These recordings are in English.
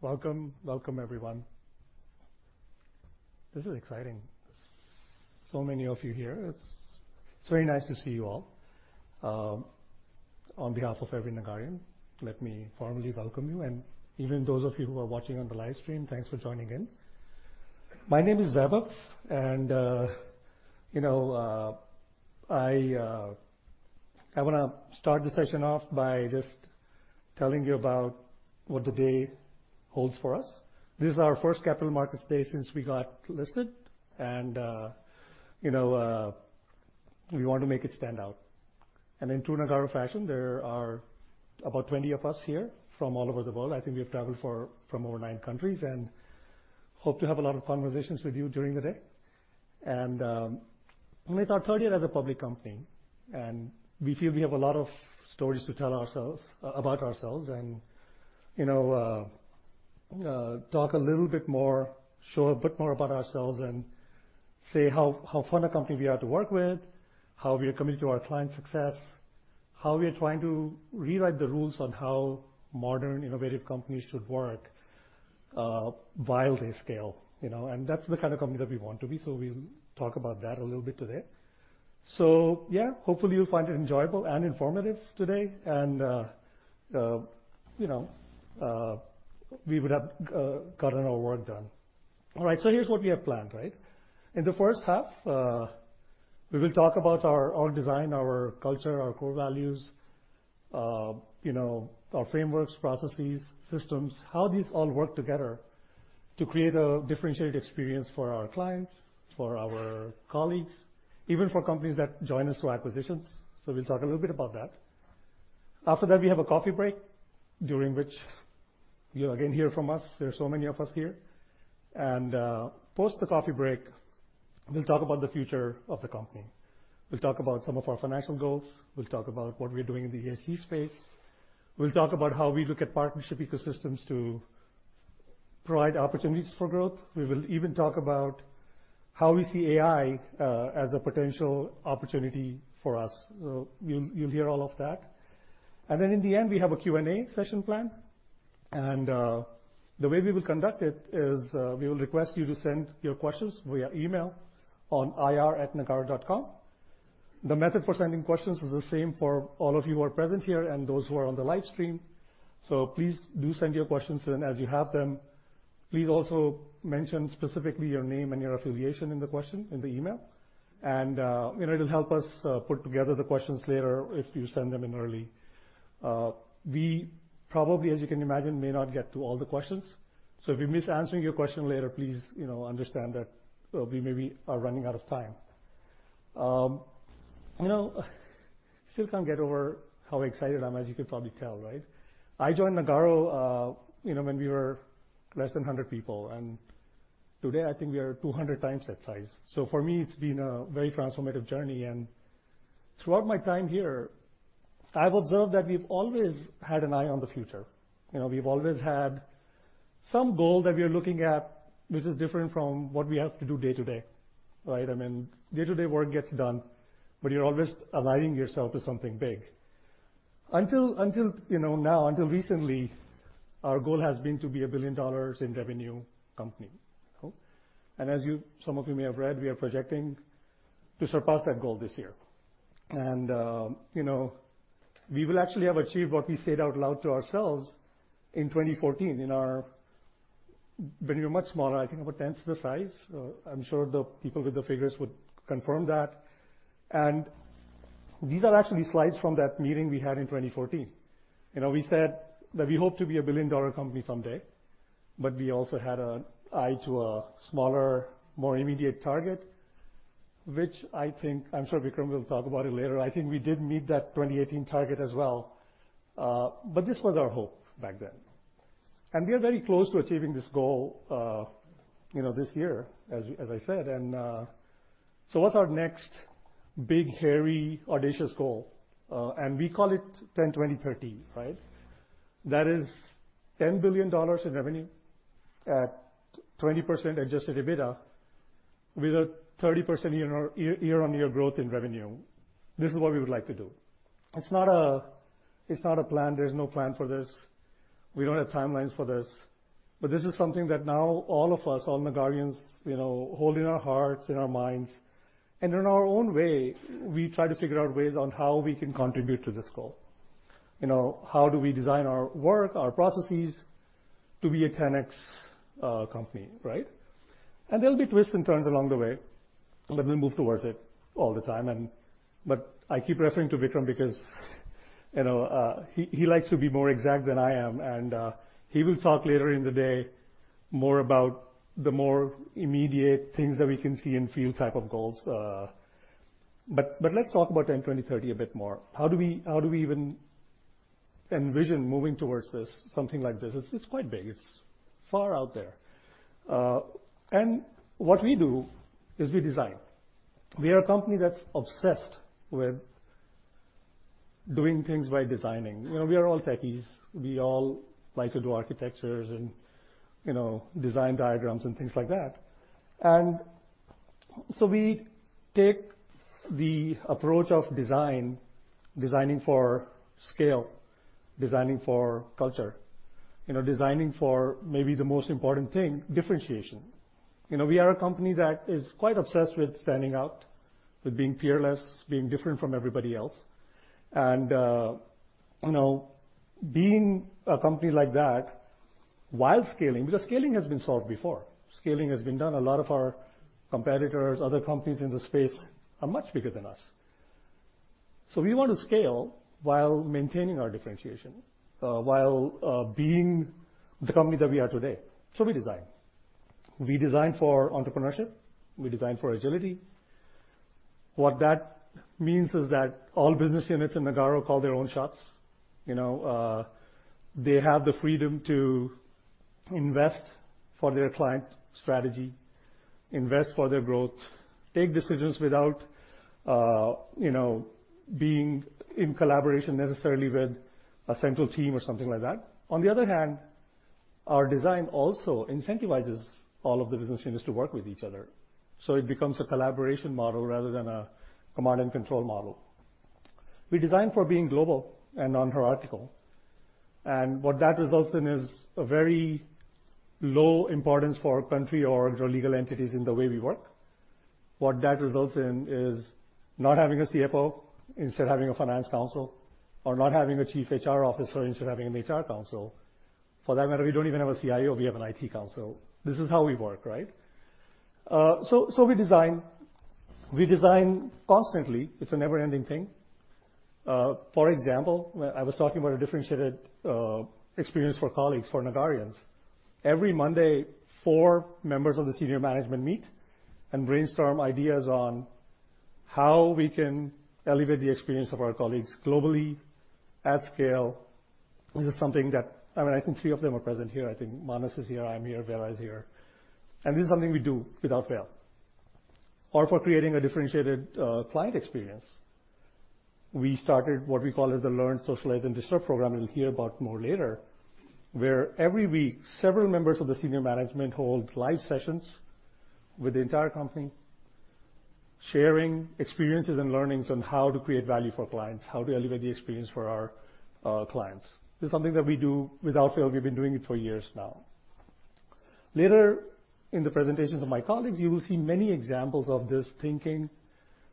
Welcome. Welcome, everyone. This is exciting. So many of you here. It's very nice to see you all. On behalf of every Nagarrian, let me formally welcome you. Even those of you who are watching on the live stream, thanks for joining in. My name is Vaibhav. You know, I wanna start the session off by just telling you about what the day holds for us. This is our first capital markets day since we got listed. You know, we want to make it stand out. In true Nagarro fashion, there are about 20 of us here from all over the world. I think we have traveled from over 9 countries and hope to have a lot of conversations with you during the day. It's our third year as a public company, and we feel we have a lot of stories to tell about ourselves and, you know, talk a little bit more, show a bit more about ourselves and say how fun a company we are to work with, how we are committed to our clients' success, how we are trying to rewrite the rules on how modern innovative companies should work while they scale, you know. That's the company that we want to be, so we'll talk about that a little bit today. Yeah, hopefully you'll find it enjoyable and informative today. You know, we would have gotten our work done. All right, here's what we have planned, right? In the first half, we will talk about our org design, our culture, our core values, you know, our frameworks, processes, systems, how these all work together to create a differentiated experience for our clients, for our colleagues, even for companies that join us through acquisitions. We'll talk a little bit about that. After that, we have a coffee break, during which you'll again hear from us. There are so many of us here. Post the coffee break, we'll talk about the future of the company. We'll talk about some of our financial goals. We'll talk about what we're doing in the ASC space. We'll talk about how we look at partnership ecosystems to provide opportunities for growth. We will even talk about how we see AI as a potential opportunity for us. You'll, you'll hear all of that. In the end, we have a Q&A session plan. The way we will conduct it is, we will request you to send your questions via email on ir@nagarro.com. The method for sending questions is the same for all of you who are present here and those who are on the live stream. Please do send your questions in as you have them. Please also mention specifically your name and your affiliation in the question, in the email. You know, it'll help us put together the questions later if you send them in early. We probably, as you can imagine, may not get to all the questions, so if we miss answering your question later, please, you know, understand that we maybe are running out of time. You know, still can't get over how excited I'm as you can probably tell, right? I joined Nagarro, you know, when we were less than 100 people, and today I think we are 200 times that size. For me, it's been a very transformative journey, and throughout my time here, I've observed that we've always had an eye on the future. You know, we've always had some goal that we are looking at, which is different from what we have to do day-to-day, right? I mean, day-to-day work gets done, but you're always aligning yourself to something big. Until, you know, now, until recently, our goal has been to be a $1 billion in revenue company. As some of you may have read, we are projecting to surpass that goal this year. you know, we will actually have achieved what we said out loud to ourselves in 2014 in our... When we were much smaller, I think about tenth the size. I'm sure the people with the figures would confirm that. These are actually slides from that meeting we had in 2014. You know, we said that we hope to be a billion-dollar company someday, but we also had eye to a smaller, more immediate target, which I think... I'm sure Vikram will talk about it later. I think we did meet that 2018 target as well. This was our hope back then. We are very close to achieving this goal, you know, this year as I said. What's our next big, hairy, audacious goal? We call it 10/20/30, right? That is $10 billion in revenue at 20% adjusted EBITDA with a 30% year-on-year growth in revenue. This is what we would like to do. It's not a, it's not a plan. There's no plan for this. We don't have timelines for this. This is something that now all of us, all Nagarrians, you know, hold in our hearts, in our minds, and in our own way, we try to figure out ways on how we can contribute to this goal. You know, how do we design our work, our processes to be a 10x company, right? There'll be twists and turns along the way, but we move towards it all the time. But I keep referring to Vikram because, you know, he likes to be more exact than I am, and he will talk later in the day more about the more immediate things that we can see and feel type of goals. Let's talk about 10/20/30 a bit more. How do we even envision moving towards this, something like this? It's quite big. It's far out there. What we do is we design. We are a company that's obsessed with doing things by designing. You know, we are all techies. We all like to do architectures and, you know, design diagrams and things like that. We take the approach of design, designing for scale, designing for culture. You know, designing for maybe the most important thing, differentiation. You know, we are a company that is quite obsessed with standing out, with being fearless, being different from everybody else. You know, being a company like that while scaling, because scaling has been solved before. Scaling has been done. A lot of our competitors, other companies in the space are much bigger than us. We want to scale while maintaining our differentiation, while being the company that we are today. We design. We design for entrepreneurship, we design for agility. What that means is that all business units in Nagarro call their own shots. You know, they have the freedom to invest for their client strategy, invest for their growth, take decisions without, you know, being in collaboration necessarily with a central team or something like that. On the other hand, our design also incentivizes all of the business units to work with each other. It becomes a collaboration model rather than a command and control model. We design for being global and non-hierarchical. What that results in is a very low importance for country or legal entities in the way we work. What that results in is not having a CFO, instead having a finance council, or not having a chief HR officer, instead having an HR council. For that matter, we don't even have a CIO, we have an IT council. This is how we work, right? We design. We design constantly. It's a never-ending thing. For example, I was talking about a differentiated experience for colleagues, for Nagarrians. Every Monday, four members of the senior management meet and brainstorm ideas on how we can elevate the experience of our colleagues globally at scale. This is something that, I mean, I think three of them are present here. I think Manas is here, I'm here, Vera is here. This is something we do without fail. For creating a differentiated client experience, we started what we call as the Learn, Socialize, and Disrupt program, you'll hear about more later. Every week, several members of the senior management hold live sessions with the entire company, sharing experiences and learnings on how to create value for clients, how to elevate the experience for our clients. This is something that we do without fail. We've been doing it for years now. Later in the presentations of my colleagues, you will see many examples of this thinking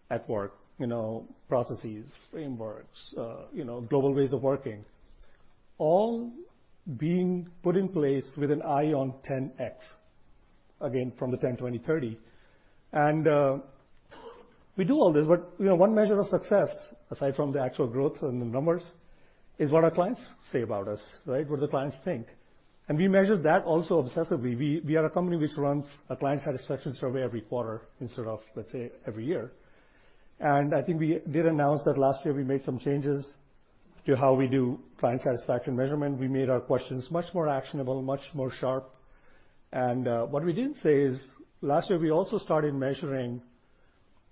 at work, you know, processes, frameworks, you know, global ways of working, all being put in place with an eye on 10x, again from the 10/20/30. We do all this, but, you know, one measure of success, aside from the actual growth and the numbers, is what our clients say about us, right? What do the clients think? We measure that also obsessively. We are a company which runs a client satisfaction survey every quarter instead of, let's say, every year. I think we did announce that last year we made some changes to how we do client satisfaction measurement. We made our questions much more actionable, much more sharp. What we didn't say is last year, we also started measuring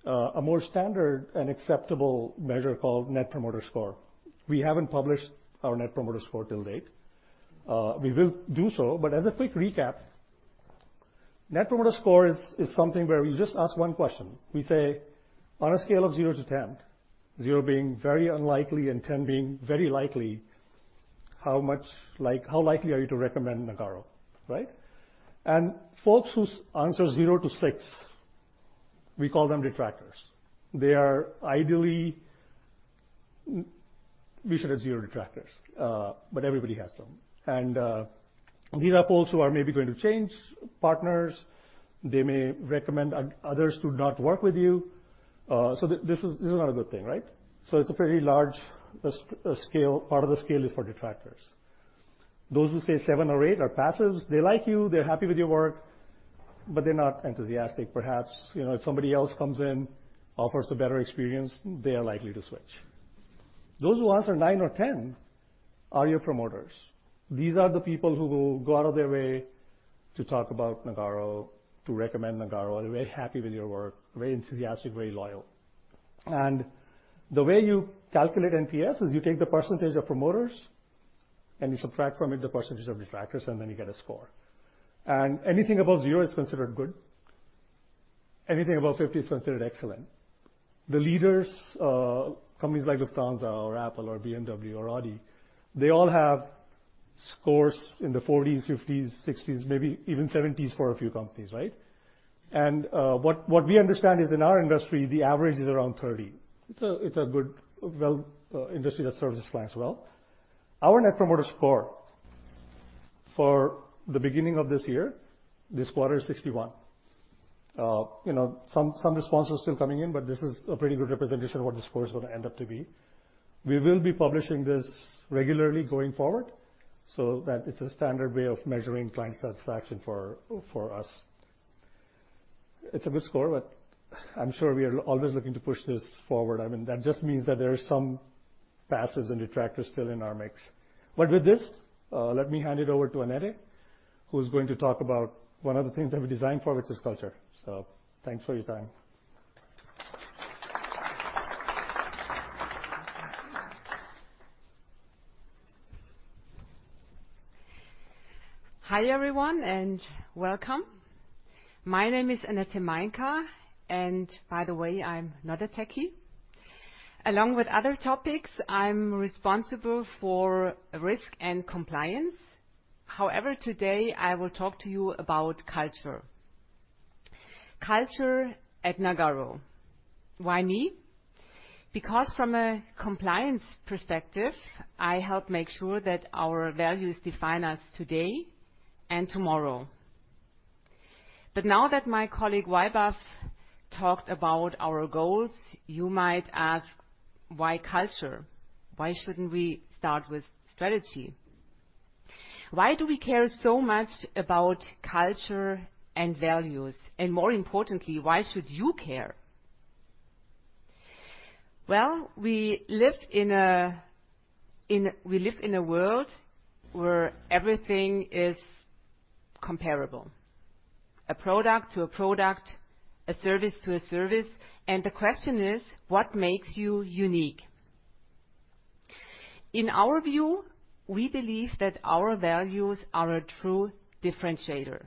a more standard and acceptable measure called Net Promoter Score. We haven't published our Net Promoter Score till date. We will do so, but as a quick recap, Net Promoter Score is something where we just ask one question. We say, on a scale of 0 to 10, 0 being very unlikely and 10 being very likely, how likely are you to recommend Nagarro, right? Folks who answer 0 to 6, we call them detractors. We should have 0 detractors, but everybody has them. These are folks who are maybe going to change partners, they may recommend others to not work with you. This is not a good thing, right? It's a pretty large scale. Part of the scale is for detractors. Those who say 7 or 8 are passives. They like you, they're happy with your work, but they're not enthusiastic. Perhaps, you know, if somebody else comes in, offers a better experience, they are likely to switch. Those who answer 9 or 10 are your promoters. These are the people who will go out of their way to talk about Nagarro, to recommend Nagarro. They're very happy with your work, very enthusiastic, very loyal. The way you calculate NPS is you take the % of promoters, and you subtract from it the % of detractors, and then you get a score. Anything above 0 is considered good. Anything above 50 is considered excellent. The leaders, companies like Lufthansa or Apple or BMW or Audi, they all have scores in the 40s, 50s, 60s, maybe even 70s for a few companies, right. What we understand is in our industry, the average is around 30. It's a good, well, industry that serves its clients well. Our Net Promoter Score for the beginning of this year, this quarter is 61. You know, some responses still coming in, but this is a pretty good representation of what the score is gonna end up to be. We will be publishing this regularly going forward so that it's a standard way of measuring client satisfaction for us. It's a good score, I'm sure we are always looking to push this forward. I mean, that just means that there are some passives and detractors still in our mix. With this, let me hand it over to Annette, who's going to talk about one of the things that we design for, which is culture. Thanks for your time. Hi everyone, welcome. My name is Annette Mainka, and by the way, I'm not a techie. Along with other topics, I'm responsible for risk and compliance. However, today I will talk to you about culture. Culture at Nagarro. Why me? Because from a compliance perspective, I help make sure that our values define us today and tomorrow. Now that my colleague, Vaibhav, talked about our goals, you might ask, why culture? Why shouldn't we start with strategy? Why do we care so much about culture and values? More importantly, why should you care? Well, we live in a world where everything is comparable. A product to a product, a service to a service, and the question is: what makes you unique? In our view, we believe that our values are a true differentiator.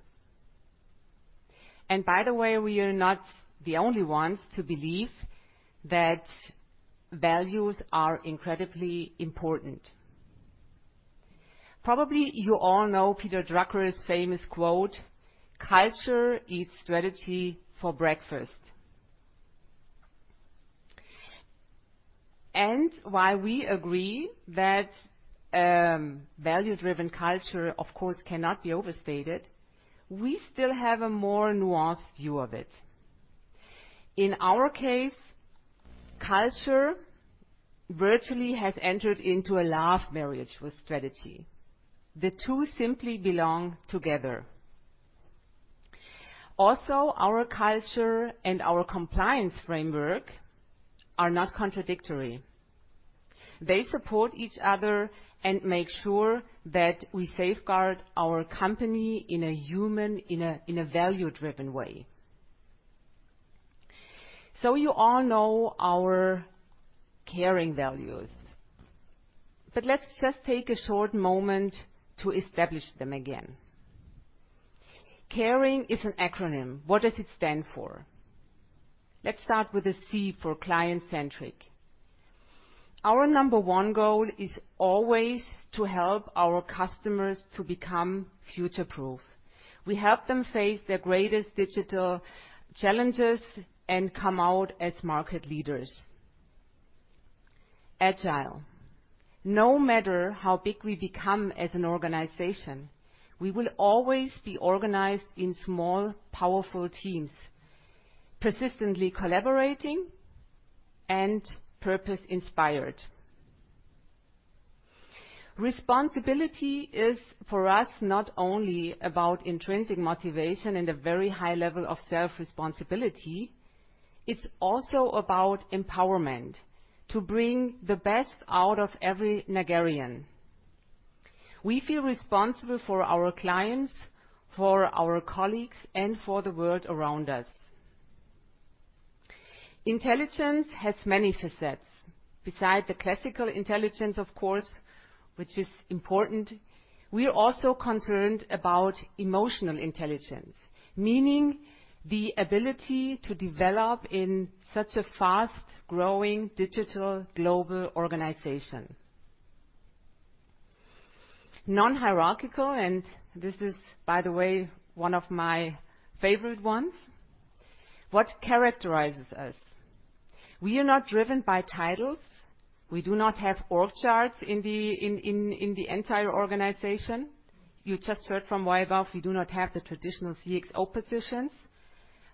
By the way, we are not the only ones to believe that values are incredibly important. Probably you all know Peter Drucker's famous quote, "Culture eats strategy for breakfast." While we agree that value-driven culture, of course, cannot be overstated, we still have a more nuanced view of it. In our case, culture virtually has entered into a love marriage with strategy. The two simply belong together. Also, our culture and our compliance framework are not contradictory. They support each other and make sure that we safeguard our company in a human, in a value-driven way. You all know our caring values, let's just take a short moment to establish them again. Caring is an acronym. What does it stand for? Let's start with a C for client-centric. Our number one goal is always to help our customers to become future-proof. We help them face their greatest digital challenges and come out as market leaders. Agile. No matter how big we become as an organization, we will always be organized in small, powerful teams, persistently collaborating and purpose-inspired. Responsibility is, for us, not only about intrinsic motivation and a very high level of self-responsibility, it's also about empowerment to bring the best out of every Nagarrian. We feel responsible for our clients, for our colleagues, and for the world around us. Intelligence has many facets. Besides the classical intelligence, of course, which is important, we are also concerned about emotional intelligence. Meaning the ability to develop in such a fast-growing digital global organization. Non-hierarchical, this is, by the way, one of my favorite ones. What characterizes us? We are not driven by titles. We do not have org charts in the entire organization. You just heard from Vaibhav Gadodia we do not have the traditional CxO positions.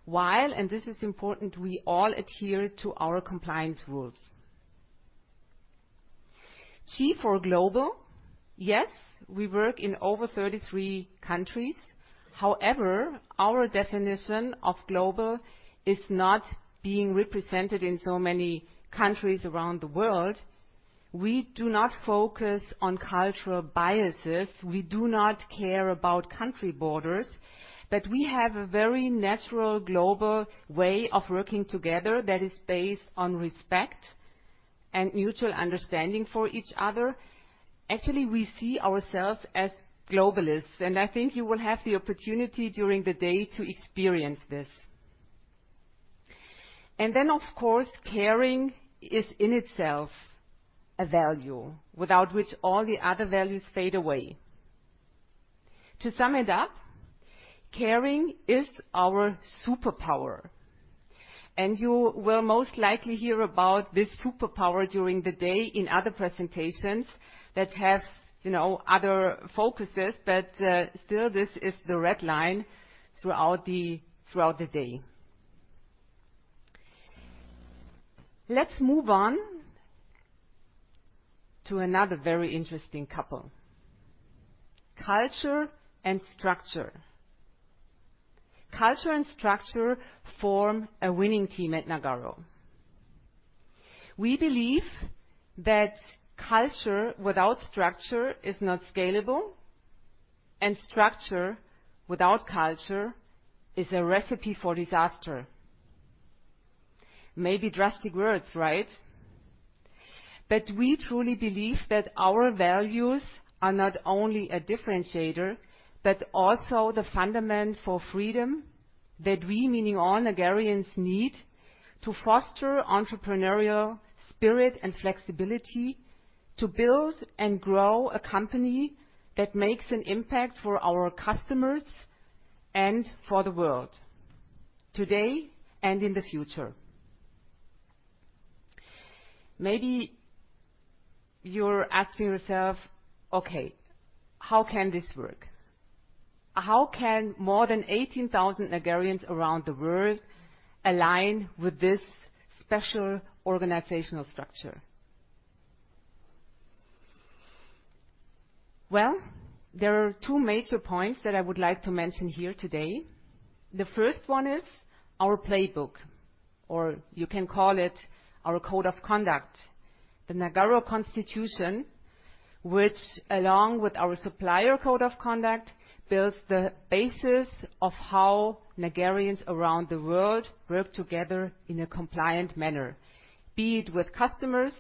This is important, we all adhere to our compliance rules. G for global. Yes, we work in over 33 countries. Our definition of global is not being represented in so many countries around the world. We do not focus on cultural biases. We do not care about country borders. We have a very natural global way of working together that is based on respect and mutual understanding for each other. Actually, we see ourselves as globalists, and I think you will have the opportunity during the day to experience this. Of course, caring is in itself a value without which all the other values fade away. To sum it up, caring is our superpower, and you will most likely hear about this superpower during the day in other presentations that have, you know, other focuses, but still this is the red line throughout the day. Let's move on to another very interesting couple. Culture and structure. Culture and structure form a winning team at Nagarro. We believe that culture without structure is not scalable, and structure without culture is a recipe for disaster. Maybe drastic words, right? We truly believe that our values are not only a differentiator, but also the fundament for freedom that we, meaning all Nagarians need to foster entrepreneurial spirit and flexibility to build and grow a company that makes an impact for our customers and for the world, today and in the future. Maybe you're asking yourself, "Okay, how can this work? How can more than 18,000 Nagarrians around the world align with this special organizational structure? Well, there are two major points that I would like to mention here today. The first one is our playbook, or you can call it our code of conduct. The Nagarro Constitution, which along with our supplier code of conduct, builds the basis of how Nagarrians around the world work together in a compliant manner, be it with customers,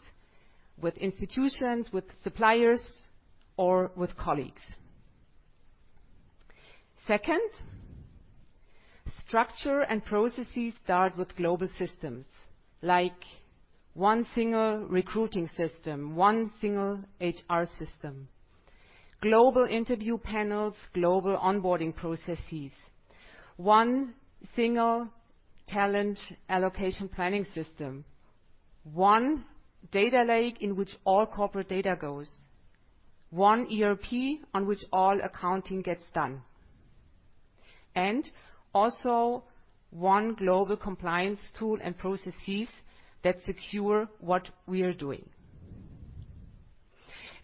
with institutions, with suppliers, or with colleagues. Second, structure and processes start with global systems, like one single recruiting system, one single HR system, global interview panels, global onboarding processes, one single talent allocation planning system, one data lake in which all corporate data goes, one ERP on which all accounting gets done. Also one global compliance tool and processes that secure what we are doing.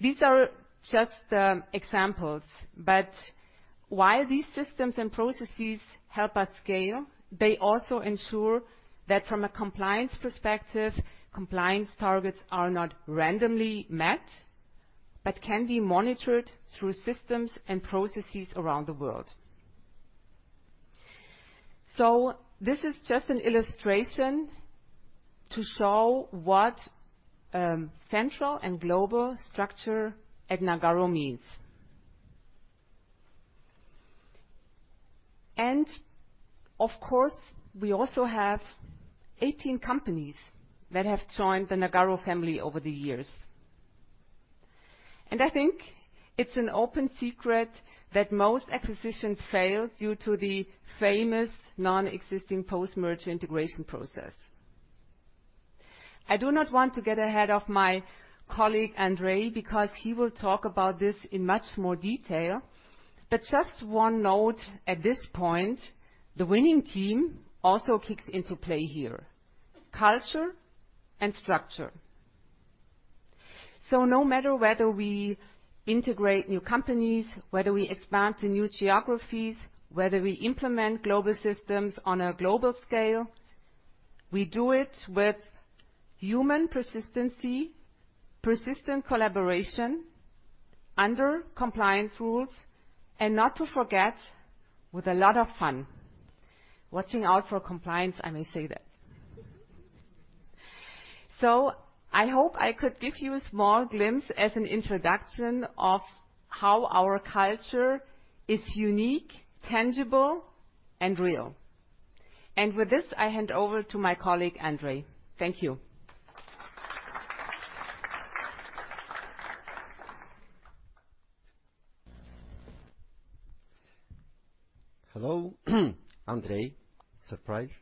These are just examples, while these systems and processes help us scale, they also ensure that from a compliance perspective, compliance targets are not randomly met, but can be monitored through systems and processes around the world. This is just an illustration to show what central and global structure at Nagarro means. Of course, we also have 18 companies that have joined the Nagarro family over the years. I think it's an open secret that most acquisitions fail due to the famous non-existing post-merger integration process. I do not want to get ahead of my colleague, Andrei, because he will talk about this in much more detail. Just one note at this point, the winning team also kicks into play here, culture and structure. No matter whether we integrate new companies, whether we expand to new geographies, whether we implement global systems on a global scale, we do it with human persistency, persistent collaboration under compliance rules, and not to forget, with a lot of fun. Watching out for compliance, I may say that. I hope I could give you a small glimpse as an introduction of how our culture is unique, tangible, and real. With this, I hand over to my colleague, Andrei. Thank you. Hello. Andrei. Surprise.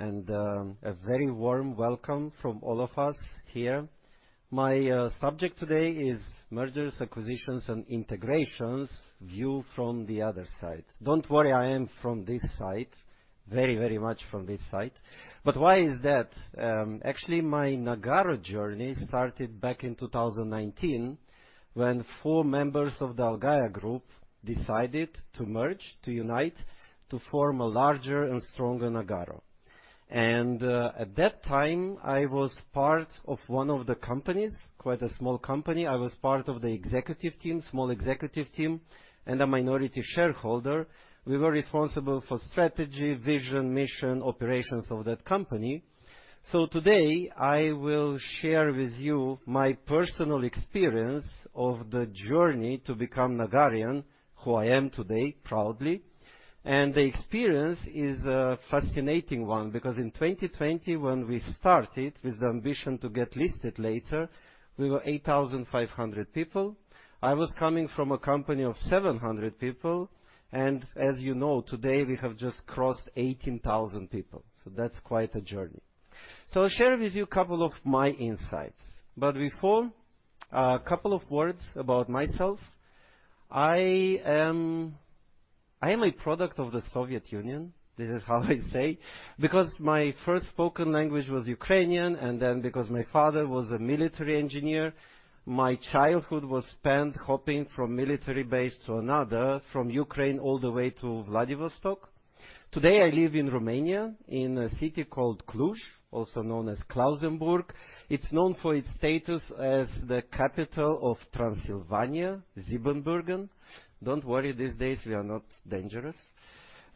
A very warm welcome from all of us here. My subject today is mergers, acquisitions, and integrations viewed from the other side. Don't worry, I am from this side. Very much from this side. Why is that? Actually, my Nagarro journey started back in 2019, when four members of the Allgeier Group decided to merge, to unite, to form a larger and stronger Nagarro. At that time, I was part of one of the companies, quite a small company. I was part of the executive team, small executive team, and a minority shareholder. We were responsible for strategy, vision, mission, operations of that company. Today, I will share with you my personal experience of the journey to become Nagarrian, who I am today, proudly. The experience is a fascinating one, because in 2020, when we started with the ambition to get listed later, we were 8,500 people. I was coming from a company of 700 people. As you know, today, we have just crossed 18,000 people. That's quite a journey. I'll share with you a couple of my insights. Before, a couple of words about myself. I am, I am a product of the Soviet Union. This is how I say, because my first spoken language was Ukrainian, and then because my father was a military engineer, my childhood was spent hopping from military base to another, from Ukraine all the way to Vladivostok. Today, I live in Romania, in a city called Cluj, also known as Klausenburg. It's known for its status as the capital of Transylvania, Siebenbürgen. Don't worry, these days, we are not dangerous.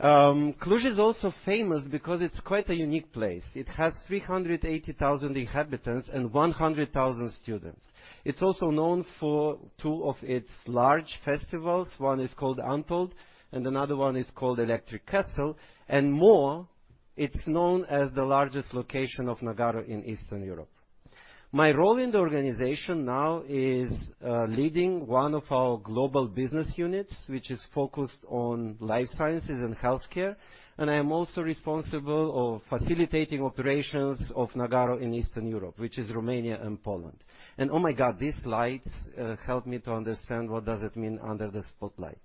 Cluj is also famous because it's quite a unique place. It has 380,000 inhabitants and 100,000 students. It's also known for two of its large festivals. One is called Untold and another one is called Electric Castle. More, it's known as the largest location of Nagarro in Eastern Europe. My role in the organization now is leading one of our global business units, which is focused on life sciences and healthcare. I am also responsible of facilitating operations of Nagarro in Eastern Europe, which is Romania and Poland. Oh my God, these lights help me to understand what does it mean under the spotlight.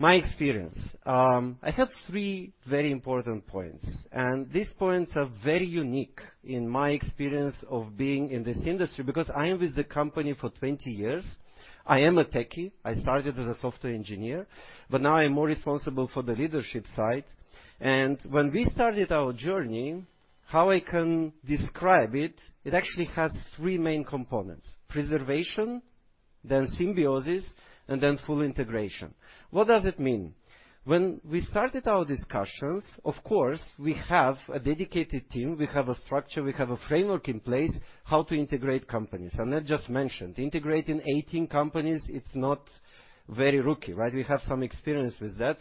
My experience, I have three very important points, and these points are very unique in my experience of being in this industry because I am with the company for 20 years. I am a techie. I started as a software engineer, but now I'm more responsible for the leadership side. When we started our journey, how I can describe it actually has 3 main components: preservation, then symbiosis, and then full integration. What does it mean? When we started our discussions, of course, we have a dedicated team, we have a structure, we have a framework in place how to integrate companies. Annette just mentioned integrating 18 companies, it's not very rookie, right? We have some experience with that.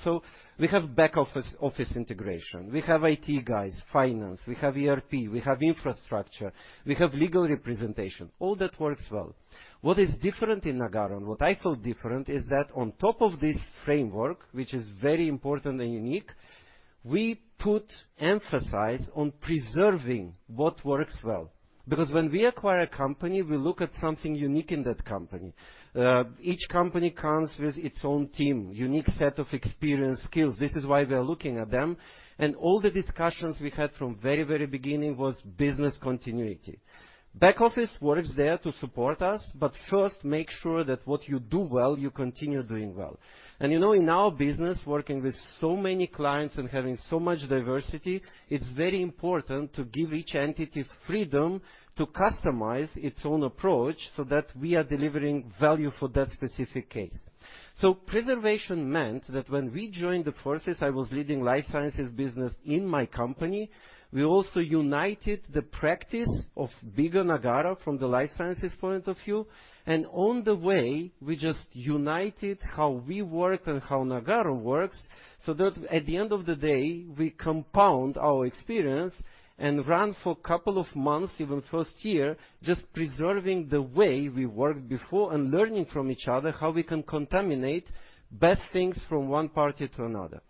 We have back-office, office integration. We have IT guys, finance, we have ERP, we have infrastructure, we have legal representation. All that works well. What is different in Nagarro and what I felt different is that on top of this framework, which is very important and unique, we put emphasis on preserving what works well, because when we acquire a company, we look at something unique in that company. Each company comes with its own team, unique set of experience, skills. This is why we are looking at them. All the discussions we had from very, very beginning was business continuity. Back office works there to support us, but first make sure that what you do well, you continue doing well. You know, in our business, working with so many clients and having so much diversity, it's very important to give each entity freedom to customize its own approach so that we are delivering value for that specific case. Preservation meant that when we joined the forces, I was leading life sciences business in my company. We also united the practice of bigger Nagarro from the life sciences point of view. On the way, we just united how we work and how Nagarro works, so that at the end of the day, we compound our experience and run for couple of months, even first year, just preserving the way we worked before and learning from each other how we can contaminate best things from one party to another.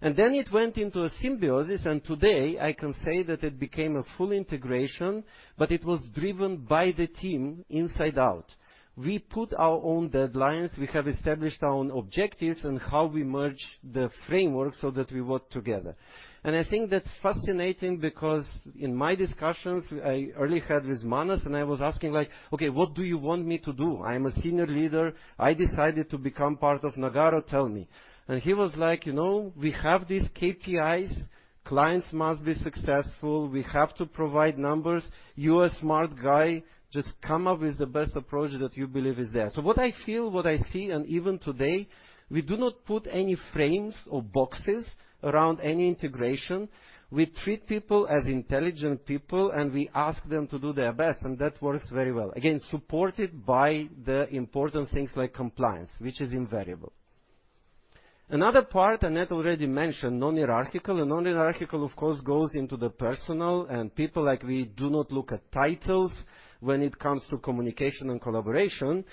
Then it went into a symbiosis, and today I can say that it became a full integration, but it was driven by the team inside out. We put our own deadlines. We have established our own objectives and how we merge the framework so that we work together. I think that's fascinating because in my discussions I early had with Manas, and I was asking like, "Okay, what do you want me to do? I'm a senior leader. I decided to become part of Nagarro. Tell me." He was like, "You know, we have these KPIs. Clients must be successful. We have to provide numbers. You're a smart guy. Just come up with the best approach that you believe is there." What I feel, what I see, and even today, we do not put any frames or boxes around any integration. We treat people as intelligent people, and we ask them to do their best, and that works very well. Again, supported by the important things like compliance, which is invariable. Another part Annette already mentioned, non-hierarchical. Non-hierarchical of course goes into the personal and people like me do not look at titles when it comes to communication and collaboration.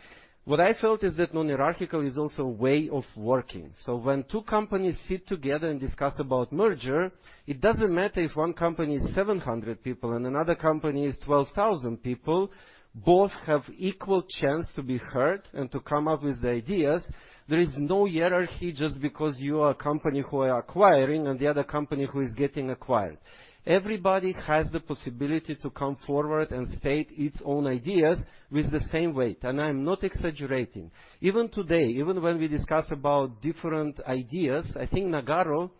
What I felt is that non-hierarchical is also a way of working. When two companies sit together and discuss about merger, it doesn't matter if one company is 700 people and another company is 12,000 people, both have equal chance to be heard and to come up with the ideas. There is no hierarchy just because you are a company who are acquiring and the other company who is getting acquired. Everybody has the possibility to come forward and state its own ideas with the same weight. I'm not exaggerating. Even today, even when we discuss about different ideas, I think Nagarro,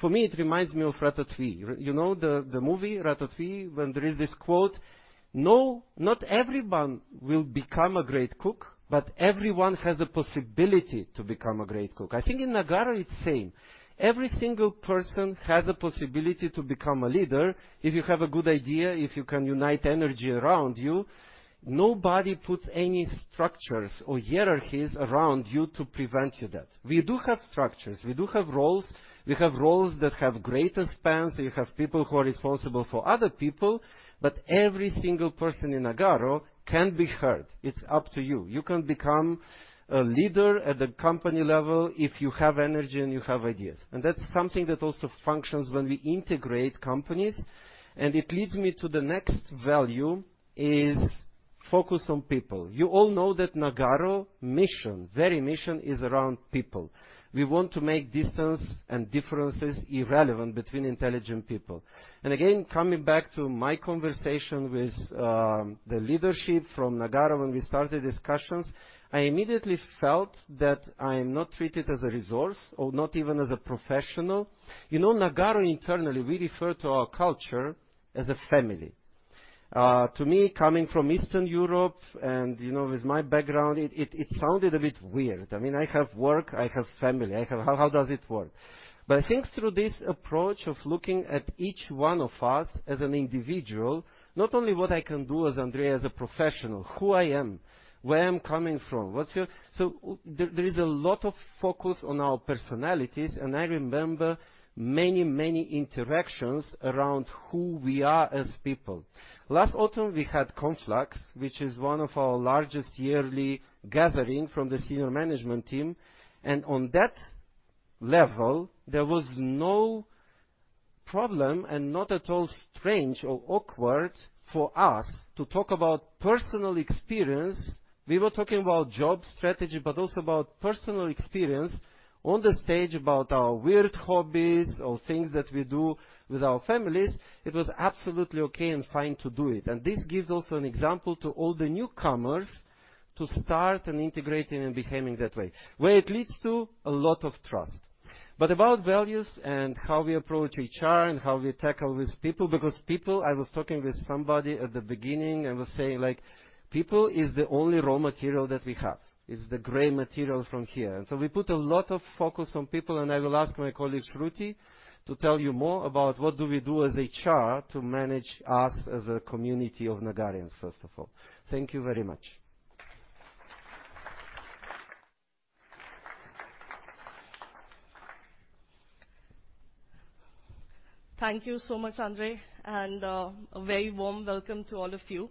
for me, it reminds me of Ratatouille. You know the movie Ratatouille when there is this quote, "No, not everyone will become a great cook, but everyone has a possibility to become a great cook." I think in Nagarro it's same. Every single person has a possibility to become a leader if you have a good idea, if you can unite energy around you, nobody puts any structures or hierarchies around you to prevent you that. We do have structures, we do have roles. We have roles that have greater spans, so you have people who are responsible for other people, but every single person in Nagarro can be heard. It's up to you. You can become a leader at the company level if you have energy and you have ideas. That's something that also functions when we integrate companies, and it leads me to the next value is focus on people. You all know that Nagarro mission, very mission is around people. We want to make distance and differences irrelevant between intelligent people. Again, coming back to my conversation with the leadership from Nagarro when we started discussions, I immediately felt that I am not treated as a resource or not even as a professional. You know, Nagarro internally, we refer to our culture as a family. To me, coming from Eastern Europe and, you know, with my background, it sounded a bit weird. I mean, I have work, I have family, I have... How does it work? I think through this approach of looking at each one of us as an individual, not only what I can do as Andrei as a professional, who I am, where I'm coming from, what's your... There is a lot of focus on our personalities, and I remember many interactions around who we are as people. Last autumn, we had Conflux, which is one of our largest yearly gathering from the senior management team, and on that level, there was no problem and not at all strange or awkward for us to talk about personal experience. We were talking about job strategy, but also about personal experience on the stage, about our weird hobbies or things that we do with our families. It was absolutely okay and fine to do it, and this gives also an example to all the newcomers to start and integrate in and behaving that way, where it leads to a lot of trust. About values and how we approach HR and how we tackle with people, because people, I was talking with somebody at the beginning and was saying, like, "People is the only raw material that we have." It's the gray material from here. So we put a lot of focus on people, and I will ask my colleague, Shruti, to tell you more about what do we do as HR to manage us as a community of Nagarrians, first of all. Thank you very much. Thank you so much, Andrei, a very warm welcome to all of you.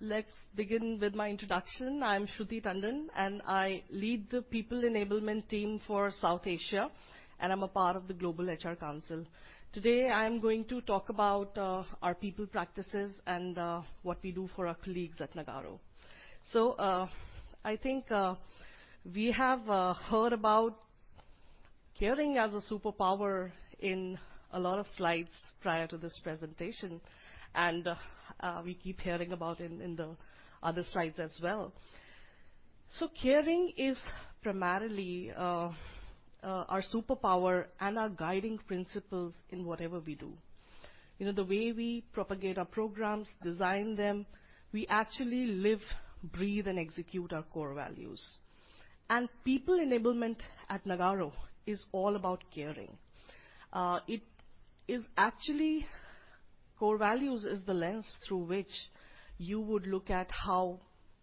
Let's begin with my introduction. I'm Shruti Tandon, I lead the People Enablement team for South Asia, and I'm a part of the Global HR Council. Today, I'm going to talk about our people practices, what we do for our colleagues at Nagarro. I think we have heard about caring as a superpower in a lot of slides prior to this presentation, we keep hearing about it in the other slides as well. Caring is primarily our superpower and our guiding principles in whatever we do. You know, the way we propagate our programs, design them, we actually live, breathe, and execute our core values. People Enablement at Nagarro is all about caring. It is actually... Core values is the lens through which you would look at how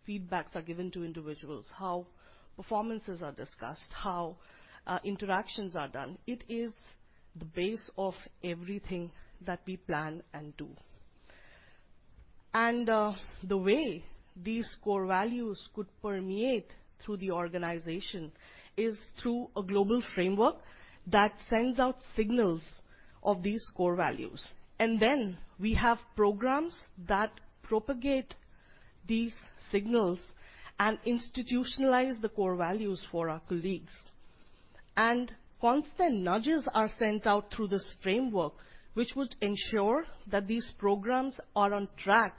feedbacks are given to individuals, how performances are discussed, how interactions are done. It is the base of everything that we plan and do. The way these core values could permeate through the organization is through a global framework that sends out signals of these core values. We have programs that propagate these signals and institutionalize the core values for our colleagues. Constant nudges are sent out through this framework, which would ensure that these programs are on track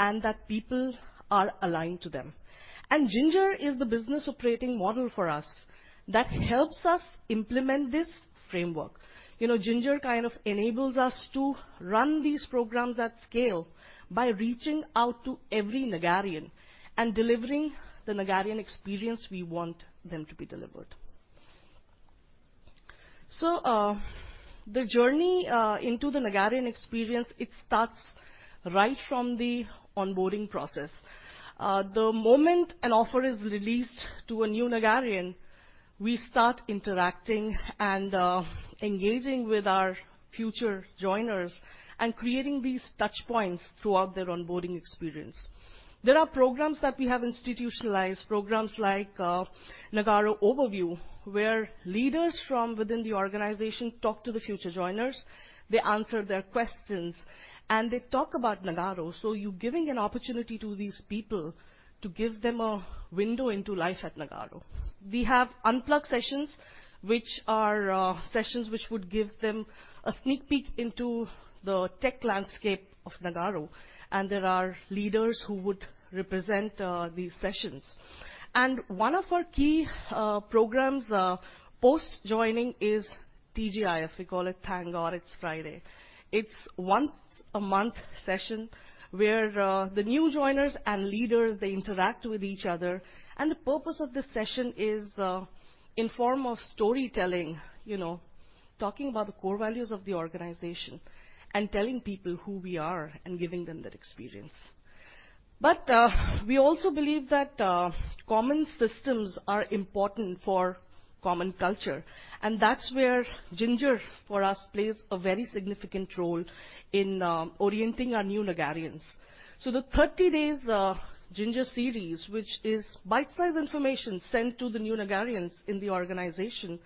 and that people are aligned to them. Ginger is the business operating model for us that helps us implement this framework. You know, Ginger enables us to run these programs at scale by reaching out to every Nagarrian and delivering the Nagarrian experience we want them to be delivered. The journey into the Nagarrian experience, it starts right from the onboarding process. The moment an offer is released to a new Nagarrian, we start interacting and engaging with our future joiners and creating these touch points throughout their onboarding experience. There are programs that we have institutionalized, programs like Nagarro Overview, where leaders from within the organization talk to the future joiners. They answer their questions, and they talk about Nagarro. You're giving an opportunity to these people to give them a window into life at Nagarro. We have unplugged sessions, which are sessions which would give them a sneak peek into the tech landscape of Nagarro, and there are leaders who would represent these sessions. One of our key programs post-joining is TGIF. We call it Thank God It's Friday. It's once-a-month session where the new joiners and leaders, they interact with each other. The purpose of this session is in form of storytelling, you know, talking about the core values of the organization and telling people who we are and giving them that experience. We also believe that common systems are important for common culture, and that's where Ginger, for us, plays a very significant role in orienting our new Nagarrians. The 30 days of Ginger series, which is bite-sized information sent to the new Nagarrians in the organization.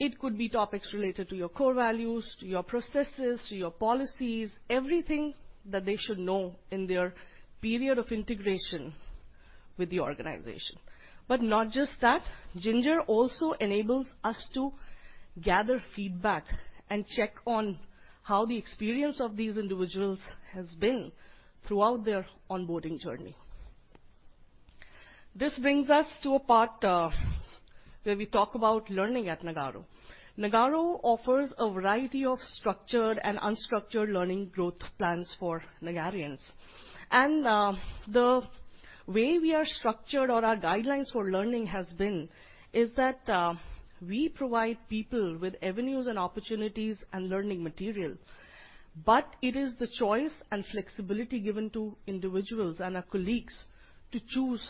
It could be topics related to your core values, to your processes, to your policies, everything that they should know in their period of integration with the organization. Not just that, Ginger also enables us to gather feedback and check on how the experience of these individuals has been throughout their onboarding journey. This brings us to a part where we talk about learning at Nagarro. Nagarro offers a variety of structured and unstructured learning growth plans for Nagarians. The way we are structured or our guidelines for learning has been is that we provide people with avenues and opportunities and learning material, but it is the choice and flexibility given to individuals and our colleagues to choose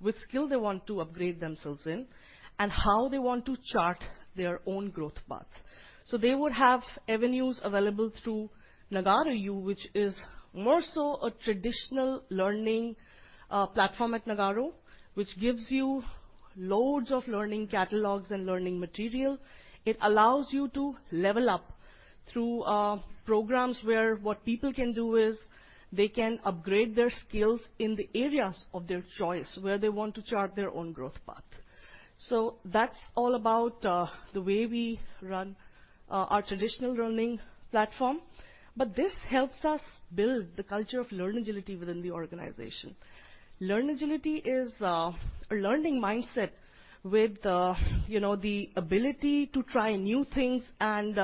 which skill they want to upgrade themselves in and how they want to chart their own growth path. They would have avenues available through Nagarro U, which is more so a traditional learning platform at Nagarro, which gives you loads of learning catalogs and learning material. It allows you to level up through programs where what people can do is they can upgrade their skills in the areas of their choice, where they want to chart their own growth path. That's all about the way we run our traditional learning platform, but this helps us build the culture of learn agility within the organization. Learn agility is a learning mindset with, you know, the ability to try new things and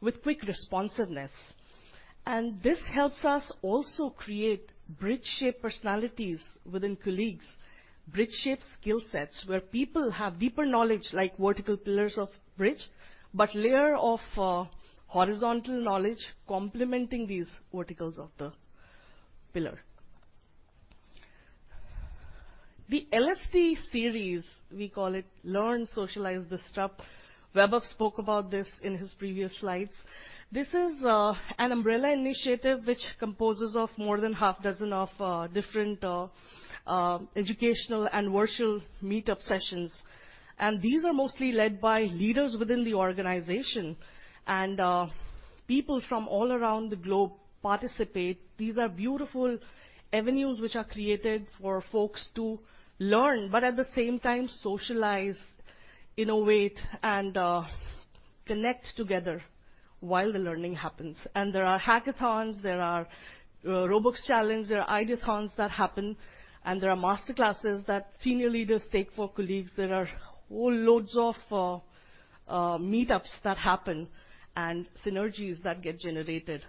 with quick responsiveness. This helps us also create bridge-shaped personalities within colleagues. Bridge-shaped skill sets where people have deeper knowledge like vertical pillars of bridge, but layer of horizontal knowledge complementing these verticals of the pillar. The LSD series, we call it Learn, Socialize, Disrupt. Vaibhav spoke about this in his previous slides. This is an umbrella initiative which composes of more than half dozen of different educational and virtual meetup sessions, and these are mostly led by leaders within the organization. People from all around the globe participate. These are beautiful avenues which are created for folks to learn, but at the same time, socialize, innovate, and connect together while the learning happens. There are hackathons, there are robots challenge, there are ideathons that happen, and there are master classes that senior leaders take for colleagues. There are whole loads of meetups that happen and synergies that get generated.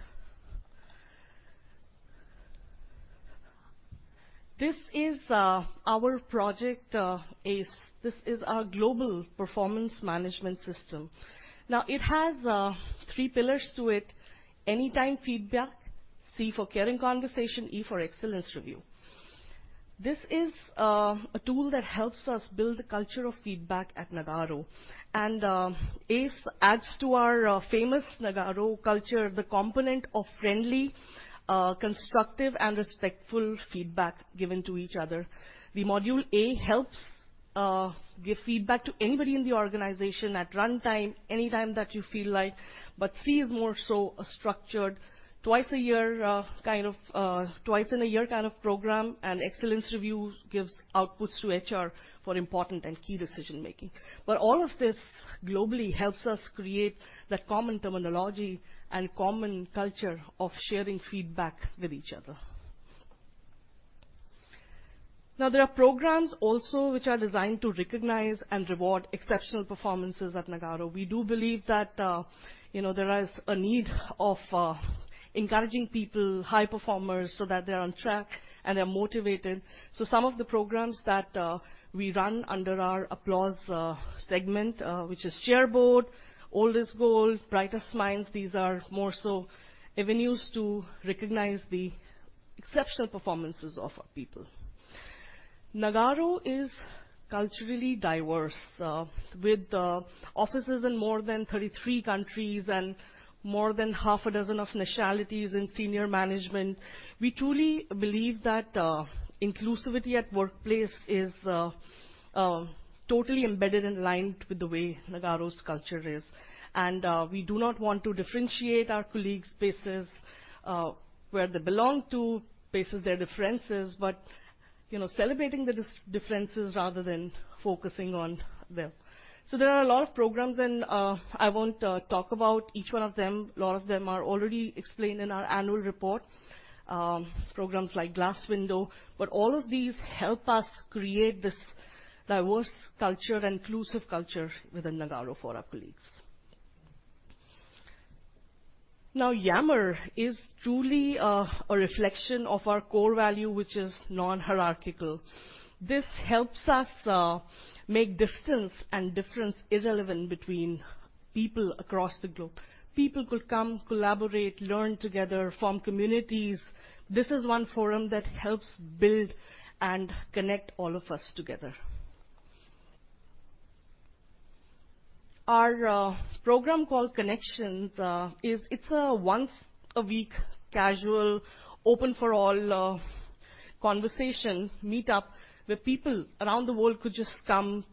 This is our project ACE. This is our Global Performance Management System. It has three pillars to it. Anytime feedback, C for caring conversation, E for excellence review. This is a tool that helps us build the culture of feedback at Nagarro. ACE adds to our famous Nagarro culture, the component of friendly, constructive and respectful feedback given to each other. The module A helps give feedback to anybody in the organization at runtime, anytime that you feel like. C is more so a structured twice a year program. Excellence reviews gives outputs to HR for important and key decision-making. All of this globally helps us create that common terminology and common culture of sharing feedback with each other. Now, there are programs also which are designed to recognize and reward exceptional performances at Nagarro. We do believe that, you know, there is a need of encouraging people, high performers, so that they're on track and they're motivated. Some of the programs that we run under our applause segment, which is Shareboard, Old is Gold, Brightest Minds, these are more so avenues to recognize the exceptional performances of our people. Nagarro is culturally diverse, with offices in more than 33 countries and more than half a dozen of nationalities in senior management. We truly believe that inclusivity at workplace is totally embedded and aligned with the way Nagarro's culture is. We do not want to differentiate our colleagues basis where they belong to, basis their differences, but, you know, celebrating the dis-differences rather than focusing on them. There are a lot of programs and I won't talk about each one of them. A lot of them are already explained in our annual report. Programs like Glass Window. All of these help us create this diverse culture and inclusive culture within Nagarro for our colleagues. Now, Yammer is truly a reflection of our core value, which is non-hierarchical. This helps us make distance and difference irrelevant between people across the globe. People could come, collaborate, learn together, form communities. This is one forum that helps build and connect all of us together. Our program called Connections is it's a once a week casual, open for all conversation meetup where people around the world could just come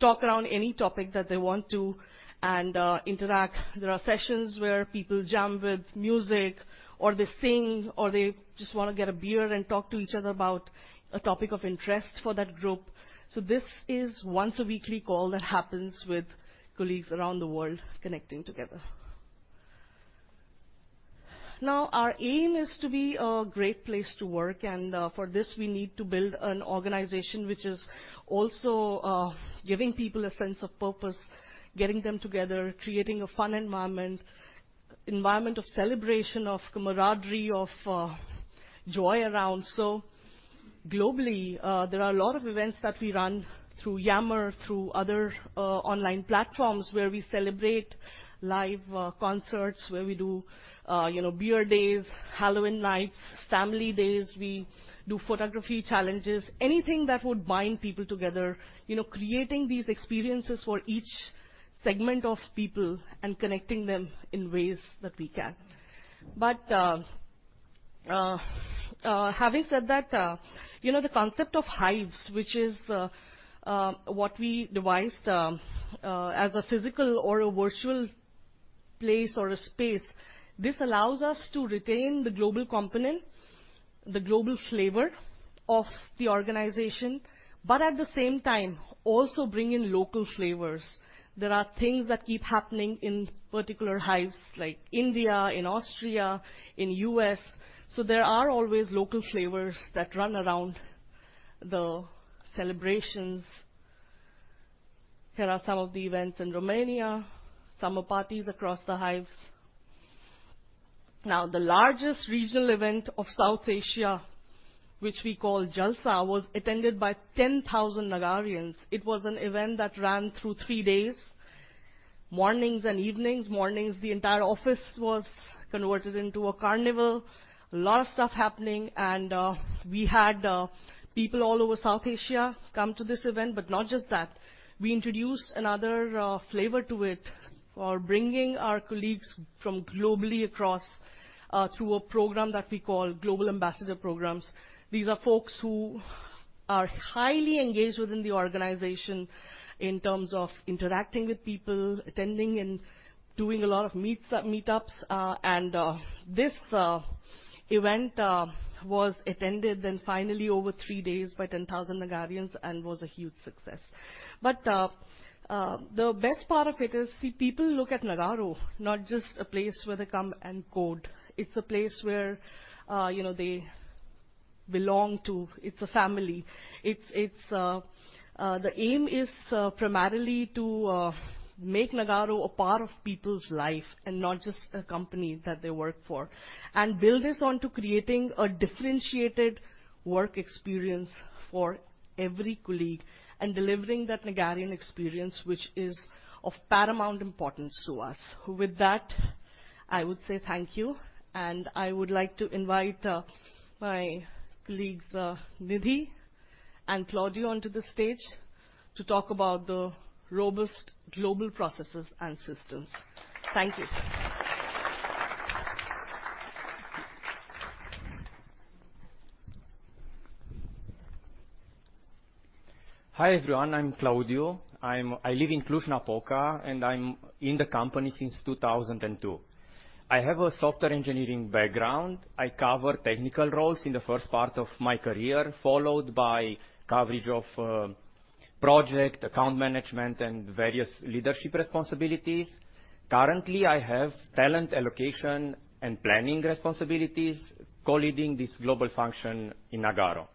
talk around any topic that they want to and interact. There are sessions where people jam with music or they sing or they just wanna get a beer and talk to each other about a topic of interest for that group. This is once a weekly call that happens with colleagues around the world connecting together. Our aim is to be a great place to work, and for this, we need to build an organization which is also giving people a sense of purpose, getting them together, creating a fun environment of celebration, of camaraderie, of joy around. Globally, there are a lot of events that we run through Yammer, through other online platforms where we celebrate live concerts, where we do, you know, beer days, Halloween nights, family days. We do photography challenges, anything that would bind people together, you know, creating these experiences for each segment of people and connecting them in ways that we can. Having said that, you know, the concept of hives, which is what we devised as a physical or a virtual place or a space, this allows us to retain the global component, the global flavor of the organization, but at the same time also bring in local flavors. There are things that keep happening in particular hives like India, in Austria, in US. There are always local flavors that run around the celebrations. Here are some of the events in Romania, summer parties across the hives. The largest regional event of South Asia, which we call Jalsa, was attended by 10,000 Nagarrians. It was an event that ran through 3 days, mornings and evenings. Mornings the entire office was converted into a carnival. A lot of stuff happening and we had people all over South Asia come to this event, but not just that. We introduced another flavor to it for bringing our colleagues from globally across through a program that we call Global Ambassador Programs. These are folks who are highly engaged within the organization in terms of interacting with people, attending and doing a lot of meets, meetups. This event was attended then finally over three days by 10,000 Nagarrians and was a huge success. The best part of it is the people look at Nagarro not just a place where they come and code. It's a place where, you know, they belong to. It's a family. It's, it's... The aim is primarily to make Nagarro a part of people's life and not just a company that they work for. Build this onto creating a differentiated work experience for every colleague and delivering that Nagarrian experience which is of paramount importance to us. With that, I would say thank you, and I would like to invite my colleagues Nidhee and Claudio onto the stage to talk about the robust global processes and systems. Thank you. Hi, everyone. I'm Claudio. I live in Cluj-Napoca. I'm in the company since 2002. I have a software engineering background. I cover technical roles in the first part of my career, followed by coverage of project, account management, and various leadership responsibilities. Currently, I have talent allocation and planning responsibilities, co-leading this global function in Nagarro.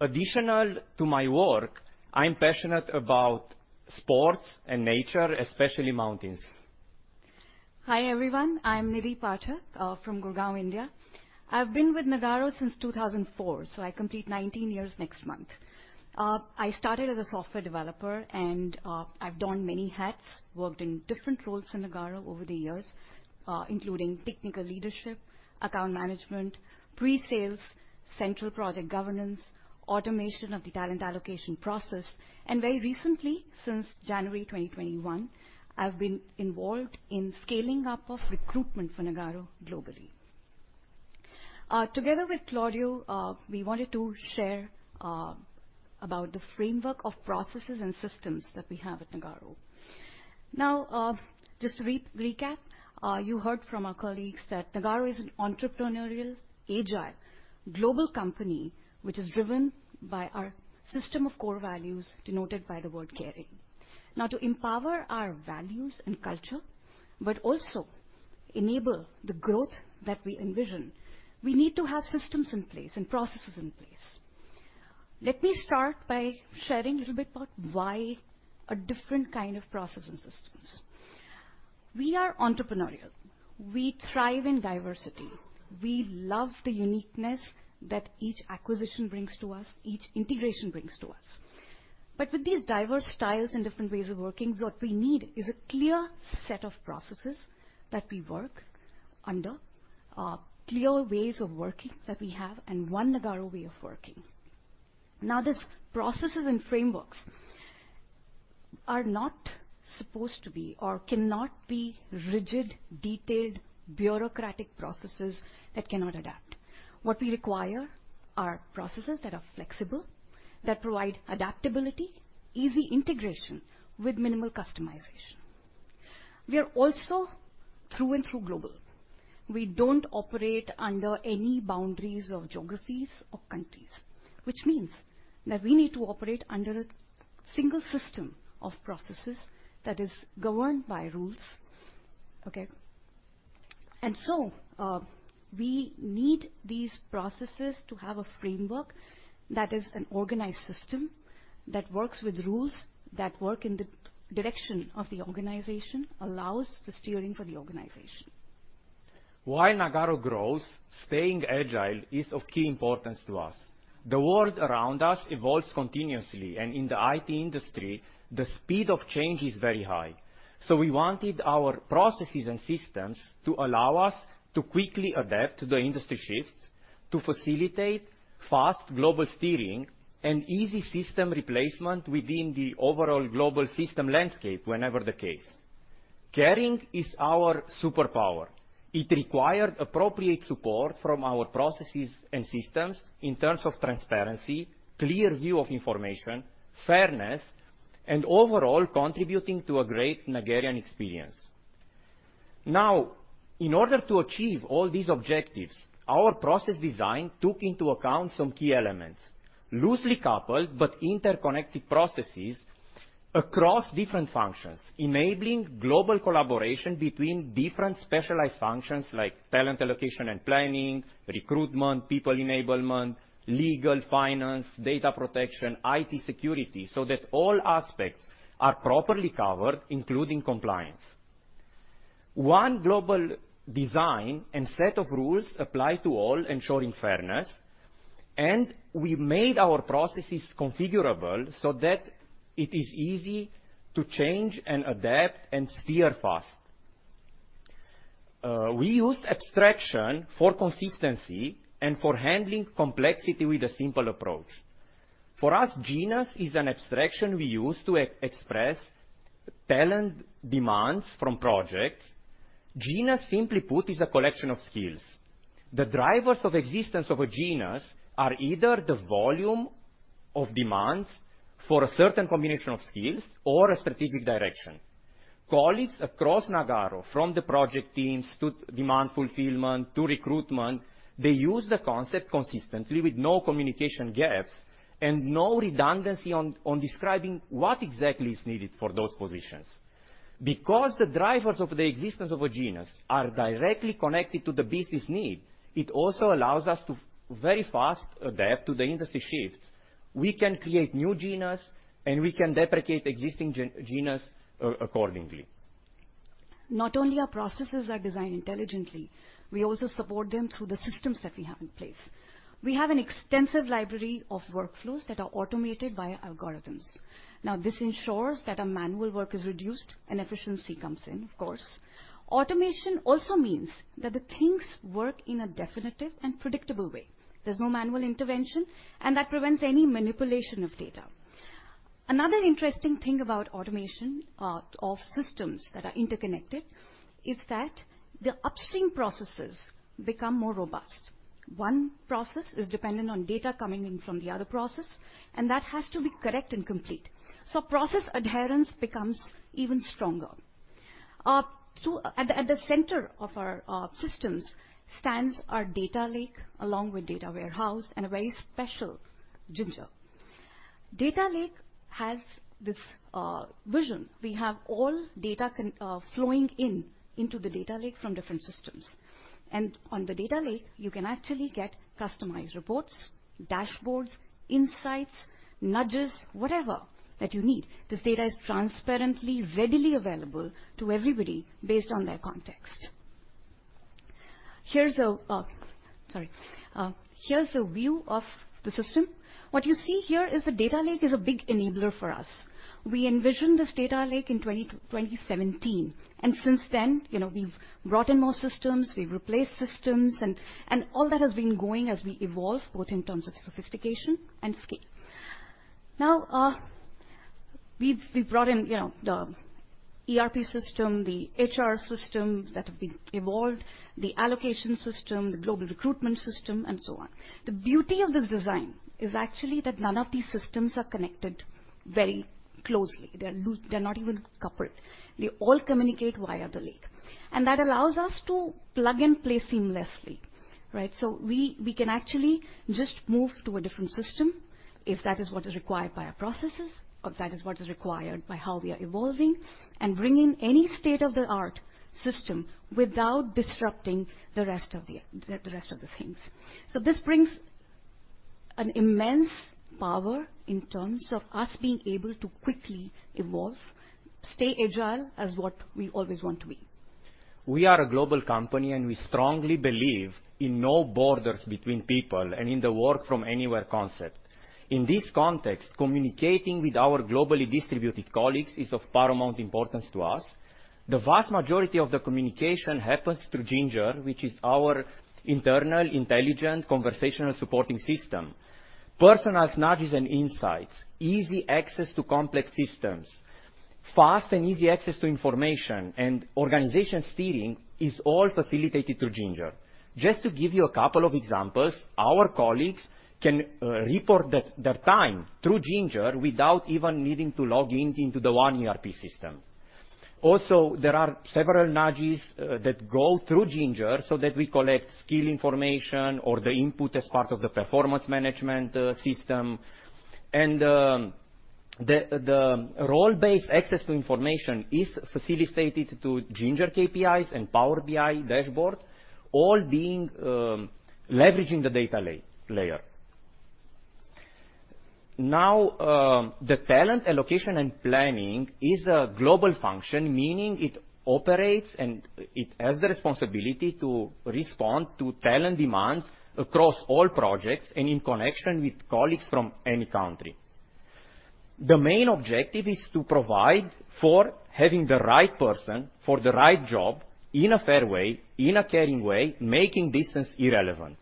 Additional to my work, I'm passionate about sports and nature, especially mountains. Hi, everyone. I'm Nidhee Pathak, from Gurgaon, India. I've been with Nagarro since 2004, so I complete 19 years next month. I started as a software developer and I've donned many hats, worked in different roles for Nagarro over the years, including technical leadership, account management, pre-sales, central project governance, automation of the talent allocation process, and very recently, since January 2021, I've been involved in scaling up of recruitment for Nagarro globally. Together with Claudio, we wanted to share about the framework of processes and systems that we have at Nagarro. Just to recap, you heard from our colleagues that Nagarro is an entrepreneurial, agile, global company which is driven by our system of core values denoted by the word caring. To empower our values and culture, but also enable the growth that we envision, we need to have systems in place and processes in place. Let me start by sharing a little bit about why a different process and systems. We are entrepreneurial. We thrive in diversity. We love the uniqueness that each acquisition brings to us, each integration brings to us. With these diverse styles and different ways of working, what we need is a clear set of processes that we work under, clear ways of working that we have, and one Nagarro way of working. These processes and frameworks are not supposed to be or cannot be rigid, detailed, bureaucratic processes that cannot adapt. What we require are processes that are flexible, that provide adaptability, easy integration with minimal customization. We are also through and through global. We don't operate under any boundaries of geographies or countries, which means that we need to operate under a single system of processes that is governed by rules, okay. We need these processes to have a framework that is an organized system that works with rules that work in the direction of the organization, allows the steering for the organization. While Nagarro grows, staying agile is of key importance to us. The world around us evolves continuously, in the IT industry, the speed of change is very high. We wanted our processes and systems to allow us to quickly adapt to the industry shifts, to facilitate fast global steering and easy system replacement within the overall global system landscape whenever the case. Caring is our superpower. It required appropriate support from our processes and systems in terms of transparency, clear view of information, fairness, and overall contributing to a great Nagarrian experience. In order to achieve all these objectives, our process design took into account some key elements, loosely coupled but interconnected processes across different functions, enabling global collaboration between different specialized functions like talent allocation and planning, recruitment, people enablement, legal, finance, data protection, IT security, so that all aspects are properly covered, including compliance. One global design and set of rules apply to all, ensuring fairness. We made our processes configurable so that it is easy to change and adapt and steer fast. We used abstraction for consistency and for handling complexity with a simple approach. For us, genus is an abstraction we use to express talent demands from projects. Genus, simply put, is a collection of skills. The drivers of existence of a genus are either the volume of demands for a certain combination of skills or a strategic direction. Colleagues across Nagarro, from the project teams to demand fulfillment, to recruitment, they use the concept consistently with no communication gaps and no redundancy on describing what exactly is needed for those positions. Because the drivers of the existence of a genus are directly connected to the business need, it also allows us to very fast adapt to the industry shifts. We can create new genus, and we can deprecate existing genus accordingly. Not only our processes are designed intelligently, we also support them through the systems that we have in place. We have an extensive library of workflows that are automated via algorithms. This ensures that our manual work is reduced and efficiency comes in, of course. Automation also means that the things work in a definitive and predictable way. There's no manual intervention, and that prevents any manipulation of data. Another interesting thing about automation of systems that are interconnected is that the upstream processes become more robust. One process is dependent on data coming in from the other process, and that has to be correct and complete. Process adherence becomes even stronger. At the center of our systems stands our data lake, along with data warehouse and a very special Ginger. Data lake has this vision. We have all data. flowing into the data lake from different systems. On the data lake, you can actually get customized reports, dashboards, insights, nudges, whatever that you need. This data is transparently, readily available to everybody based on their context. Here's a view of the system. What you see here is the data lake is a big enabler for us. We envisioned this data lake in 2017, and since then, you know, we've brought in more systems, we've replaced systems, and all that has been going as we evolve, both in terms of sophistication and scale. We've brought in, you know, the ERP system, the HR system that have been evolved, the allocation system, the global recruitment system, and so on. The beauty of this design is actually that none of these systems are connected very closely. They're not even coupled. They all communicate via the lake. That allows us to plug and play seamlessly, right? We can actually just move to a different system if that is what is required by our processes or if that is what is required by how we are evolving and bring in any state-of-the-art system without disrupting the rest of the things. This brings an immense power in terms of us being able to quickly evolve, stay agile as what we always want to be. We are a global company, and we strongly believe in no borders between people and in the work from anywhere concept. In this context, communicating with our globally distributed colleagues is of paramount importance to us. The vast majority of the communication happens through Ginger, which is our internal intelligent conversational supporting system. Personalized nudges and insights, easy access to complex systems, fast and easy access to information and organization steering is all facilitated through Ginger. Just to give you a couple of examples, our colleagues can report their time through Ginger without even needing to log in into the one ERP system. Also, there are several nudges that go through Ginger so that we collect skill information or the input as part of the performance management system. The role-based access to information is facilitated to Ginger KPIs and Power BI dashboard, all being leveraging the data layer. The talent allocation and planning is a global function, meaning it operates and it has the responsibility to respond to talent demands across all projects and in connection with colleagues from any country. The main objective is to provide for having the right person for the right job in a fair way, in a caring way, making distance irrelevant.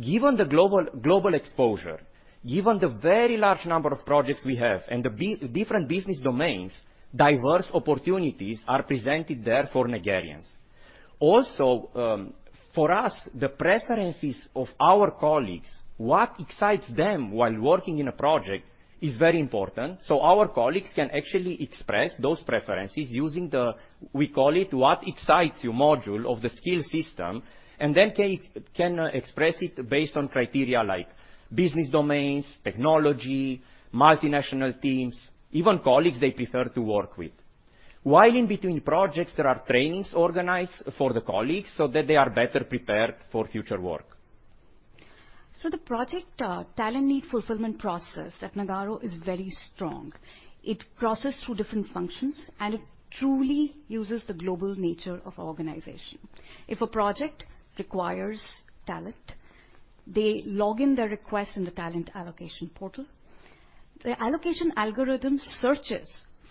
Given the global exposure, given the very large number of projects we have and the different business domains, diverse opportunities are presented there for Nagarrians. For us, the preferences of our colleagues, what excites them while working in a project is very important, so our colleagues can actually express those preferences using the, we call it, What Excites You module of the skill system, and then can express it based on criteria like business domains, technology, multinational teams, even colleagues they prefer to work with. While in between projects, there are trainings organized for the colleagues so that they are better prepared for future work. The project, talent need fulfillment process at Nagarro is very strong. It processes through different functions, and it truly uses the global nature of our organization. If a project requires talent, they log in their request in the talent allocation portal. The allocation algorithm searches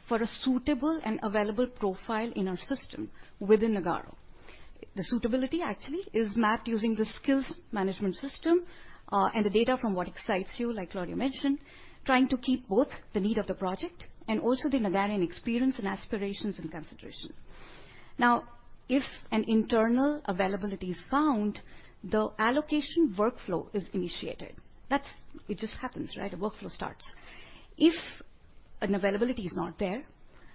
for a suitable and available profile in our system within Nagarro. The suitability actually is mapped using the skills management system, and the data from What Excites You, like Claudiu mentioned, trying to keep both the need of the project and also the Nagarrian experience and aspirations in consideration. If an internal availability is found, the allocation workflow is initiated. It just happens, right? A workflow starts. If an availability is not there,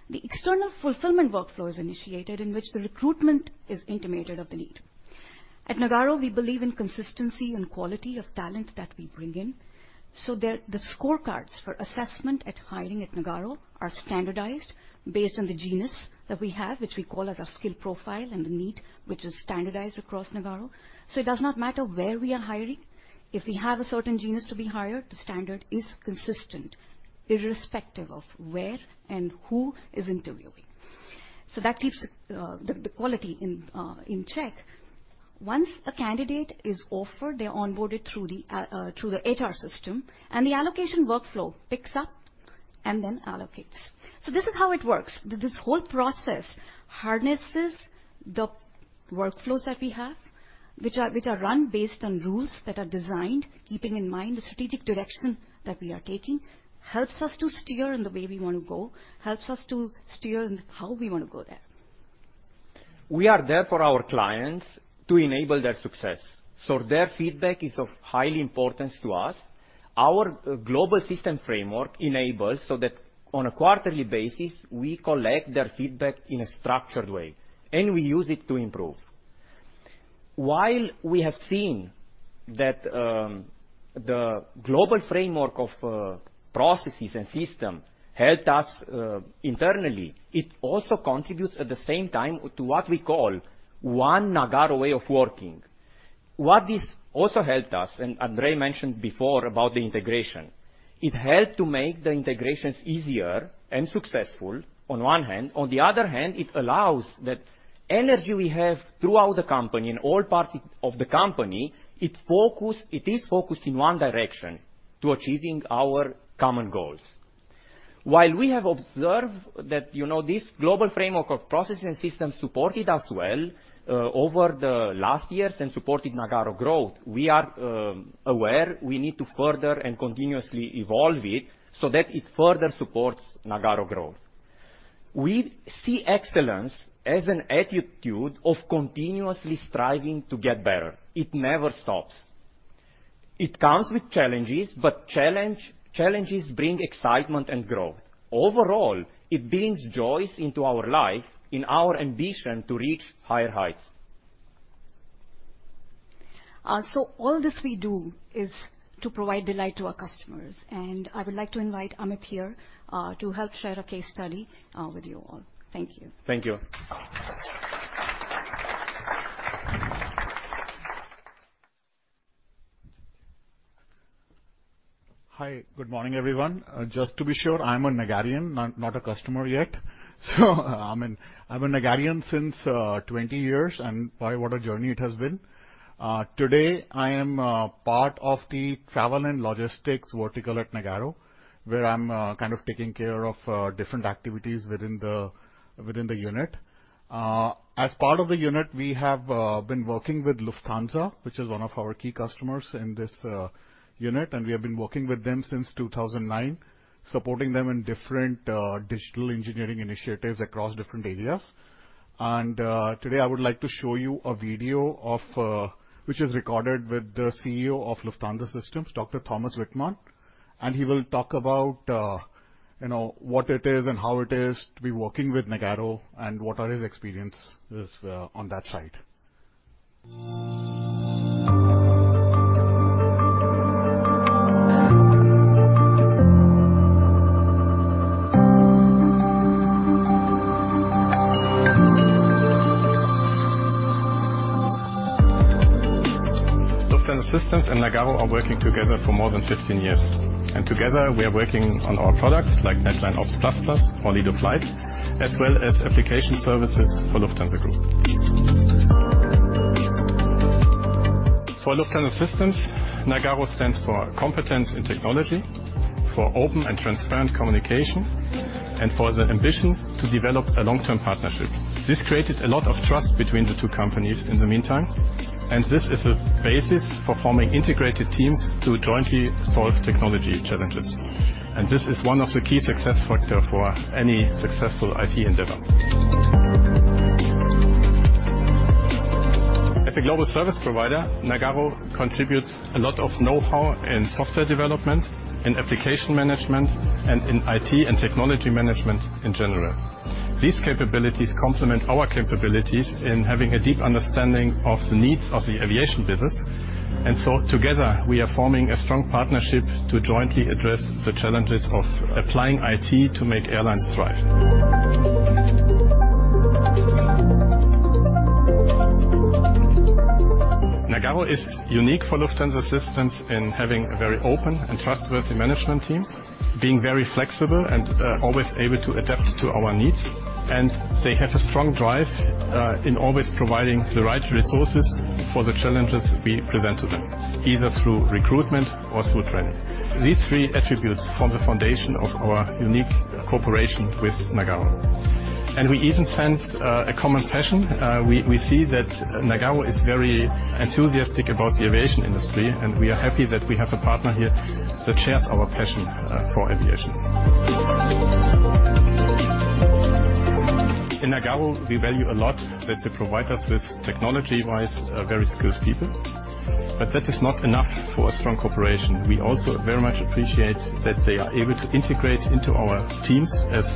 the external fulfillment workflow is initiated in which the recruitment is intimated of the need. At Nagarro, we believe in consistency and quality of talent that we bring in, so there, the scorecards for assessment at hiring at Nagarro are standardized based on the genus that we have, which we call as our skill profile and the need, which is standardized across Nagarro. It does not matter where we are hiring. If we have a certain genus to be hired, the standard is consistent, irrespective of where and who is interviewing. That keeps the quality in check. Once a candidate is offered, they're onboarded through the HR system, and the allocation workflow picks up and then allocates. This is how it works. This whole process harnesses the workflows that we have, which are run based on rules that are designed keeping in mind the strategic direction that we are taking, helps us to steer in the way we wanna go, helps us to steer in how we wanna go there. We are there for our clients to enable their success. Their feedback is of high importance to us. Our global system framework enables that on a quarterly basis, we collect their feedback in a structured way. We use it to improve. While we have seen that, the global framework of processes and system helped us internally, it also contributes at the same time to what we call One Nagarro Way of Working. What this also helped us. Andrei mentioned before about the integration, it helped to make the integrations easier and successful on one hand. On the other hand, it allows that energy we have throughout the company, in all parts of the company, it is focused in one direction: to achieving our common goals. While we have observed that, you know, this global framework of processes and systems supported us well, over the last years and supported Nagarro growth, we are aware we need to further and continuously evolve it so that it further supports Nagarro growth. We see excellence as an attitude of continuously striving to get better. It never stops. It comes with challenges, but challenges bring excitement and growth. Overall, it brings joys into our life in our ambition to reach higher heights. All this we do is to provide delight to our customers, and I would like to invite Amit here, to help share a case study, with you all. Thank you. Thank you. Hi, good morning, everyone. Just to be sure, I'm a Nagarrian, not a customer yet. I'm a Nagarrian since 20 years, and boy, what a journey it has been. Today I am part of the travel and logistics vertical at Nagarro, where I'm kind of taking care of different activities within the unit. As part of the unit, we have been working with Lufthansa, which is one of our key customers in this unit, and we have been working with them since 2009, supporting them in different digital engineering initiatives across different areas. Today I would like to show you a video of which is recorded with the CEO of Lufthansa Systems, Dr. Thomas Wittmann. He will talk about, you know, what it is and how it is to be working with Nagarro and what are his experiences, on that side. Lufthansa Systems and Nagarro are working together for more than 15 years. Together, we are working on our products like NetLine/Ops ++ or Lido Flight, as well as application services for Lufthansa Group. For Lufthansa Systems, Nagarro stands for competence in technology, for open and transparent communication, and for the ambition to develop a long-term partnership. This created a lot of trust between the two companies in the meantime, and this is a basis for forming integrated teams to jointly solve technology challenges. This is one of the key success factor for any successful IT endeavor. As a global service provider, Nagarro contributes a lot of know-how in software development, in application management, and in IT and technology management in general. These capabilities complement our capabilities in having a deep understanding of the needs of the aviation business. Together, we are forming a strong partnership to jointly address the challenges of applying IT to make airlines thrive. Nagarro is unique for Lufthansa Systems in having a very open and trustworthy management team, being very flexible and always able to adapt to our needs. They have a strong drive in always providing the right resources for the challenges we present to them, either through recruitment or through training. These three attributes form the foundation of our unique cooperation with Nagarro. We even sense a common passion. We see that Nagarro is very enthusiastic about the aviation industry, and we are happy that we have a partner here that shares our passion for aviation. In Nagarro, we value a lot that they provide us with technology-wise, very skilled people. That is not enough for a strong cooperation. We also very much appreciate that they are able to integrate into our teams as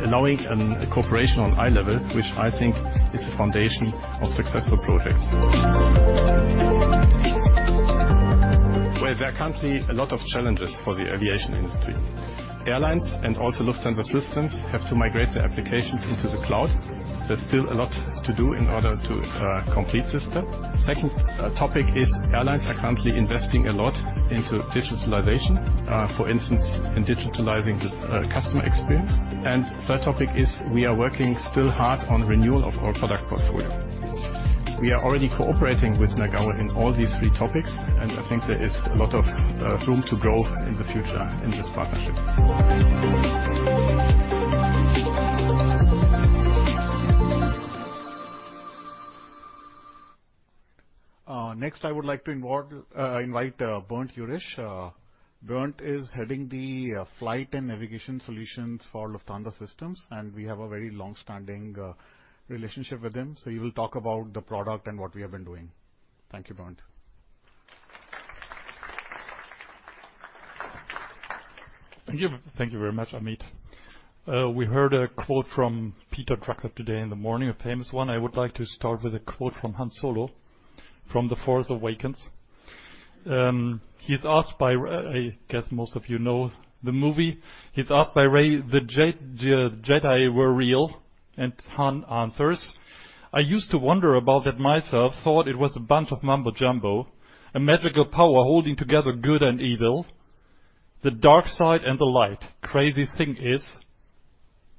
allowing an cooperation on eye level, which I think is the foundation of successful projects. There are currently a lot of challenges for the aviation industry. Airlines and also Lufthansa Systems have to migrate their applications into the cloud. There's still a lot to do in order to complete system. Second, topic is airlines are currently investing a lot into digitalization, for instance, in digitalizing the customer experience. Third topic is we are working still hard on renewal of our product portfolio. We are already cooperating with Nagarro in all these three topics, and I think there is a lot of room to grow in the future in this partnership. Next, I would like to invite Bernd Jurisch. Bernd is heading the flight and navigation solutions for Lufthansa Systems, and we have a very long-standing relationship with him. He will talk about the product and what we have been doing. Thank you, Bernd. Thank you. Thank you very much, Amit. We heard a quote from Peter Drucker today in the morning, a famous one. I would like to start with a quote from Han Solo from The Force Awakens. He's asked by Rey, "The Jedi were real?" Han answers, "I used to wonder about that myself. Thought it was a bunch of mumbo jumbo. A magical power holding together good and evil. The dark side and the light. Crazy thing is,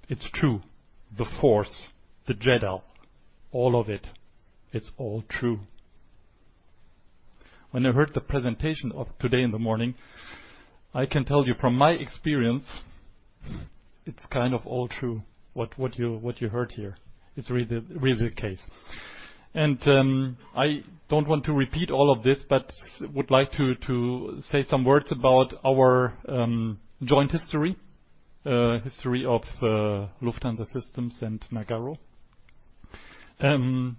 it's true. The Force, the Jedi, all of it. It's all true." When I heard the presentation of today in the morning, I can tell you from my experience, it's kind of all true, what you heard here. It's really the case. I don't want to repeat all of this, but would like to say some words about our joint history of Lufthansa Systems and Nagarro. want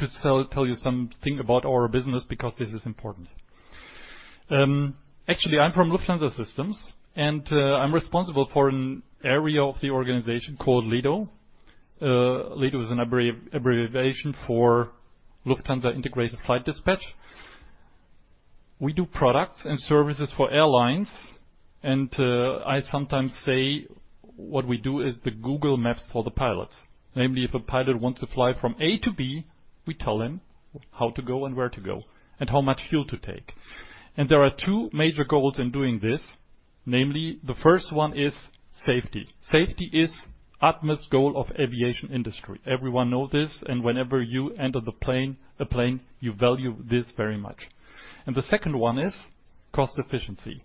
to tell you something about our business because this is important. Actually, I'm from Lufthansa Systems, I'm responsible for an area of the organization called Lido. Lido is an abbreviation for Lufthansa Integrated Dispatch Operation. We do products and services for airlines, I sometimes say what we do is the Google Maps for the pilots. Namely, if a pilot wants to fly from A to B, we tell him how to go and where to go, and how much fuel to take. There are two major goals in doing this. Namely, the first one is safety. Safety is utmost goal of aviation industry. Everyone know this, whenever you enter a plane, you value this very much. The second one is cost efficiency.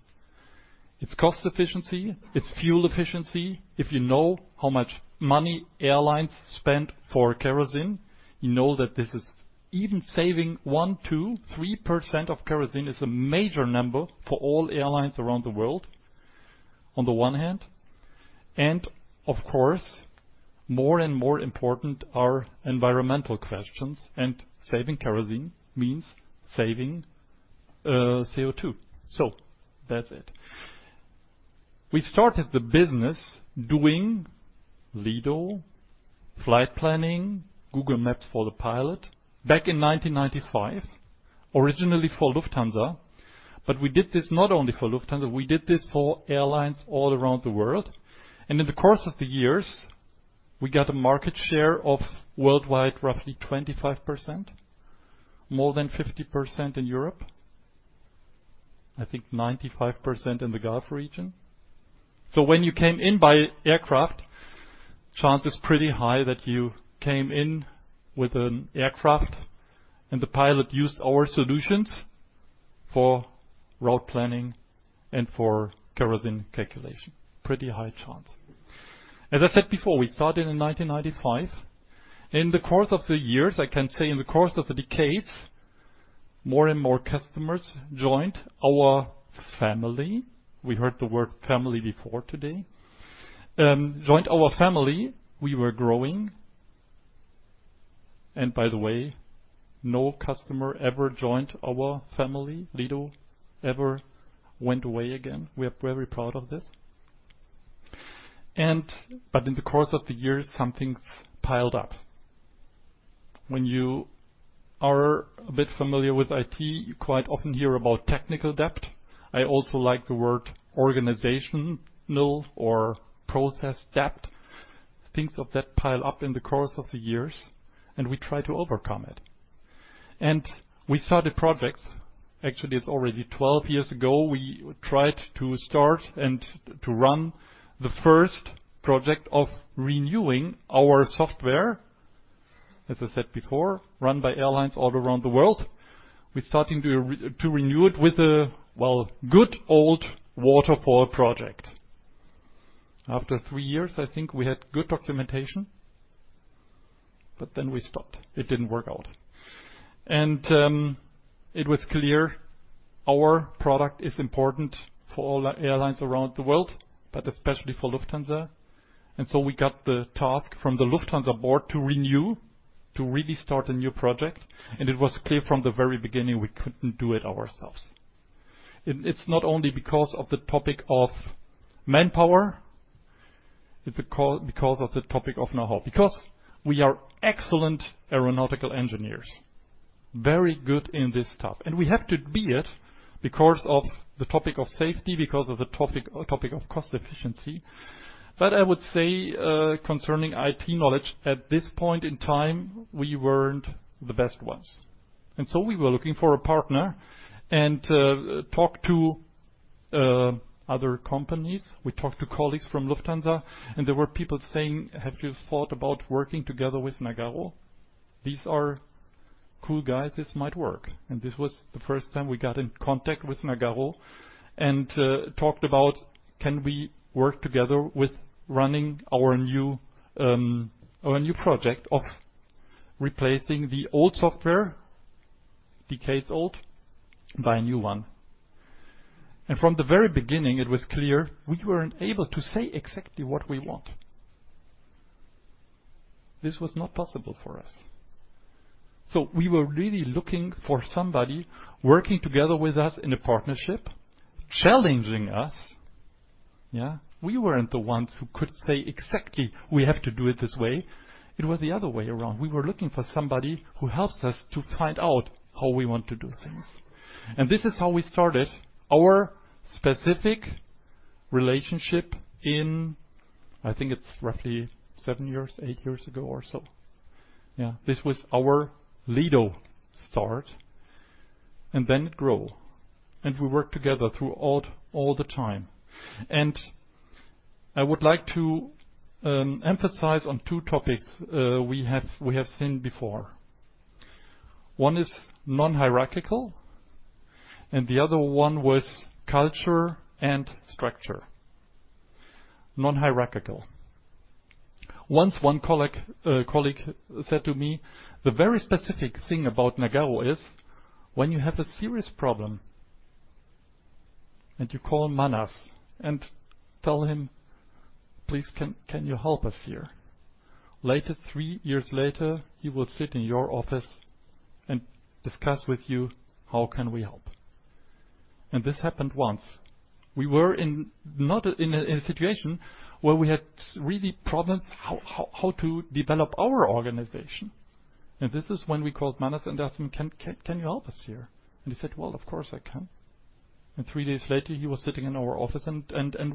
It's cost efficiency. It's fuel efficiency. If you know how much money airlines spend for kerosene, you know that this is. Even saving 1%, 2%, 3% of kerosene is a major number for all airlines around the world on the one hand. Of course, more and more important are environmental questions, and saving kerosene means saving CO2. That's it. We started the business doing Lido, flight planning, Google Maps for the pilot back in 1995, originally for Lufthansa. We did this not only for Lufthansa, we did this for airlines all around the world. In the course of the years, we got a market share of worldwide, roughly 25%, more than 50% in Europe. I think 95% in the Gulf region. When you came in by aircraft, chance is pretty high that you came in with an aircraft, and the pilot used our solutions for route planning and for kerosene calculation. Pretty high chance. As I said before, we started in 1995. In the course of the years, I can say in the course of the decades, more and more customers joined our family. We heard the word family before today. Joined our family. We were growing. By the way, no customer ever joined our family, Lido ever went away again. We are very proud of this. In the course of the years, some things piled up. When you are a bit familiar with IT, you quite often hear about technical depth. I also like the word organizational or process depth. Things of that pile up in the course of the years, we try to overcome it. We started projects. Actually, it's already 12 years ago, we tried to start and to run the first project of renewing our software, as I said before, run by airlines all around the world. We're starting to renew it with a good old waterfall project. After three years, I think we had good documentation, we stopped. It didn't work out. It was clear our product is important for all airlines around the world, especially for Lufthansa. We got the task from the Lufthansa board to renew, to really start a new project. It was clear from the very beginning, we couldn't do it ourselves. It's not only because of the topic of manpower, it's a call because of the topic of know-how. We are excellent aeronautical engineers, very good in this stuff. We have to be it because of the topic of safety, because of the topic of cost efficiency. I would say, concerning IT knowledge, at this point in time, we weren't the best ones. We were looking for a partner and talked to other companies. We talked to colleagues from Lufthansa, and there were people saying, "Have you thought about working together with Nagarro? These are cool guys, this might work." This was the first time we got in contact with Nagarro and talked about, can we work together with running our new, our new project of replacing the old software, decades old, by a new one. From the very beginning, it was clear we weren't able to say exactly what we want. This was not possible for us. We were really looking for somebody working together with us in a partnership, challenging us. Yeah. We weren't the ones who could say exactly, we have to do it this way. It was the other way around. We were looking for somebody who helps us to find out how we want to do things. This is how we started our specific relationship in, I think it's roughly 7 years, 8 years ago or so. Yeah. This was our Lido start, it grow. We work together throughout all the time. I would like to emphasize on 2 topics we have seen before. One is non-hierarchical, the other one was culture and structure. Non-hierarchical. Once one colleague said to me, "The very specific thing about Nagarro is when you have a serious problem and you call Manas and tell him, 'Please, can you help us here?' Later, 3 years later, he will sit in your office and discuss with you, how can we help?" This happened once. We were in, not in a, in a situation where we had really problems how to develop our organization. This is when we called Manas and asked him, "Can you help us here?" He said, "Well, of course, I can." 3 days later, he was sitting in our office and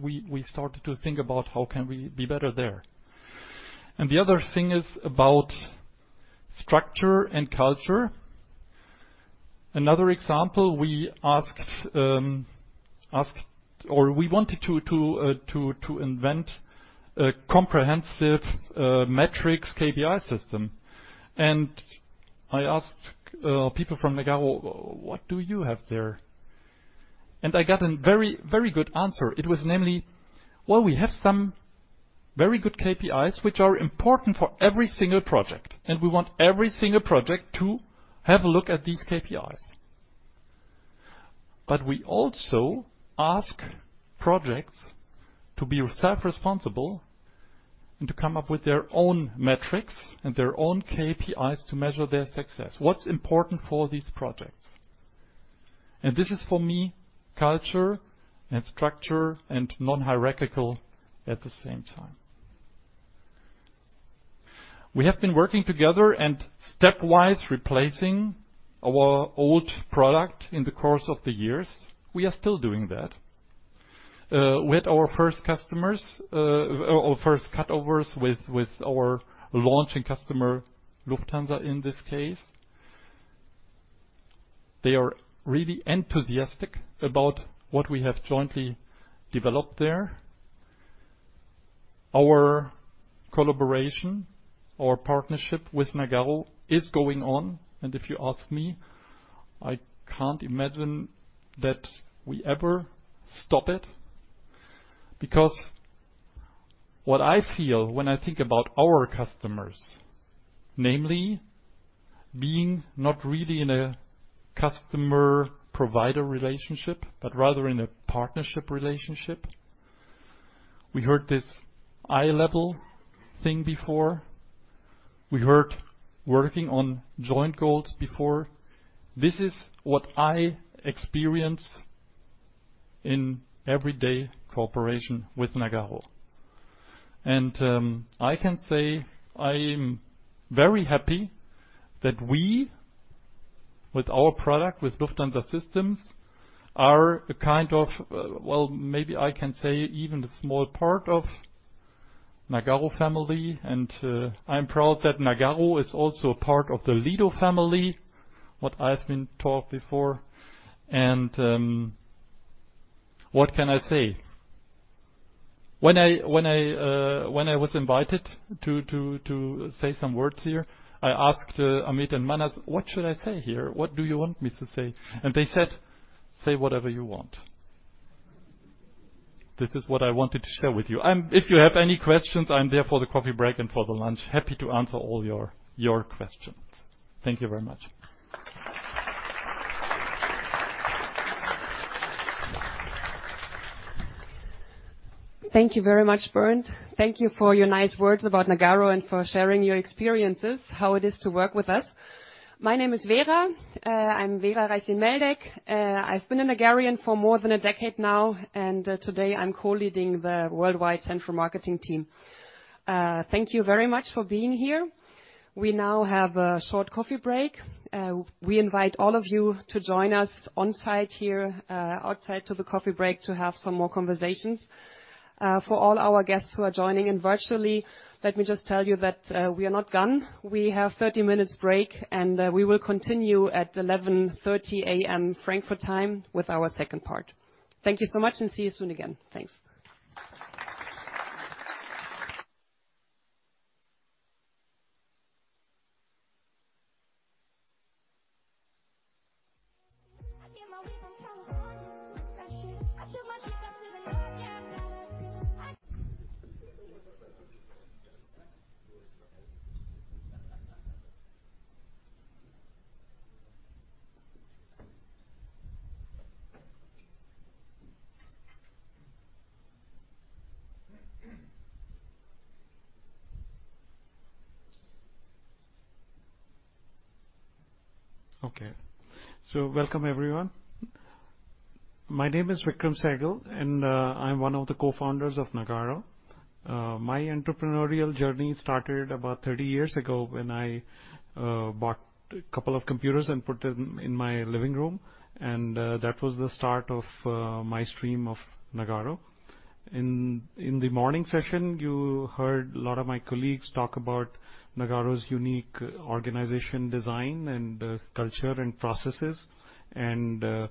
we started to think about how can we be better there? The other thing is about structure and culture. Another example, we asked or we wanted to invent a comprehensive metrics KPI system. I asked people from Nagarro, "What do you have there?" I got a very good answer. It was namely, "Well, we have some very good KPIs, which are important for every single project, and we want every single project to have a look at these KPIs." But we also ask projects to be self-responsible and to come up with their own metrics and their own KPIs to measure their success. What's important for these projects? This is for me, culture and structure and non-hierarchical at the same time. We have been working together and stepwise replacing our old product in the course of the years. We are still doing that. With our first customers, our first cutovers with our launching customer, Lufthansa, in this case. They are really enthusiastic about what we have jointly developed there. Our collaboration, our partnership with Nagarro is going on, and if you ask me, I can't imagine that we ever stop it. Because what I feel when I think about our customers, namely being not really in a customer-provider relationship, but rather in a partnership relationship. We heard this eye level thing before. We heard working on joint goals before. This is what I experience in everyday cooperation with Nagarro. I can say I am very happy that we, with our product, with Lufthansa Systems, are a kind of, well, maybe I can say even a small part of Nagarro family. I'm proud that Nagarro is also a part of the Lido family, what I've been taught before. What can I say? When I was invited to say some words here, I asked Amit and Manas, "What should I say here? What do you want me to say?" They said, "Say whatever you want." This is what I wanted to share with you. If you have any questions, I'm there for the coffee break and for the lunch. Happy to answer all your questions. Thank you very much. Thank you very much, Bernd. Thank you for your nice words about Nagarro and for sharing your experiences, how it is to work with us. My name is Vera. I'm Vera Reiß-Meldeck. I've been a Nagarrian for more than a decade now, and today I'm co-leading the worldwide central marketing team. Thank you very much for being here. We now have a short coffee break. We invite all of you to join us on-site here, outside to the coffee break to have some more conversations. For all our guests who are joining in virtually, let me just tell you that we are not gone. We have 30 minutes break, and we will continue at 11:30 A.M. Frankfurt time with our second part. Thank you so much, see you soon again. Thanks. Okay. Welcome, everyone. My name is Vikram Sehgal, I'm one of the co-founders of Nagarro. My entrepreneurial journey started about 30 years ago when I bought a couple of computers and put them in my living room, that was the start of my stream of Nagarro. In the morning session, you heard a lot of my colleagues talk about Nagarro's unique organization design, culture and processes, you know,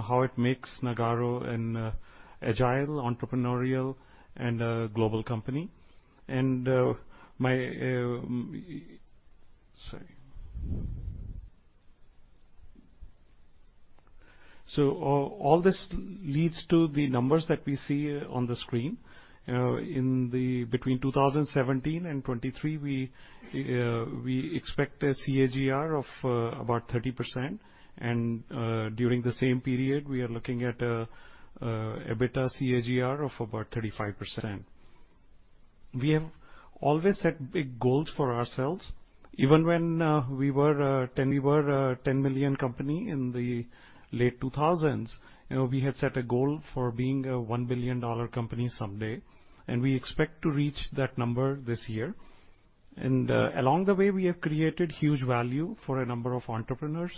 how it makes Nagarro an agile, entrepreneurial, and a global company. All this leads to the numbers that we see on the screen. Between 2017 and 2023, we expect a CAGR of about 30%. During the same period, we are looking at a EBITDA CAGR of about 35%. We have always set big goals for ourselves. Even when we were a $10 million company in the late 2000s, you know, we had set a goal for being a $1 billion company someday, and we expect to reach that number this year. Along the way, we have created huge value for a number of entrepreneurs,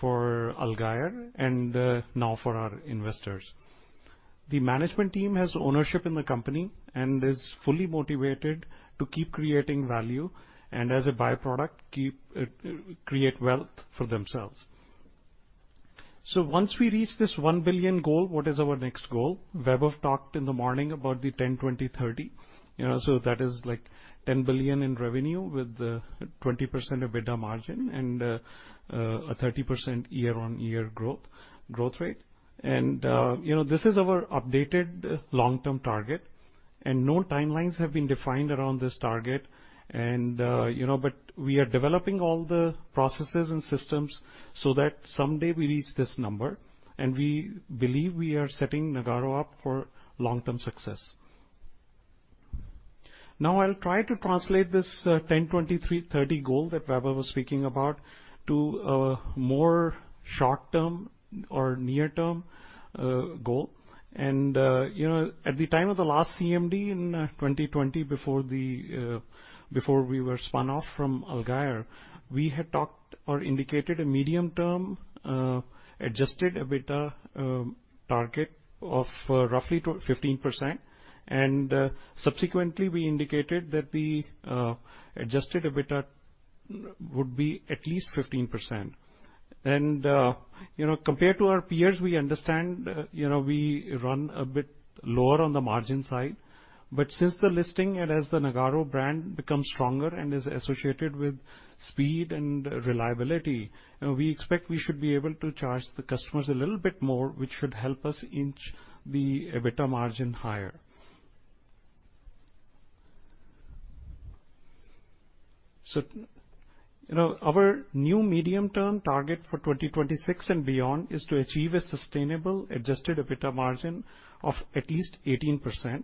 for Allgeier, and now for our investors. The management team has ownership in the company and is fully motivated to keep creating value and as a by-product, create wealth for themselves. Once we reach this $1 billion goal, what is our next goal? Vaibhav talked in the morning about the 10/20/30. You know, that is like $10 billion in revenue with 20% EBITDA margin and a 30% year-on-year growth rate. You know, this is our updated long-term target. No timelines have been defined around this target. You know, but we are developing all the processes and systems so that someday we reach this number, and we believe we are setting Nagarro up for long-term success. Now I'll try to translate this 10/20/30 goal that Vaibhav was speaking about to a more short-term or near-term goal. You know, at the time of the last CMD in 2020 before we were spun off from Allgeier, we had talked or indicated a medium-term adjusted EBITDA target of roughly to 15%. Subsequently, we indicated that the adjusted EBITDA would be at least 15%. you know, compared to our peers, we understand, you know, we run a bit lower on the margin side. Since the listing and as the Nagarro brand becomes stronger and is associated with speed and reliability, we expect we should be able to charge the customers a little bit more, which should help us inch the EBITDA margin higher. you know, our new medium-term target for 2026 and beyond is to achieve a sustainable adjusted EBITDA margin of at least 18%.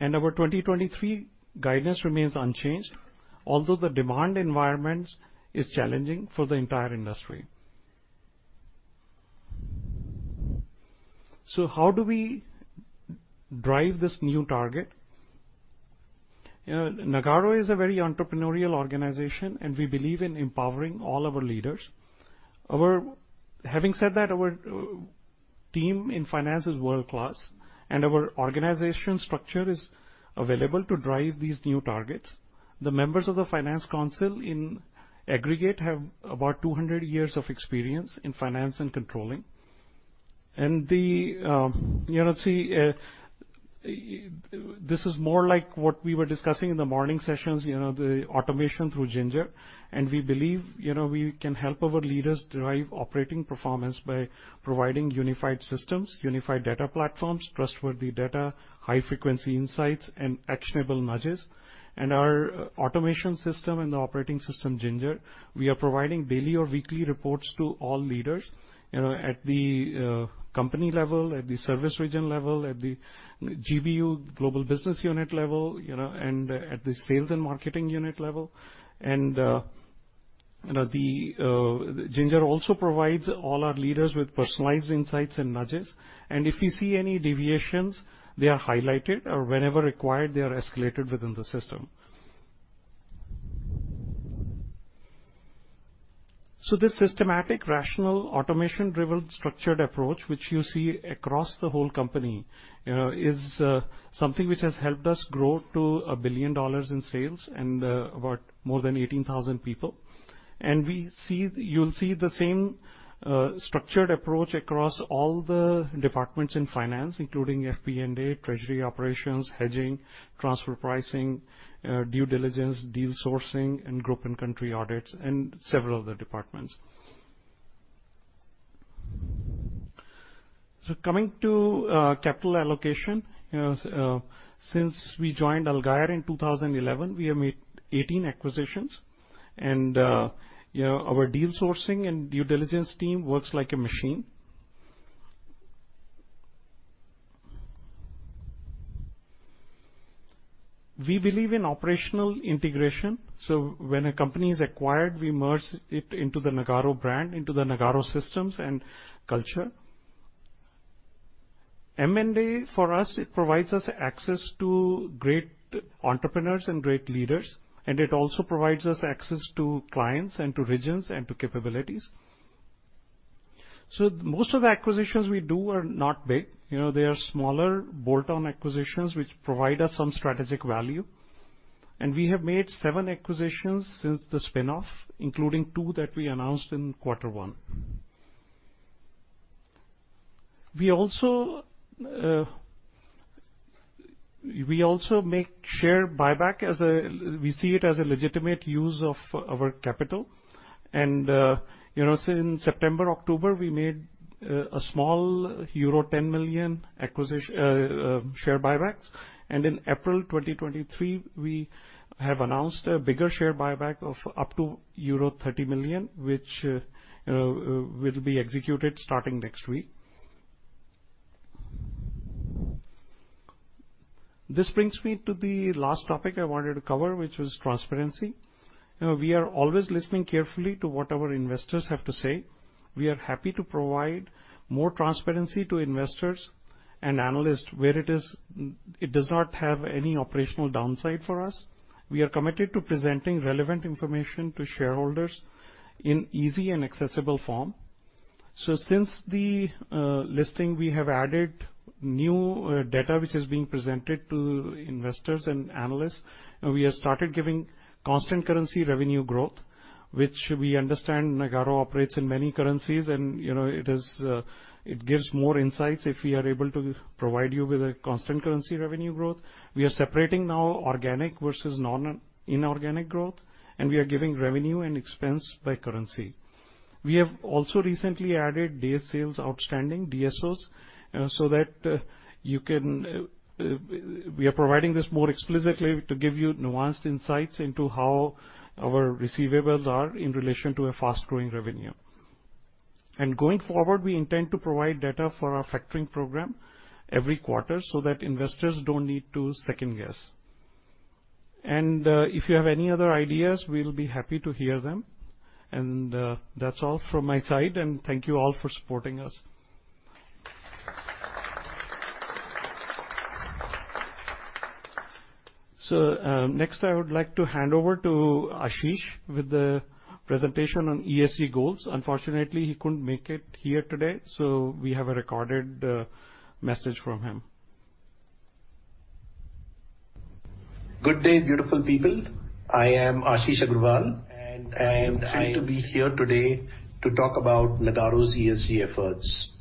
Our 2023 guidance remains unchanged, although the demand environment is challenging for the entire industry. How do we drive this new target? You know, Nagarro is a very entrepreneurial organization, and we believe in empowering all our leaders. Our Having said that, our team in finance is world-class, and our organization structure is available to drive these new targets. The members of the finance council in aggregate have about 200 years of experience in finance and controlling. The, you know, see, this is more like what we were discussing in the morning sessions, you know, the automation through Ginger. We believe, you know, we can help our leaders derive operating performance by providing unified systems, unified data platforms, trustworthy data, high-frequency insights, and actionable nudges. Our automation system and the operating system, Ginger, we are providing daily or weekly reports to all leaders, you know, at the company level, at the service region level, at the GBU, Global Business Unit level, you know, and at the sales and marketing unit level. You know, Ginger also provides all our leaders with personalized insights and nudges. If you see any deviations, they are highlighted, or whenever required, they are escalated within the system. This systematic, rational, automation-driven, structured approach, which you see across the whole company, you know, is something which has helped us grow to $1 billion in sales and about more than 18,000 people. You'll see the same structured approach across all the departments in finance, including FP&A, treasury operations, hedging, transfer pricing, due diligence, deal sourcing, and group and country audits, and several other departments. Coming to capital allocation. You know, since we joined Allgeier in 2011, we have made 18 acquisitions. You know, our deal sourcing and due diligence team works like a machine. We believe in operational integration. When a company is acquired, we merge it into the Nagarro brand, into the Nagarro systems and culture. M&A for us, it provides us access to great entrepreneurs and great leaders, it also provides us access to clients and to regions and to capabilities. Most of the acquisitions we do are not big. You know, they are smaller bolt-on acquisitions which provide us some strategic value. We have made 7 acquisitions since the spin-off, including 2 that we announced in quarter one. We also make share buyback. We see it as a legitimate use of our capital. You know, since September, October, we made a small euro 10 million share buybacks. In April 2023, we have announced a bigger share buyback of up to euro 30 million, which, you know, will be executed starting next week. This brings me to the last topic I wanted to cover, which was transparency. You know, we are always listening carefully to what our investors have to say. We are happy to provide more transparency to investors and analysts where it does not have any operational downside for us. We are committed to presenting relevant information to shareholders in easy and accessible form. Since the listing, we have added new data which is being presented to investors and analysts. We have started giving constant currency revenue growth, which we understand Nagarro operates in many currencies and, you know, it is, it gives more insights if we are able to provide you with a constant currency revenue growth. We are separating now organic versus inorganic growth, and we are giving revenue and expense by currency. We have also recently added days sales outstanding, DSOs. We are providing this more explicitly to give you nuanced insights into how our receivables are in relation to a fast-growing revenue. Going forward, we intend to provide data for our factoring program every quarter so that investors don't need to second-guess. If you have any other ideas, we'll be happy to hear them. That's all from my side, and thank you all for supporting us. Next, I would like to hand over to Ashish with the presentation on ESG goals. Unfortunately, he couldn't make it here today, so we have a recorded message from him. Good day, beautiful people. I am Ashish Agrawal. I am thrilled to be here today to talk about Nagarro's ESG efforts.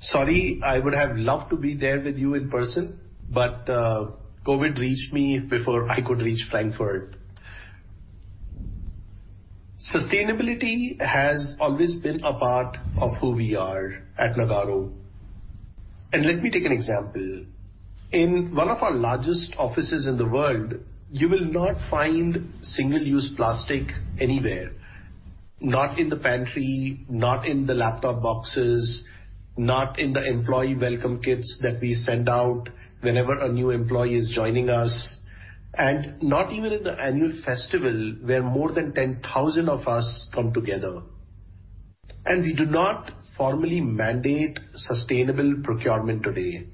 Sorry, I would have loved to be there with you in person. COVID reached me before I could reach Frankfurt. Sustainability has always been a part of who we are at Nagarro. Let me take an example. In one of our largest offices in the world, you will not find single-use plastic anywhere, not in the pantry, not in the laptop boxes, not in the employee welcome kits that we send out whenever a new employee is joining us, and not even in the annual festival where more than 10,000 of us come together. We do not formally mandate sustainable procurement today.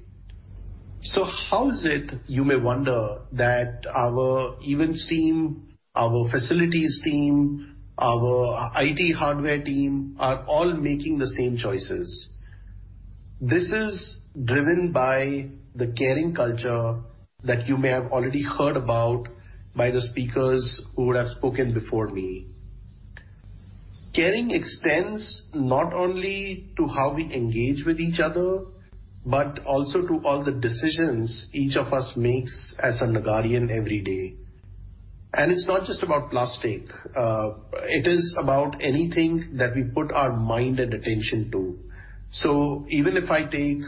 How is it, you may wonder that our events team, our facilities team, our IT hardware team are all making the same choices? This is driven by the caring culture that you may have already heard about by the speakers who would have spoken before me. Caring extends not only to how we engage with each other, but also to all the decisions each of us makes as a Nagarrian every day. It's not just about plastic, it is about anything that we put our mind and attention to. Even if I take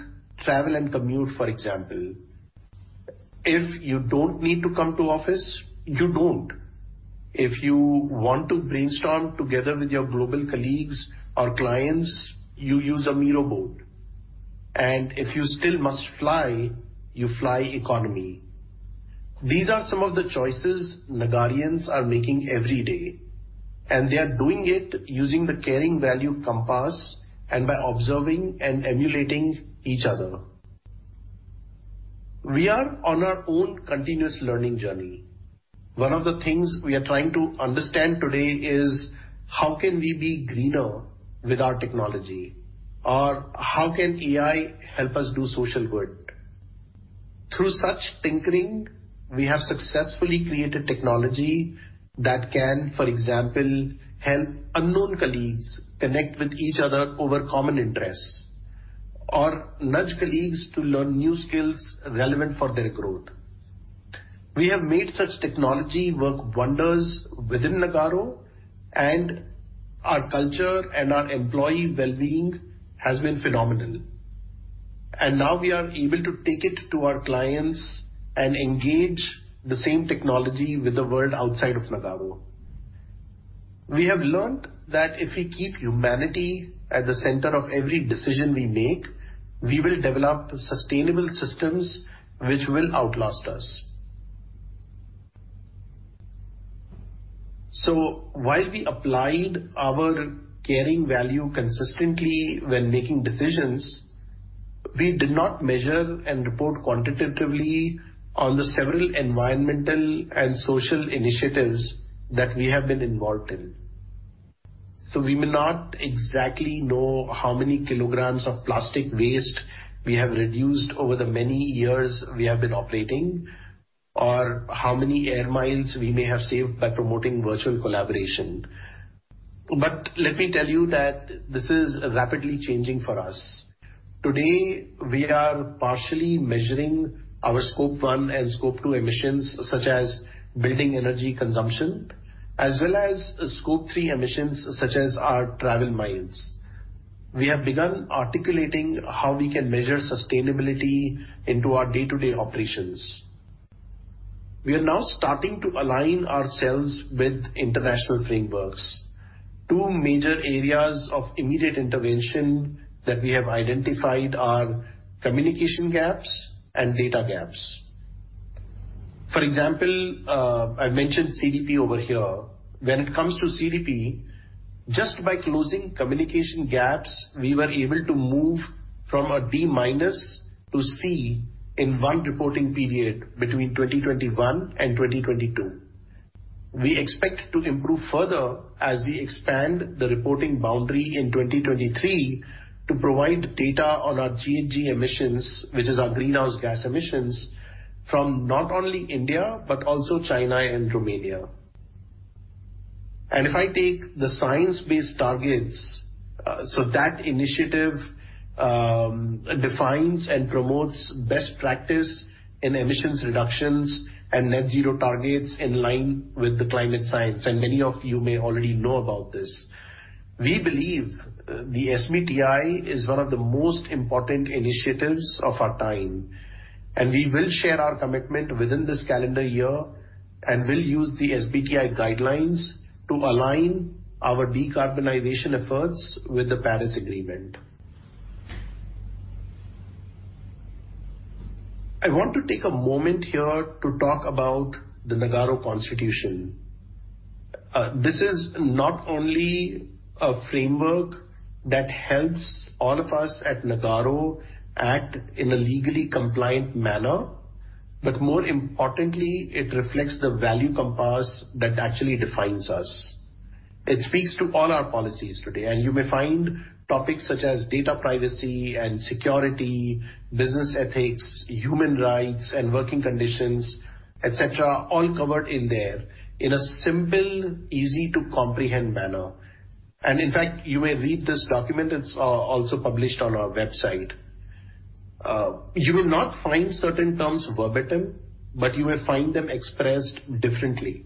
travel and commute, for example, if you don't need to come to office, you don't. If you want to brainstorm together with your global colleagues or clients, you use a Miro board. If you still must fly, you fly economy. These are some of the choices Nagarrians are making every day. They are doing it using the caring value compass and by observing and emulating each other. We are on our own continuous learning journey. One of the things we are trying to understand today is how can we be greener with our technology? How can AI help us do social good? Through such tinkering, we have successfully created technology that can, for example, help unknown colleagues connect with each other over common interests or nudge colleagues to learn new skills relevant for their growth. We have made such technology work wonders within Nagarro and our culture and our employee well-being has been phenomenal. Now we are able to take it to our clients and engage the same technology with the world outside of Nagarro. We have learned that if we keep humanity at the center of every decision we make, we will develop sustainable systems which will outlast us. While we applied our caring value consistently when making decisions, we did not measure and report quantitatively on the several environmental and social initiatives that we have been involved in. We may not exactly know how many kilograms of plastic waste we have reduced over the many years we have been operating, or how many air miles we may have saved by promoting virtual collaboration. Let me tell you that this is rapidly changing for us. Today, we are partially measuring our Scope 1 and Scope 2 emissions, such as building energy consumption, as well as Scope 3 emissions, such as our travel miles. We have begun articulating how we can measure sustainability into our day-to-day operations. We are now starting to align ourselves with international frameworks. Two major areas of immediate intervention that we have identified are communication gaps and data gaps. For example, I mentioned CDP over here. When it comes to CDP, just by closing communication gaps, we were able to move from a D minus to C in one reporting period between 2021 and 2022. We expect to improve further as we expand the reporting boundary in 2023 to provide data on our GHG emissions, which is our greenhouse gas emissions from not only India, but also China and Romania. If I take the Science Based Targets, that initiative defines and promotes best practice in emissions reductions and net zero targets in line with the climate science, many of you may already know about this. We believe the SBTi is one of the most important initiatives of our time, and we will share our commitment within this calendar year and will use the SBTi guidelines to align our decarbonization efforts with the Paris Agreement. I want to take a moment here to talk about The Nagarro Constitution. This is not only a framework that helps all of us at Nagarro act in a legally compliant manner, but more importantly, it reflects the value compass that actually defines us. It speaks to all our policies today, and you may find topics such as data privacy and security, business ethics, human rights and working conditions, et cetera, all covered in there in a simple, easy to comprehend manner. In fact, you may read this document. It's also published on our website. You will not find certain terms verbatim, but you will find them expressed differently.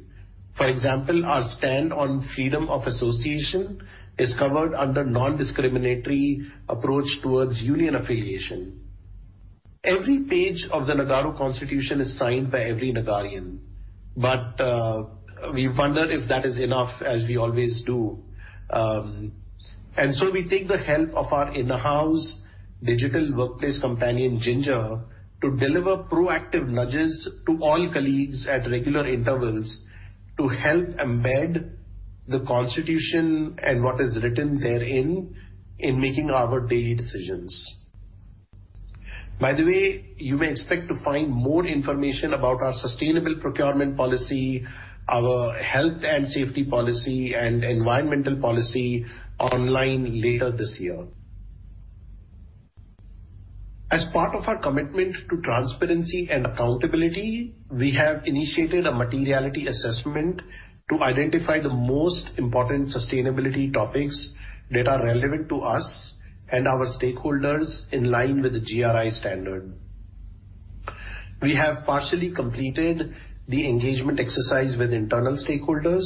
For example, our stand on freedom of association is covered under non-discriminatory approach towards union affiliation. Every page of the Nagarro Constitution is signed by every Nagarrian. We wonder if that is enough, as we always do. We take the help of our in-house digital workplace companion, Ginger, to deliver proactive nudges to all colleagues at regular intervals to help embed the Constitution and what is written therein in making our daily decisions. By the way, you may expect to find more information about our sustainable procurement policy, our health and safety policy, and environmental policy online later this year. As part of our commitment to transparency and accountability, we have initiated a materiality assessment to identify the most important sustainability topics that are relevant to us and our stakeholders in line with the GRI standard. We have partially completed the engagement exercise with internal stakeholders.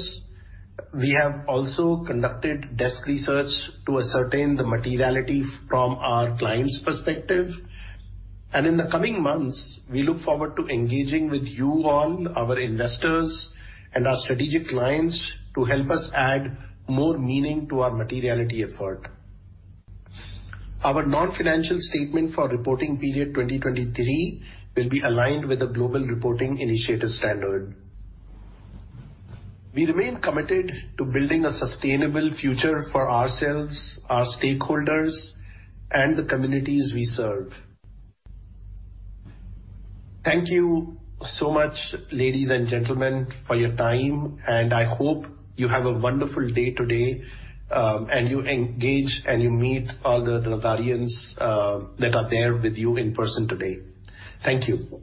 We have also conducted desk research to ascertain the materiality from our clients' perspective. In the coming months, we look forward to engaging with you all, our investors and our strategic clients to help us add more meaning to our materiality effort. Our non-financial statement for reporting period 2023 will be aligned with the Global Reporting Initiative standard. We remain committed to building a sustainable future for ourselves, our stakeholders, and the communities we serve. Thank you so much, ladies and gentlemen, for your time, and I hope you have a wonderful day today, and you engage, and you meet all the Nagarrians, that are there with you in person today. Thank you.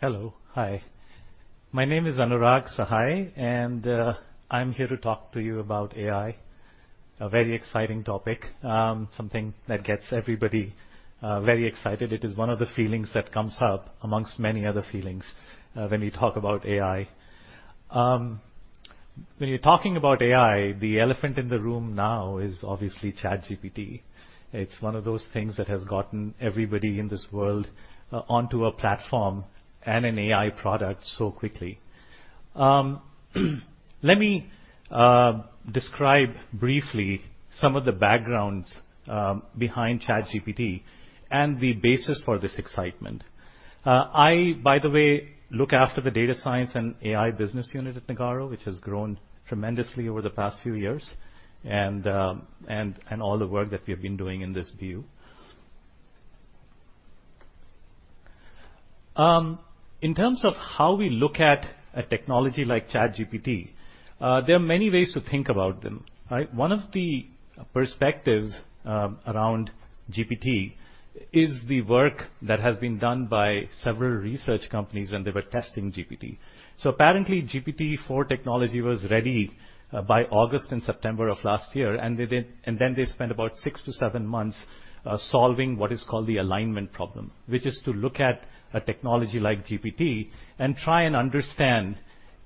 Hello. Hi. My name is Anurag Sahai, I'm here to talk to you about AI, a very exciting topic. Something that gets everybody very excited. It is one of the feelings that comes up amongst many other feelings, when we talk about AI. When you're talking about AI, the elephant in the room now is obviously ChatGPT. It's one of those things that has gotten everybody in this world onto a platform and an AI product so quickly. Let me describe briefly some of the backgrounds behind ChatGPT and the basis for this excitement. I, by the way, look after the data science and AI business unit at Nagarro, which has grown tremendously over the past few years, and all the work that we have been doing in this view. In terms of how we look at a technology like ChatGPT, there are many ways to think about them, right? One of the perspectives around GPT is the work that has been done by several research companies when they were testing GPT. Apparently, GPT-4 technology was ready by August and September of last year, and then they spent about 6-7 months solving what is called the alignment problem, which is to look at a technology like GPT and try and understand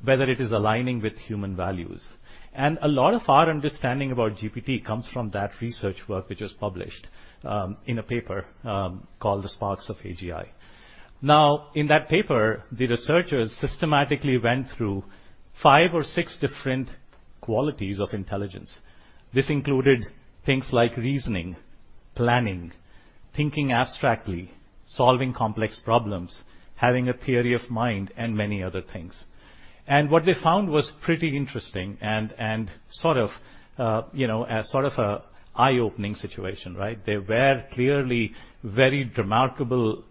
whether it is aligning with human values. A lot of our understanding about GPT comes from that research work, which was published in a paper called "The Sparks of AGI." Now, in that paper, the researchers systematically went through five or six different qualities of intelligence. This included things like reasoning, planning, thinking abstractly, solving complex problems, having a theory of mind, and many other things. What they found was pretty interesting and as eye-opening situation, right? There were clearly very remarkable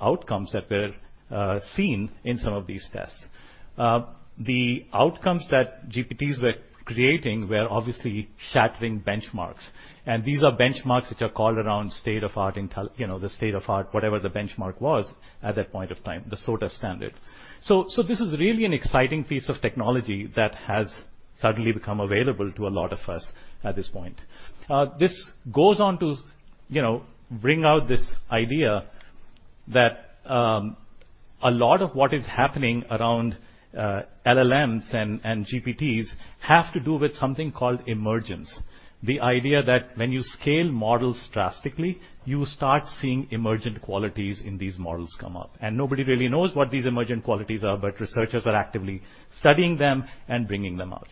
outcomes that were seen in some of these tests. The outcomes that GPTs were creating were obviously shattering benchmarks, and these are benchmarks which are called around state of art, you know, the state of art, whatever the benchmark was at that point of time, the standard. This is really an exciting piece of technology that has suddenly become available to a lot of us at this point. This goes on to, you know, bring out this idea that a lot of what is happening around LLMs and GPTs have to do with something called emergence. The idea that when you scale models drastically, you start seeing emergent qualities in these models come up. Nobody really knows what these emergent qualities are, but researchers are actively studying them and bringing them out.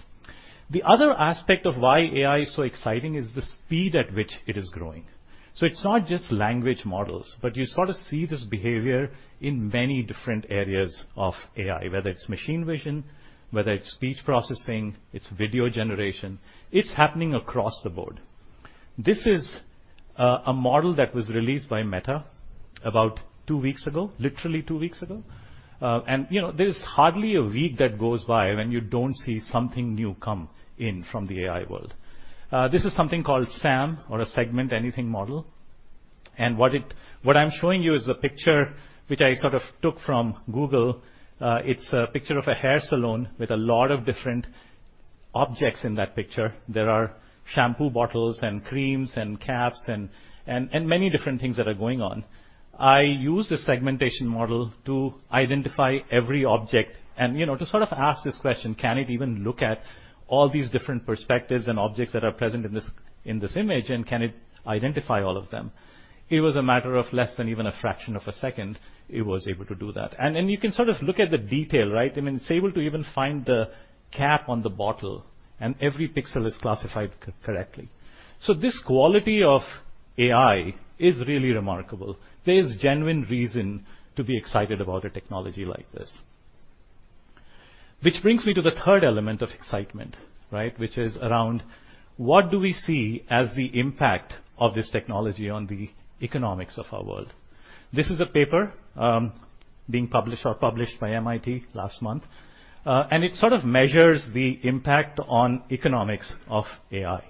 The other aspect of why AI is so exciting is the speed at which it is growing. It's not just language models, but you see this behavior in many different areas of AI, whether it's machine vision, whether it's speech processing, it's video generation, it's happening across the board. This is a model that was released by Meta about two weeks ago, literally two weeks ago. You know, there's hardly a week that goes by when you don't see something new come in from the AI world. This is something called SAM or a Segment Anything Model, and what I'm showing you is a picture which I took from Google. It's a picture of a hair salon with a lot of different objects in that picture. There are shampoo bottles and creams and caps and many different things that are going on. I use the segmentation model to identify every object and, you know, to ask this question, can it even look at all these different perspectives and objects that are present in this, in this image, and can it identify all of them? It was a matter of less than even a fraction of a second it was able to do that. You can look at the detail, right? I mean, it's able to even find the cap on the bottle, and every pixel is classified co-correctly. This quality of AI is really remarkable. There's genuine reason to be excited about a technology like this. Which brings me to the third element of excitement, right? Which is around what do we see as the impact of this technology on the economics of our world. This is a paper being published or published by MIT last month. It measures the impact on economics of AI.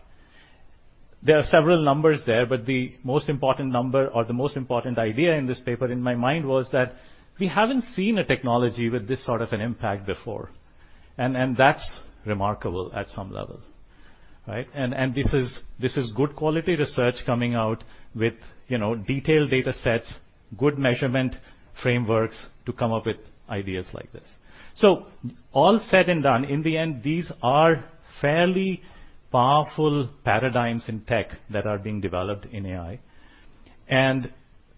There are several numbers there, but the most important number or the most important idea in this paper in my mind was that we haven't seen a technology with this an impact before. That's remarkable at some level, right? This is good quality research coming out with, you know, detailed datasets, good measurement frameworks to come up with ideas like this. All said and done, in the end, these are fairly powerful paradigms in tech that are being developed in AI.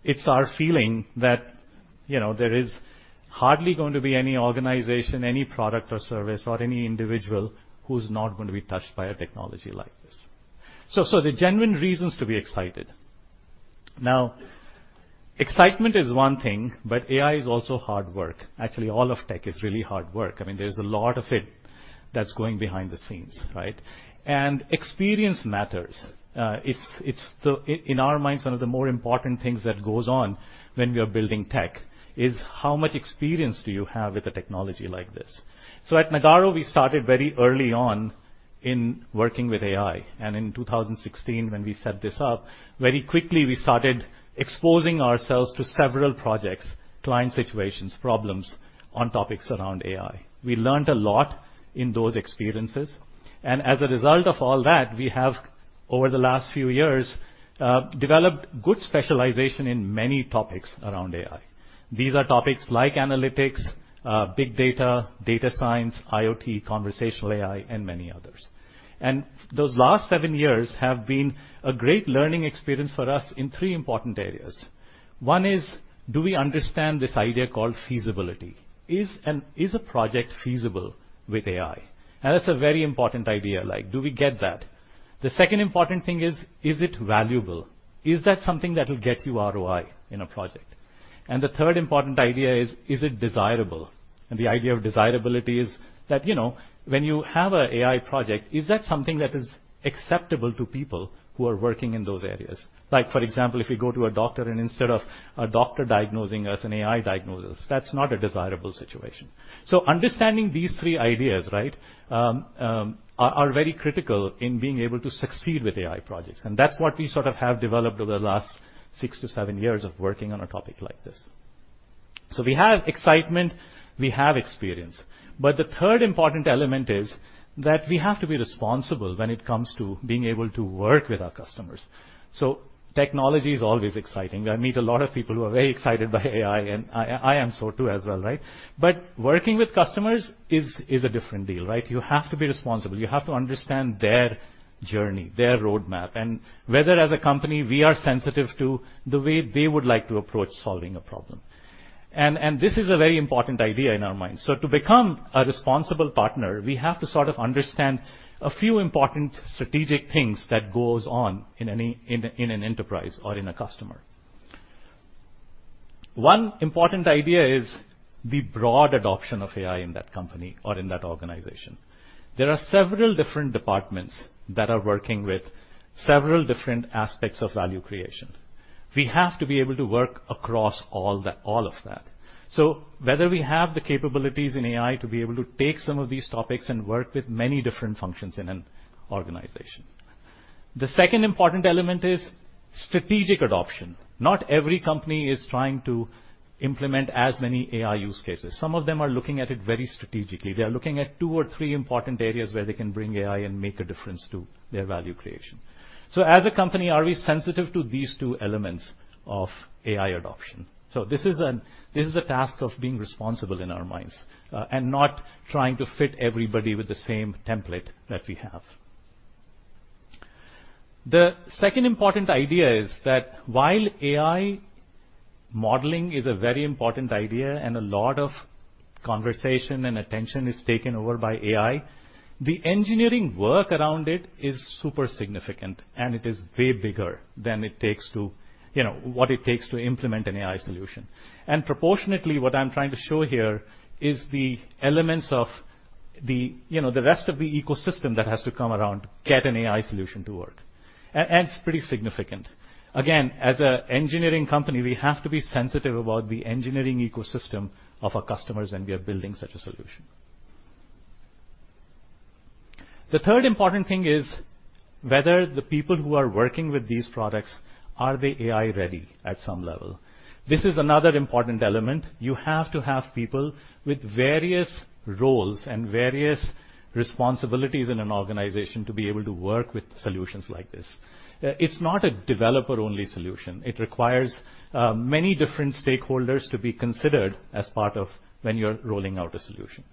It's our feeling that, you know, there is hardly going to be any organization, any product or service or any individual who's not gonna be touched by a technology like this. There are genuine reasons to be excited. Excitement is one thing, but AI is also hard work. All of tech is really hard work. I mean, there's a lot of it that's going behind the scenes, right? Experience matters. It's the... In our minds, one of the more important things that goes on when we are building tech is how much experience do you have with a technology like this. At Nagarro, we started very early on in working with AI, and in 2016 when we set this up, very quickly we started exposing ourselves to several projects, client situations, problems on topics around AI. We learned a lot in those experiences. As a result of all that, we have over the last few years, developed good specialization in many topics around AI. These are topics like analytics, big data science, IoT, conversational AI, and many others. Those last seven years have been a great learning experience for us in three important areas. One is, do we understand this idea called feasibility? Is a project feasible with AI? That's a very important idea, like do we get that? The second important thing is it valuable? Is that something that will get you ROI in a project? The third important idea is it desirable? The idea of desirability is that, you know, when you have a AI project, is that something that is acceptable to people who are working in those areas? Like for example, if you go to a doctor and instead of a doctor diagnosing us, an AI diagnose us, that's not a desirable situation. Understanding these three ideas, right, are very critical in being able to succeed with AI projects. That's what we have developed over the last six to seven years of working on a topic like this. We have excitement, we have experience, but the third important element is that we have to be responsible when it comes to being able to work with our customers. Technology is always exciting. I meet a lot of people who are very excited by AI, and I am so too as well, right? Working with customers is a different deal, right? You have to be responsible. You have to understand their journey, their roadmap, and whether as a company, we are sensitive to the way they would like to approach solving a problem. This is a very important idea in our minds. To become a responsible partner, we have to understand a few important strategic things that goes on in an enterprise or in a customer. One important idea is the broad adoption of AI in that company or in that organization. There are several different departments that are working with several different aspects of value creation. We have to be able to work across all of that. Whether we have the capabilities in AI to be able to take some of these topics and work with many different functions in an organization. The second important element is strategic adoption. Not every company is trying to implement as many AI use cases. Some of them are looking at it very strategically. They are looking at two or three important areas where they can bring AI and make a difference to their value creation. As a company, are we sensitive to these two elements of AI adoption? This is a task of being responsible in our minds, and not trying to fit everybody with the same template that we have. The second important idea is that while AI modeling is a very important idea and a lot of conversation and attention is taken over by AI, the engineering work around it is super significant, and it is way bigger than it takes to, you know, what it takes to implement an AI solution. It's pretty significant. Again, as a engineering company, we have to be sensitive about the engineering ecosystem of our customers when we are building such a solution. The third important thing is whether the people who are working with these products, are they AI ready at some level? This is another important element. You have to have people with various roles and various responsibilities in an organization to be able to work with solutions like this. It's not a developer-only solution. It requires many different stakeholders to be considered as part of when you're rolling out a solution.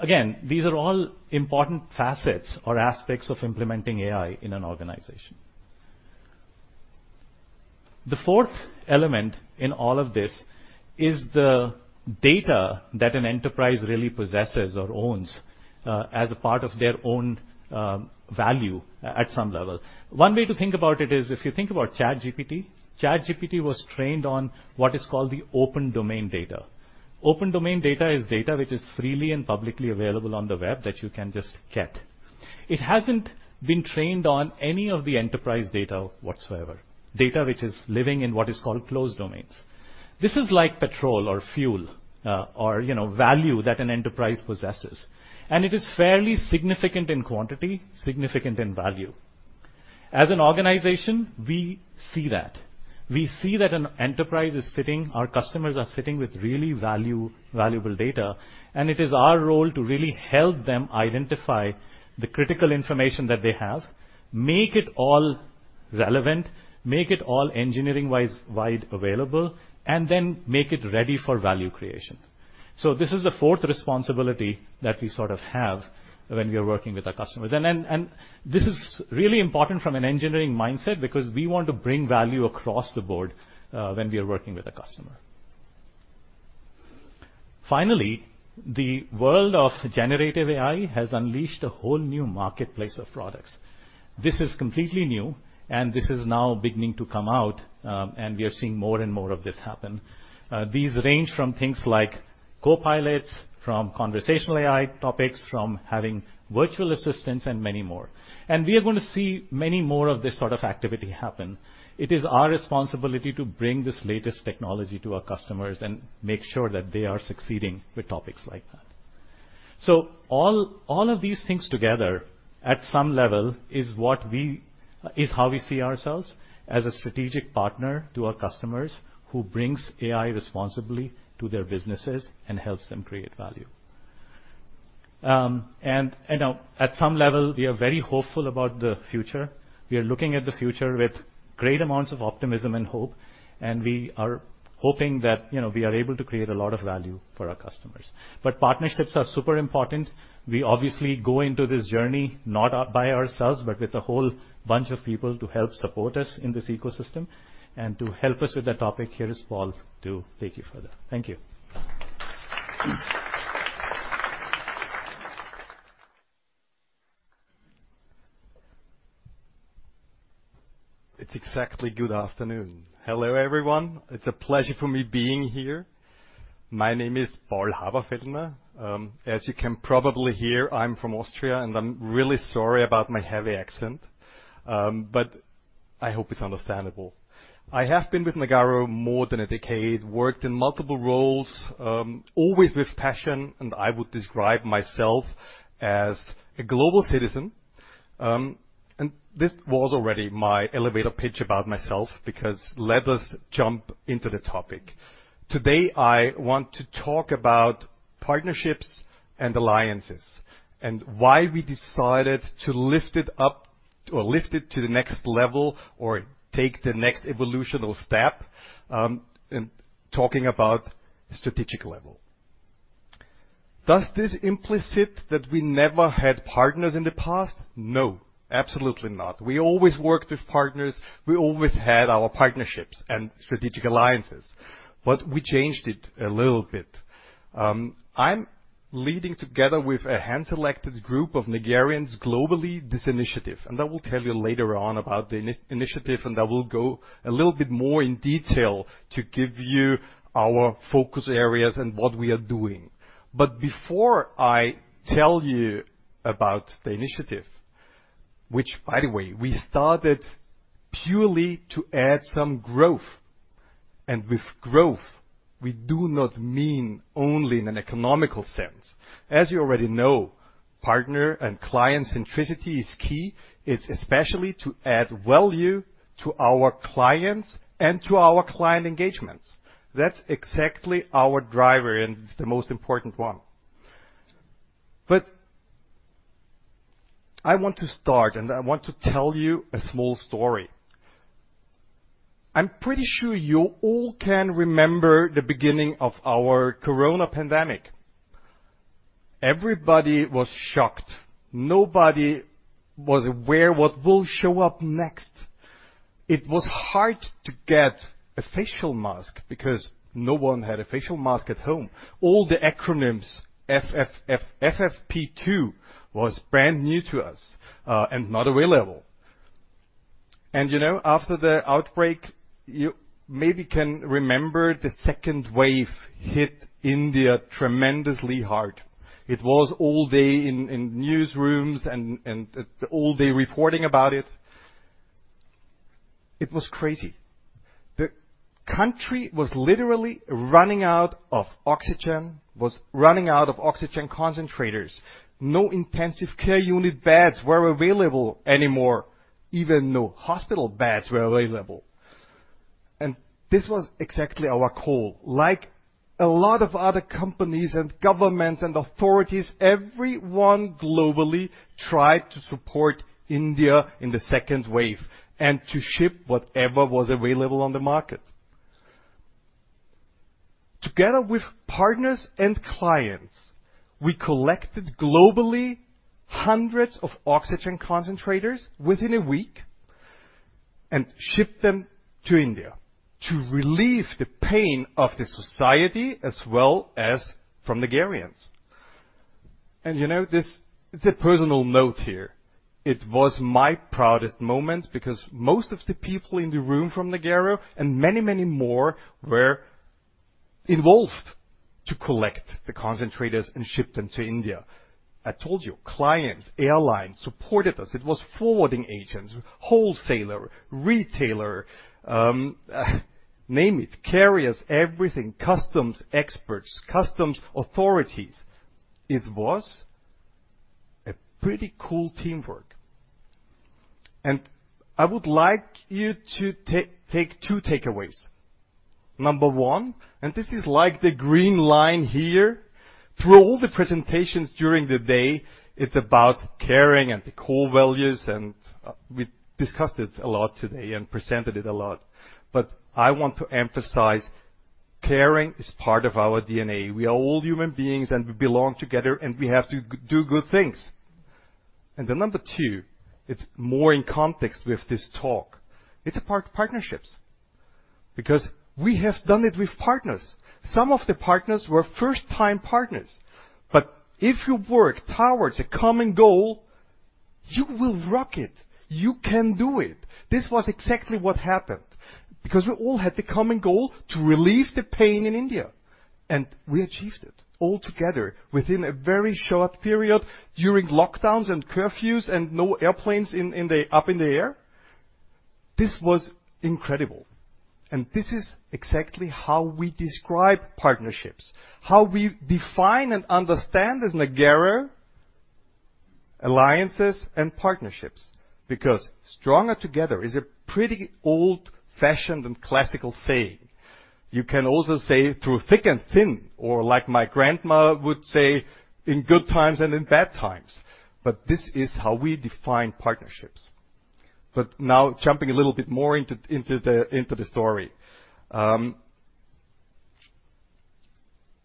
Again, these are all important facets or aspects of implementing AI in an organization. The fourth element in all of this is the data that an enterprise really possesses or owns, as a part of their own value at some level. One way to think about it is if you think about ChatGPT. ChatGPT was trained on what is called the open domain data. Open domain data is data which is freely and publicly available on the web that you can just get. It hasn't been trained on any of the enterprise data whatsoever, data which is living in what is called closed domains. This is like petrol or fuel, or, you know, value that an enterprise possesses, and it is fairly significant in quantity, significant in value. As an organization, we see that. We see that Our customers are sitting with really value-valuable data, and it is our role to really help them identify the critical information that they have, make it all relevant, make it all engineering-wise wide available, and then make it ready for value creation. This is the fourth responsibility that we have when we are working with our customers. This is really important from an engineering mindset because we want to bring value across the board when we are working with a customer. Finally, the world of generative AI has unleashed a whole new marketplace of products. This is completely new, and this is now beginning to come out, and we are seeing more and more of this happen. These range from things like copilots, from conversational AI topics, from having virtual assistants, and many more. We are gonna see many more of this activity happen. It is our responsibility to bring this latest technology to our customers and make sure that they are succeeding with topics like that. All of these things together, at some level, is what we... is how we see ourselves as a strategic partner to our customers who brings AI responsibly to their businesses and helps them create value. At some level, we are very hopeful about the future. We are looking at the future with great amounts of optimism and hope, and we are hoping that, you know, we are able to create a lot of value for our customers. Partnerships are super important. We obviously go into this journey not out by ourselves, but with a whole bunch of people to help support us in this ecosystem. To help us with that topic, here is Paul to take you further. Thank you. It's exactly good afternoon. Hello, everyone. It's a pleasure for me being here. My name is Paul Haberfellner. As you can probably hear, I'm from Austria, and I'm really sorry about my heavy accent, but I hope it's understandable. I have been with Nagarro more than a decade, worked in multiple roles, always with passion. I would describe myself as a global citizen. This was already my elevator pitch about myself because let us jump into the topic. Today, I want to talk about partnerships and alliances and why we decided to lift it up or lift it to the next level or take the next evolutional step in talking about strategic level. Does this implicit that we never had partners in the past? No, absolutely not. We always worked with partners. We always had our partnerships and strategic alliances, but we changed it a little bit. Leading together with a hand-selected group of Nagarrians globally this initiative. I will tell you later on about the initiative, and I will go a little bit more in detail to give you our focus areas and what we are doing. Before I tell you about the initiative, which by the way, we started purely to add some growth. With growth, we do not mean only in an economical sense. As you already know, partner and client centricity is key. It's especially to add value to our clients and to our client engagements. That's exactly our driver, and it's the most important one. I want to start, and I want to tell you a small story. I'm pretty sure you all can remember the beginning of our corona pandemic. Everybody was shocked. Nobody was aware what will show up next. It was hard to get a facial mask because no one had a facial mask at home. All the acronyms FFP2 was brand new to us and not available. You know, after the outbreak, you maybe can remember the second wave hit India tremendously hard. It was all day in newsrooms and all day reporting about it. It was crazy. The country was literally running out of oxygen, was running out of oxygen concentrators. No intensive care unit beds were available anymore. Even no hospital beds were available. This was exactly our call. Like a lot of other companies and governments and authorities, everyone globally tried to support India in the second wave and to ship whatever was available on the market. Together with partners and clients, we collected globally hundreds of oxygen concentrators within a week and shipped them to India to relieve the pain of the society as well as from Nagarrians. You know this. It's a personal note here. It was my proudest moment because most of the people in the room from Nagarro and many, many more were involved to collect the concentrators and ship them to India. I told you, clients, airlines supported us. It was forwarding agents, wholesaler, retailer, name it, carriers, everything, customs experts, customs authorities. It was a pretty cool teamwork. I would like you to take two takeaways. Number one, this is like the green line here. Through all the presentations during the day, it's about caring and the core values, and we discussed it a lot today and presented it a lot. I want to emphasize, caring is part of our DNA. We are all human beings, and we belong together, and we have to do good things. Number two, it's more in context with this talk. It's part partnerships, because we have done it with partners. Some of the partners were first-time partners. If you work towards a common goal, you will rock it. You can do it. This was exactly what happened, because we all had the common goal to relieve the pain in India, and we achieved it all together within a very short period during lockdowns and curfews and no airplanes in the up in the air. This was incredible. This is exactly how we describe partnerships, how we define and understand as Nagarro alliances and partnerships. Stronger together is a pretty old-fashioned and classical saying. You can also say through thick and thin, or like my grandma would say, in good times and in bad times. This is how we define partnerships. Now jumping a little bit more into the story.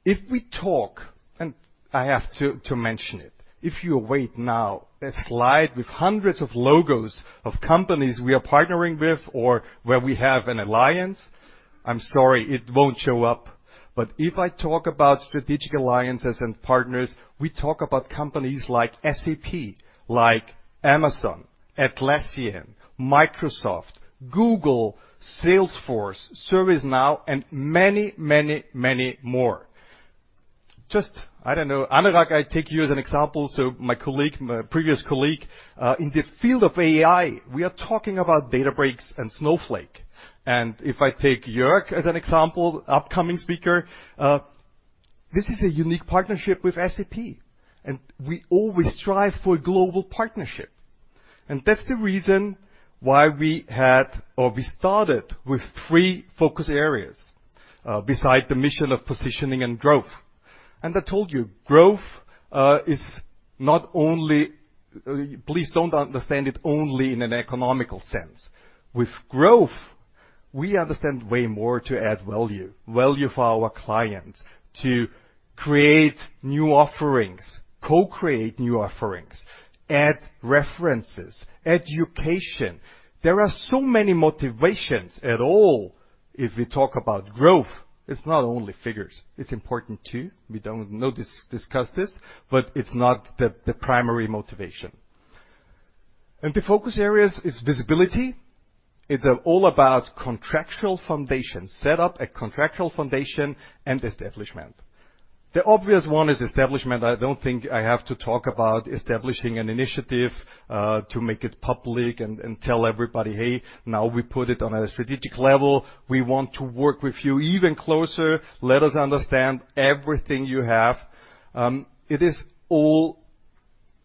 If we talk, and I have to mention it, if you await now a slide with hundreds of logos of companies we are partnering with or where we have an alliance, I'm sorry, it won't show up. If I talk about strategic alliances and partners, we talk about companies like SAP, like Amazon, Atlassian, Microsoft, Google, Salesforce, ServiceNow, and many more. Just, I don't know, Anurag, I take you as an example. My colleague, my previous colleague in the field of AI, we are talking about Databricks and Snowflake. If I take Jörg as an example, upcoming speaker, this is a unique partnership with SAP, we always strive for global partnership. That's the reason why we had or we started with 3 focus areas, beside the mission of positioning and growth. I told you, growth is not only, please don't understand it only in an economical sense. With growth, we understand way more to add value for our clients, to create new offerings, co-create new offerings, add references, education. There are so many motivations at all. If we talk about growth, it's not only figures. It's important too. We don't discuss this, but it's not the primary motivation. The focus areas is visibility. It's all about contractual foundation, set up a contractual foundation and establishment. The obvious one is establishment. I don't think I have to talk about establishing an initiative to make it public and tell everybody, "Hey, now we put it on a strategic level. We want to work with you even closer. Let us understand everything you have." It is all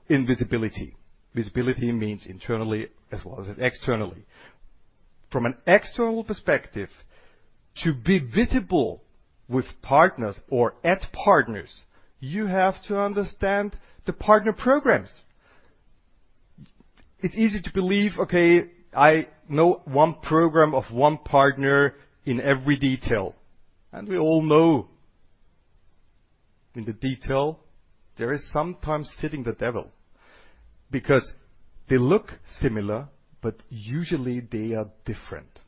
in visibility. Visibility means internally as well as externally. From an external perspective, to be visible with partners or at partners, you have to understand the partner programs. It's easy to believe, okay, I know one program of one partner in every detail, and we all know in the detail there is sometimes sitting the devil because they look similar, but usually they are different.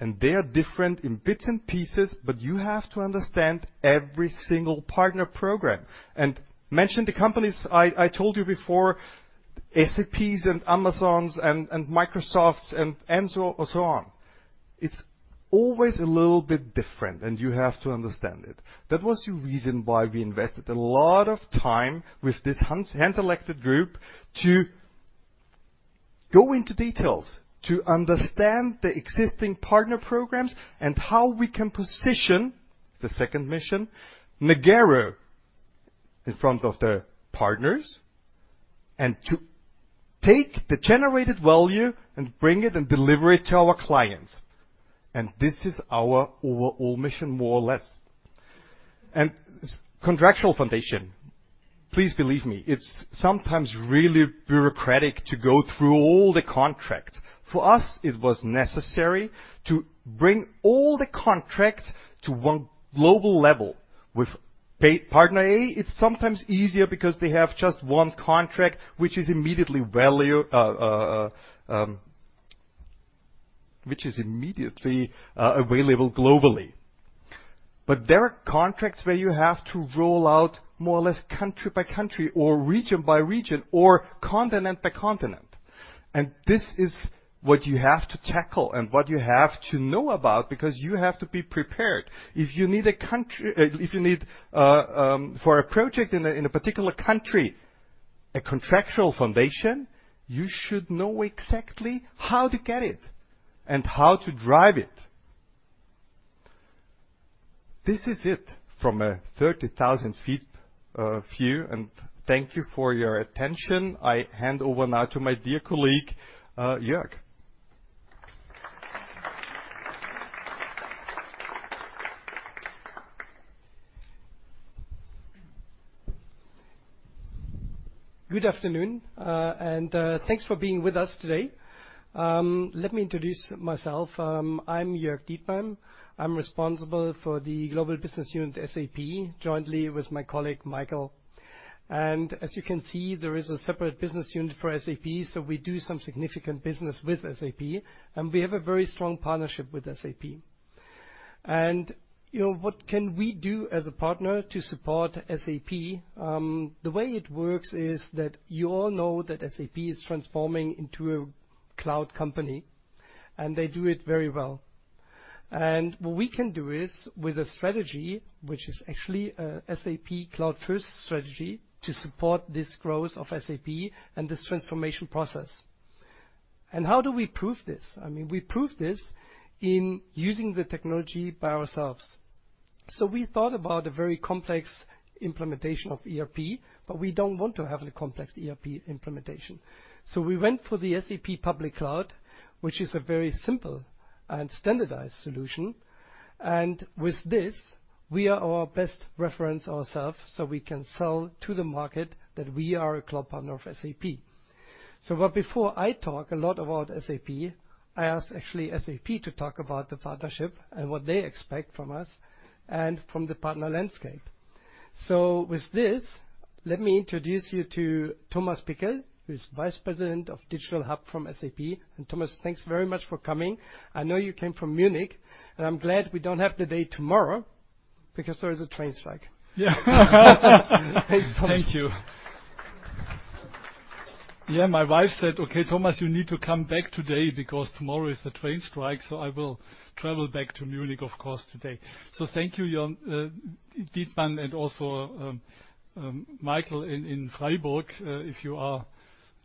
They are different in bits and pieces, but you have to understand every single partner program. Mention the companies I told you before, SAP's and Amazon's and Microsoft's and so on. It's always a little bit different, and you have to understand it. That was the reason why we invested a lot of time with this hand-selected group to go into details, to understand the existing partner programs and how we can position, the second mission, Nagarro in front of the partners and to take the generated value and bring it and deliver it to our clients. This is our overall mission, more or less. Contractual foundation, please believe me, it's sometimes really bureaucratic to go through all the contracts. For us, it was necessary to bring all the contracts to one global level. With partner A, it's sometimes easier because they have just one contract, which is immediately value, which is immediately available globally. There are contracts where you have to roll out more or less country by country or region by region or continent by continent. This is what you have to tackle and what you have to know about because you have to be prepared. If you need for a project in a particular country, a contractual foundation, you should know exactly how to get it and how to drive it. This is it from a 30,000-feet view, and thank you for your attention. I hand over now to my dear colleague, Jörg. Good afternoon, and thanks for being with us today. Let me introduce myself. I'm Jörg Dietmann. I'm responsible for the global business unit SAP, jointly with my colleague Michael. As you can see, there is a separate business unit for SAP, so we do some significant business with SAP, and we have a very strong partnership with SAP. You know, what can we do as a partner to support SAP? The way it works is that you all know that SAP is transforming into a cloud company, and they do it very well. What we can do is, with a strategy, which is actually a SAP Cloud First strategy, to support this growth of SAP and this transformation process. How do we prove this? I mean, we prove this in using the technology by ourselves. We thought about a very complex implementation of ERP. We don't want to have a complex ERP implementation. We went for the SAP public cloud, which is a very simple and standardized solution. With this, we are our best reference ourself, so we can sell to the market that we are a cloud partner of SAP. Before I talk a lot about SAP, I ask actually SAP to talk about the partnership and what they expect from us and from the partner landscape. With this, let me introduce you to Thomas Pickel, who is Vice President of Digital Hub from SAP. Thomas, thanks very much for coming. I know you came from Munich, and I'm glad we don't have the day tomorrow because there is a train strike. Yeah. Thanks, Thomas. Thank you. Yeah, my wife said, "Okay, Thomas, you need to come back today because tomorrow is the train strike." I will travel back to Munich, of course, today. Thank you, Jörg Dietmann, and also Michael in Freiburg, if you are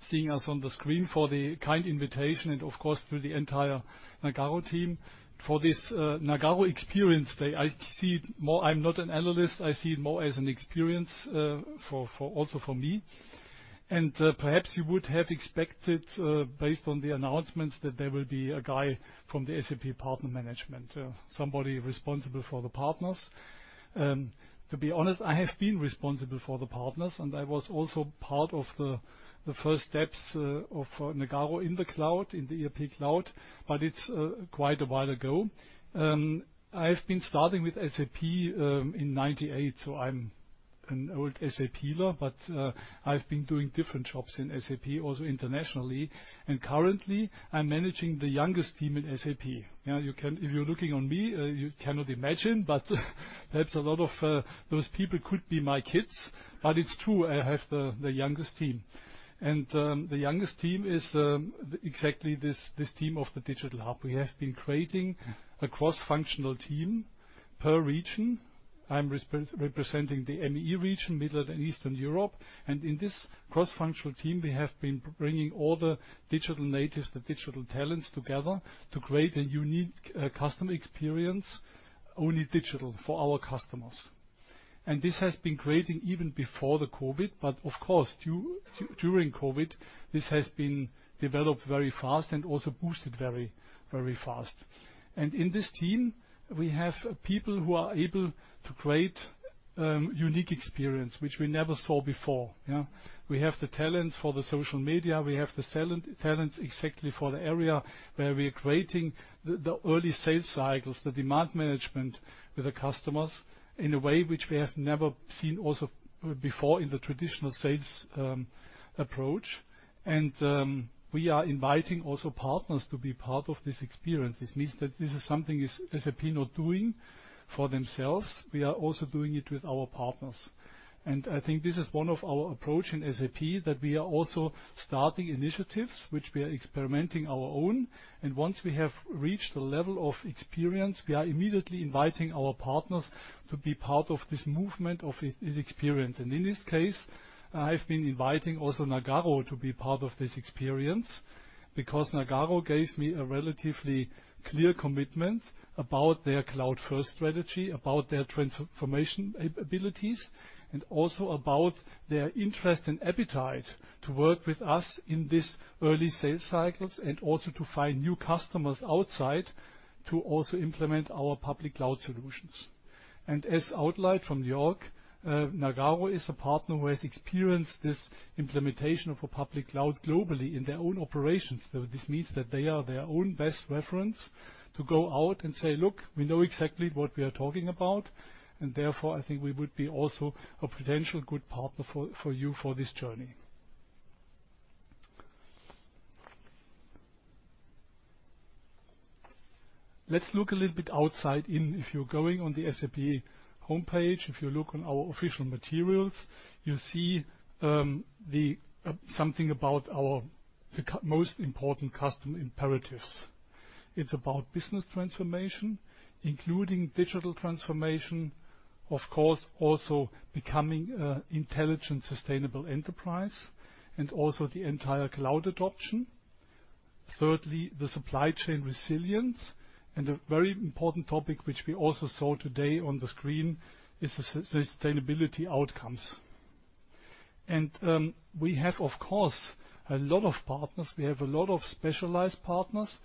seeing us on the screen for the kind invitation and, of course, to the entire Nagarro team for this Nagarro experience day. I see it more. I'm not an analyst. I see it more as an experience for also for me. Perhaps you would have expected, based on the announcements that there will be a guy from the SAP partner management, somebody responsible for the partners. To be honest, I have been responsible for the partners, and I was also part of the first steps of Nagarro in the cloud, in the ERP cloud, but it's quite a while ago. I've been starting with SAP in 98, so I'm-An old SAPler, but I've been doing different jobs in SAP, also internationally. Currently, I'm managing the youngest team in SAP. Now, if you're looking on me, you cannot imagine, but perhaps a lot of those people could be my kids. It's true, I have the youngest team. The youngest team is exactly this team of the Digital Hub. We have been creating a cross-functional team per region. I'm representing the ME region, Middle and Eastern Europe. In this cross-functional team, we have been bringing all the digital natives, the digital talents together to create a unique e-customer experience, only digital for our customers. This has been creating even before the COVID, but of course, during COVID, this has been developed very fast and also boosted very, very fast. In this team, we have people who are able to create unique experience which we never saw before, yeah. We have the talents for the social media. We have the talents exactly for the area where we're creating the early sales cycles, the demand management with the customers in a way which we have never seen also before in the traditional sales approach. We are inviting also partners to be part of this experience. This means that this is something SAP not doing for themselves. We are also doing it with our partners. I think this is one of our approach in SAP, that we are also starting initiatives which we are experimenting our own. Once we have reached the level of experience, we are immediately inviting our partners to be part of this movement, of this experience. In this case, I've been inviting also Nagarro to be part of this experience because Nagarro gave me a relatively clear commitment about their cloud-first strategy, about their transformation abilities, and also about their interest and appetite to work with us in this early sales cycles and also to find new customers outside to also implement our public cloud solutions. As outlined from Jörg, Nagarro is a partner who has experienced this implementation of a public cloud globally in their own operations. This means that they are their own best reference to go out and say, "Look, we know exactly what we are talking about, and therefore, I think we would be also a potential good partner for you for this journey." Let's look a little bit outside in. If you're going on the SAP homepage, if you look on our official materials, you see something about our most important customer imperatives. It's about business transformation, including digital transformation, of course, also becoming an intelligent, sustainable enterprise and also the entire cloud adoption. The supply chain resilience. A very important topic which we also saw today on the screen is the sustainability outcomes. We have, of course, a lot of partners. We have a lot of specialized partners.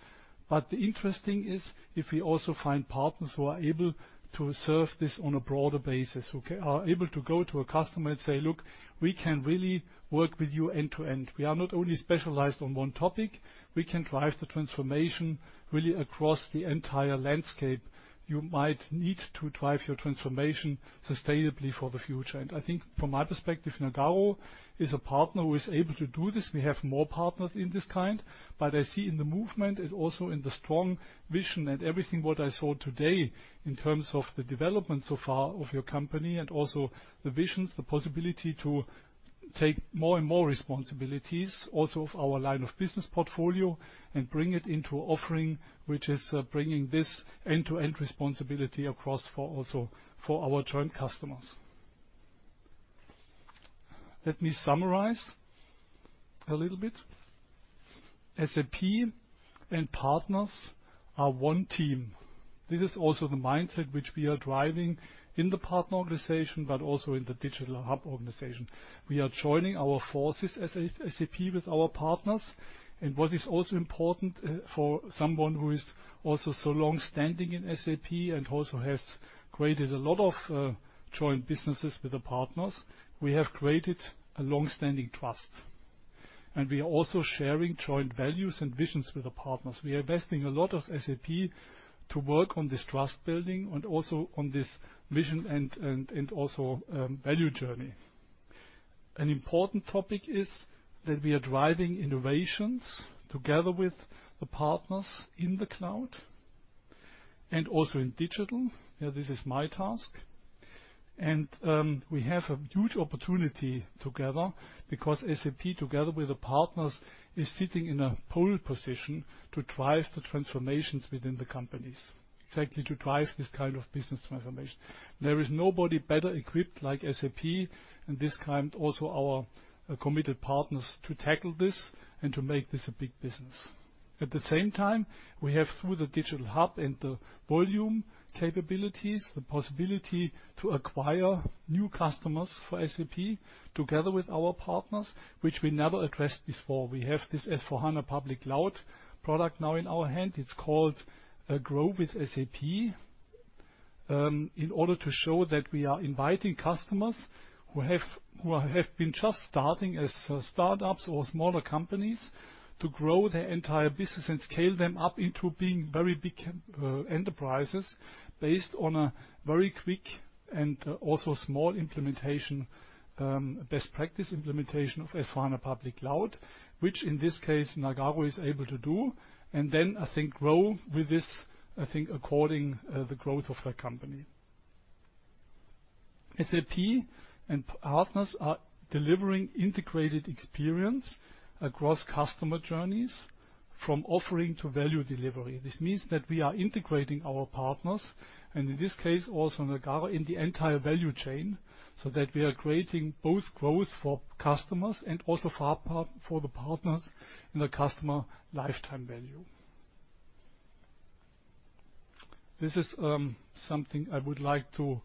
The interesting is, if we also find partners who are able to serve this on a broader basis, okay, are able to go to a customer and say, "Look, we can really work with you end-to-end. We are not only specialized on one topic, we can drive the transformation really across the entire landscape you might need to drive your transformation sustainably for the future. I think from my perspective, Nagarro is a partner who is able to do this. We have more partners in this kind. I see in the movement and also in the strong vision and everything what I saw today in terms of the development so far of your company and also the visions, the possibility to take more and more responsibilities also of our line of business portfolio and bring it into offering, which is bringing this end-to-end responsibility across for also, for our joint customers. Let me summarize a little bit. SAP and partners are one team. This is also the mindset which we are driving in the partner organization, but also in the Digital Hub organization. We are joining our forces as SAP with our partners. What is also important, for someone who is also so long-standing in SAP and also has created a lot of joint businesses with the partners, we have created a long-standing trust. We are also sharing joint values and visions with the partners. We are investing a lot as SAP to work on this trust building and also on this vision and value journey. An important topic is that we are driving innovations together with the partners in the cloud and also in digital. Yeah, this is my task. We have a huge opportunity together because SAP, together with the partners, is sitting in a pole position to drive the transformations within the companies, exactly to drive this kind of business transformation. There is nobody better equipped like SAP and this kind, also our committed partners, to tackle this and to make this a big business. At the same time, we have through the Digital Hub and the volume capabilities, the possibility to acquire new customers for SAP together with our partners, which we never addressed before. We have this S/4HANA public cloud product now in our hand. It's called, GROW with SAP. In order to show that we are inviting customers who have been just starting as startups or smaller companies to grow their entire business and scale them up into being very big enterprises based on a very quick and also small implementation, best practice implementation of S/4HANA Public Cloud, which in this case, Nagarro is able to do, and then I think grow with this, I think according the growth of their company. Partners are delivering integrated experience across customer journeys from offering to value delivery. This means that we are integrating our partners, and in this case also Nagarro, in the entire value chain, so that we are creating both growth for customers and also for the partners in the customer lifetime value. This is something I would like to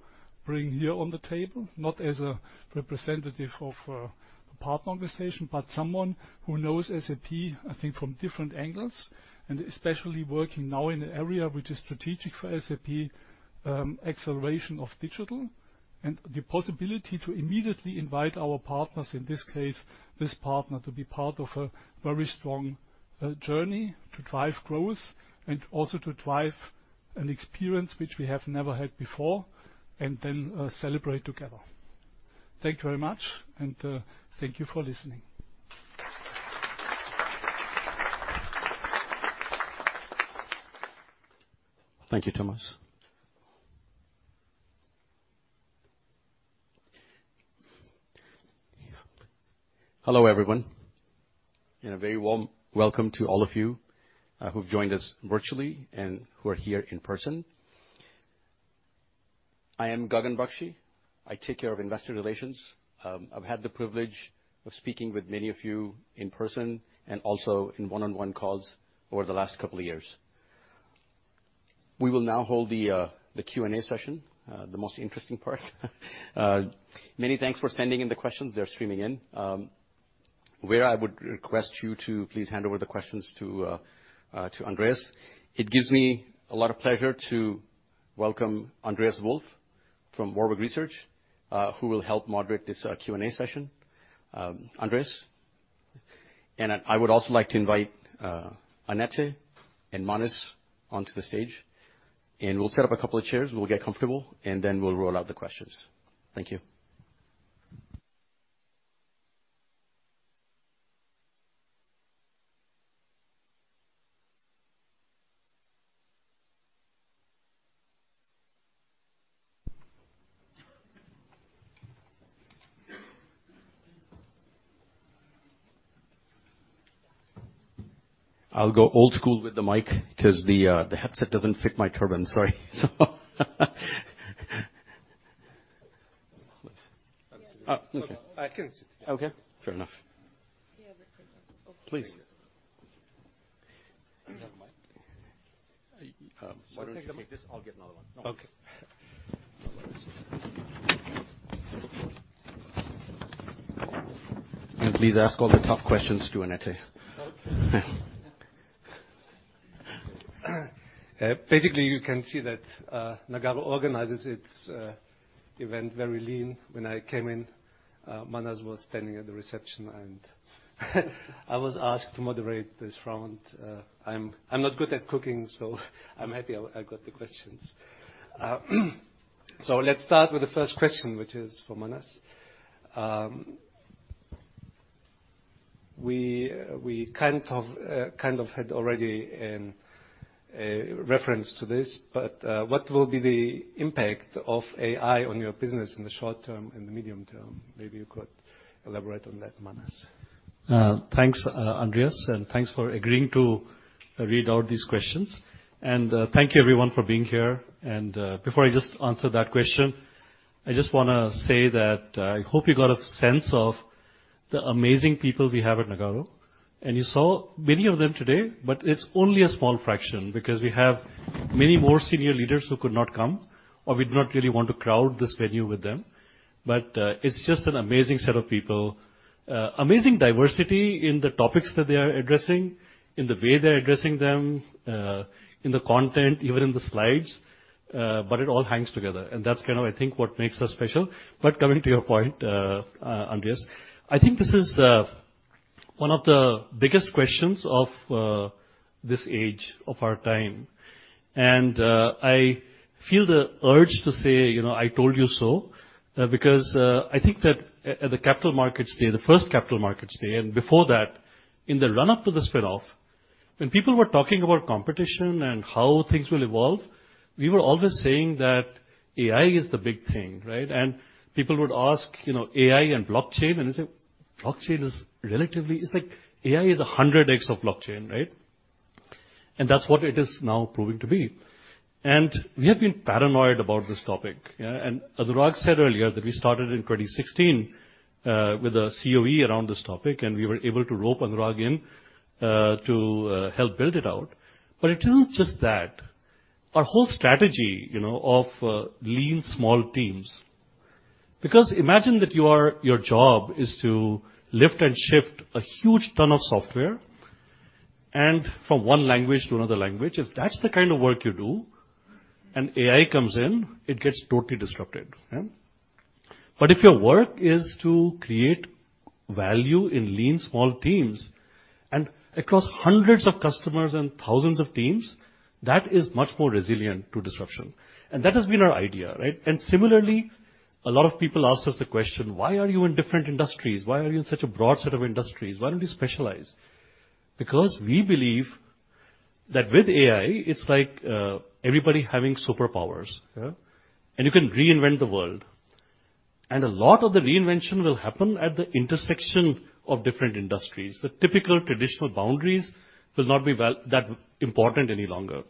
bring here on the table, not as a representative of a partner organization, but someone who knows SAP, I think, from different angles, and especially working now in an area which is strategic for SAP, acceleration of digital and the possibility to immediately invite our partners, in this case, this partner, to be part of a very strong journey to drive growth and also to drive an experience which we have never had before and then, celebrate together. Thank you very much, and thank you for listening. Thank you, Thomas. Hello, everyone, and a very warm welcome to all of you, who've joined us virtually and who are here in person. I am Gagan Bakshi. I take care of investor relations. I've had the privilege of speaking with many of you in person and also in one-on-one calls over the last couple of years. We will now hold the Q&A session, the most interesting part. Many thanks for sending in the questions. They're streaming in. Where I would request you to please hand over the questions to Andreas. It gives me a lot of pleasure to welcome Andreas Wolf from Warburg Research, who will help moderate this Q&A session. Andreas. I would also like to invite Annette and Manas onto the stage. We'll set up a couple of chairs. We'll get comfortable. Then we'll roll out the questions. Thank you. I'll go old school with the mic because the headset doesn't fit my turban. Sorry. Oops. I can sit. Okay, fair enough. He has it. Please. You have a mic? Um, so- Take this. I'll get another one. Okay. Please ask all the tough questions to Annette Mainka. Basically, you can see that Nagarro organizes its event very lean. When I came in, Manas was standing at the reception, and I was asked to moderate this round. I'm not good at cooking, so I'm happy I got the questions. Let's start with the first question, which is for Manas. We kind of had already a reference to this, but what will be the impact of AI on your business in the short term and the medium term? Maybe you could elaborate on that, Manas. Thanks, Andreas, and thanks for agreeing to read out these questions. Thank you everyone for being here. Before I just answer that question, I just wanna say that I hope you got a sense of the amazing people we have at Nagarro. You saw many of them today, but it's only a small fraction because we have many more senior leaders who could not come, or we did not really want to crowd this venue with them. It's just an amazing set of people. Amazing diversity in the topics that they are addressing, in the way they're addressing them, in the content, even in the slides. It all hangs together, and that's kind of, I think, what makes us special. Coming to your point, Andreas. I think this is one of the biggest questions of this age of our time. I feel the urge to say, you know, I told you so, because I think that at the Capital Markets Day, the first Capital Markets Day and before that, in the run-up to the spin-off, when people were talking about competition and how things will evolve, we were always saying that AI is the big thing, right? People would ask, you know, AI and blockchain, and I said, "Blockchain is relatively... It's like AI is 100x of blockchain, right?" That's what it is now proving to be. We have been paranoid about this topic. Yeah. Anurag said earlier that we started in 2016 with a COE around this topic, and we were able to rope Anurag in to help build it out. It is not just that. Our whole strategy, you know, of lean small teams. Because imagine that your job is to lift and shift a huge ton of software and from one language to another language. If that's the kind of work you do and AI comes in, it gets totally disrupted. Yeah. If your work is to create value in lean small teams and across hundreds of customers and thousands of teams, that is much more resilient to disruption. That has been our idea, right? Similarly, a lot of people ask us the question, "Why are you in different industries? Why are you in such a broad set of industries? Why don't you specialize?" We believe that with AI, it's like everybody having superpowers, yeah? You can reinvent the world. A lot of the reinvention will happen at the intersection of different industries. The typical traditional boundaries will not be that important any longer.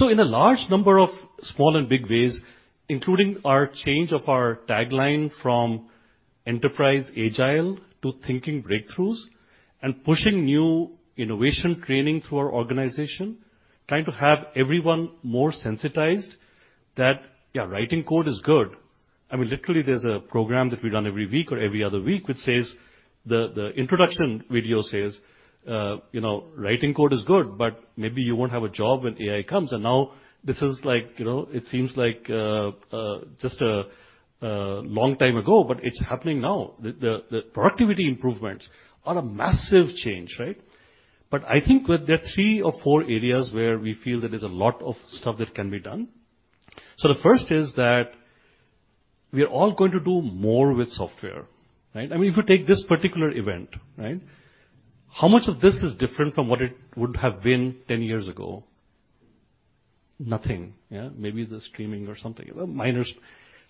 In a large number of small and big ways, including our change of our tagline from enterprise agile to thinking breakthroughs and pushing new innovation training through our organization, trying to have everyone more sensitized that, yeah, writing code is good. I mean, literally, there's a program that we run every week or every other week, which says. The introduction video says, you know, writing code is good, but maybe you won't have a job when AI comes. Now this is like, you know, it seems like just a long time ago, but it's happening now. The productivity improvements are a massive change, right? I think with the three or four areas where we feel there is a lot of stuff that can be done. The first is that we are all going to do more with software, right? I mean, if you take this particular event, right, how much of this is different from what it would have been 10 years ago? Nothing. Yeah. Maybe the streaming or something. Well, minors.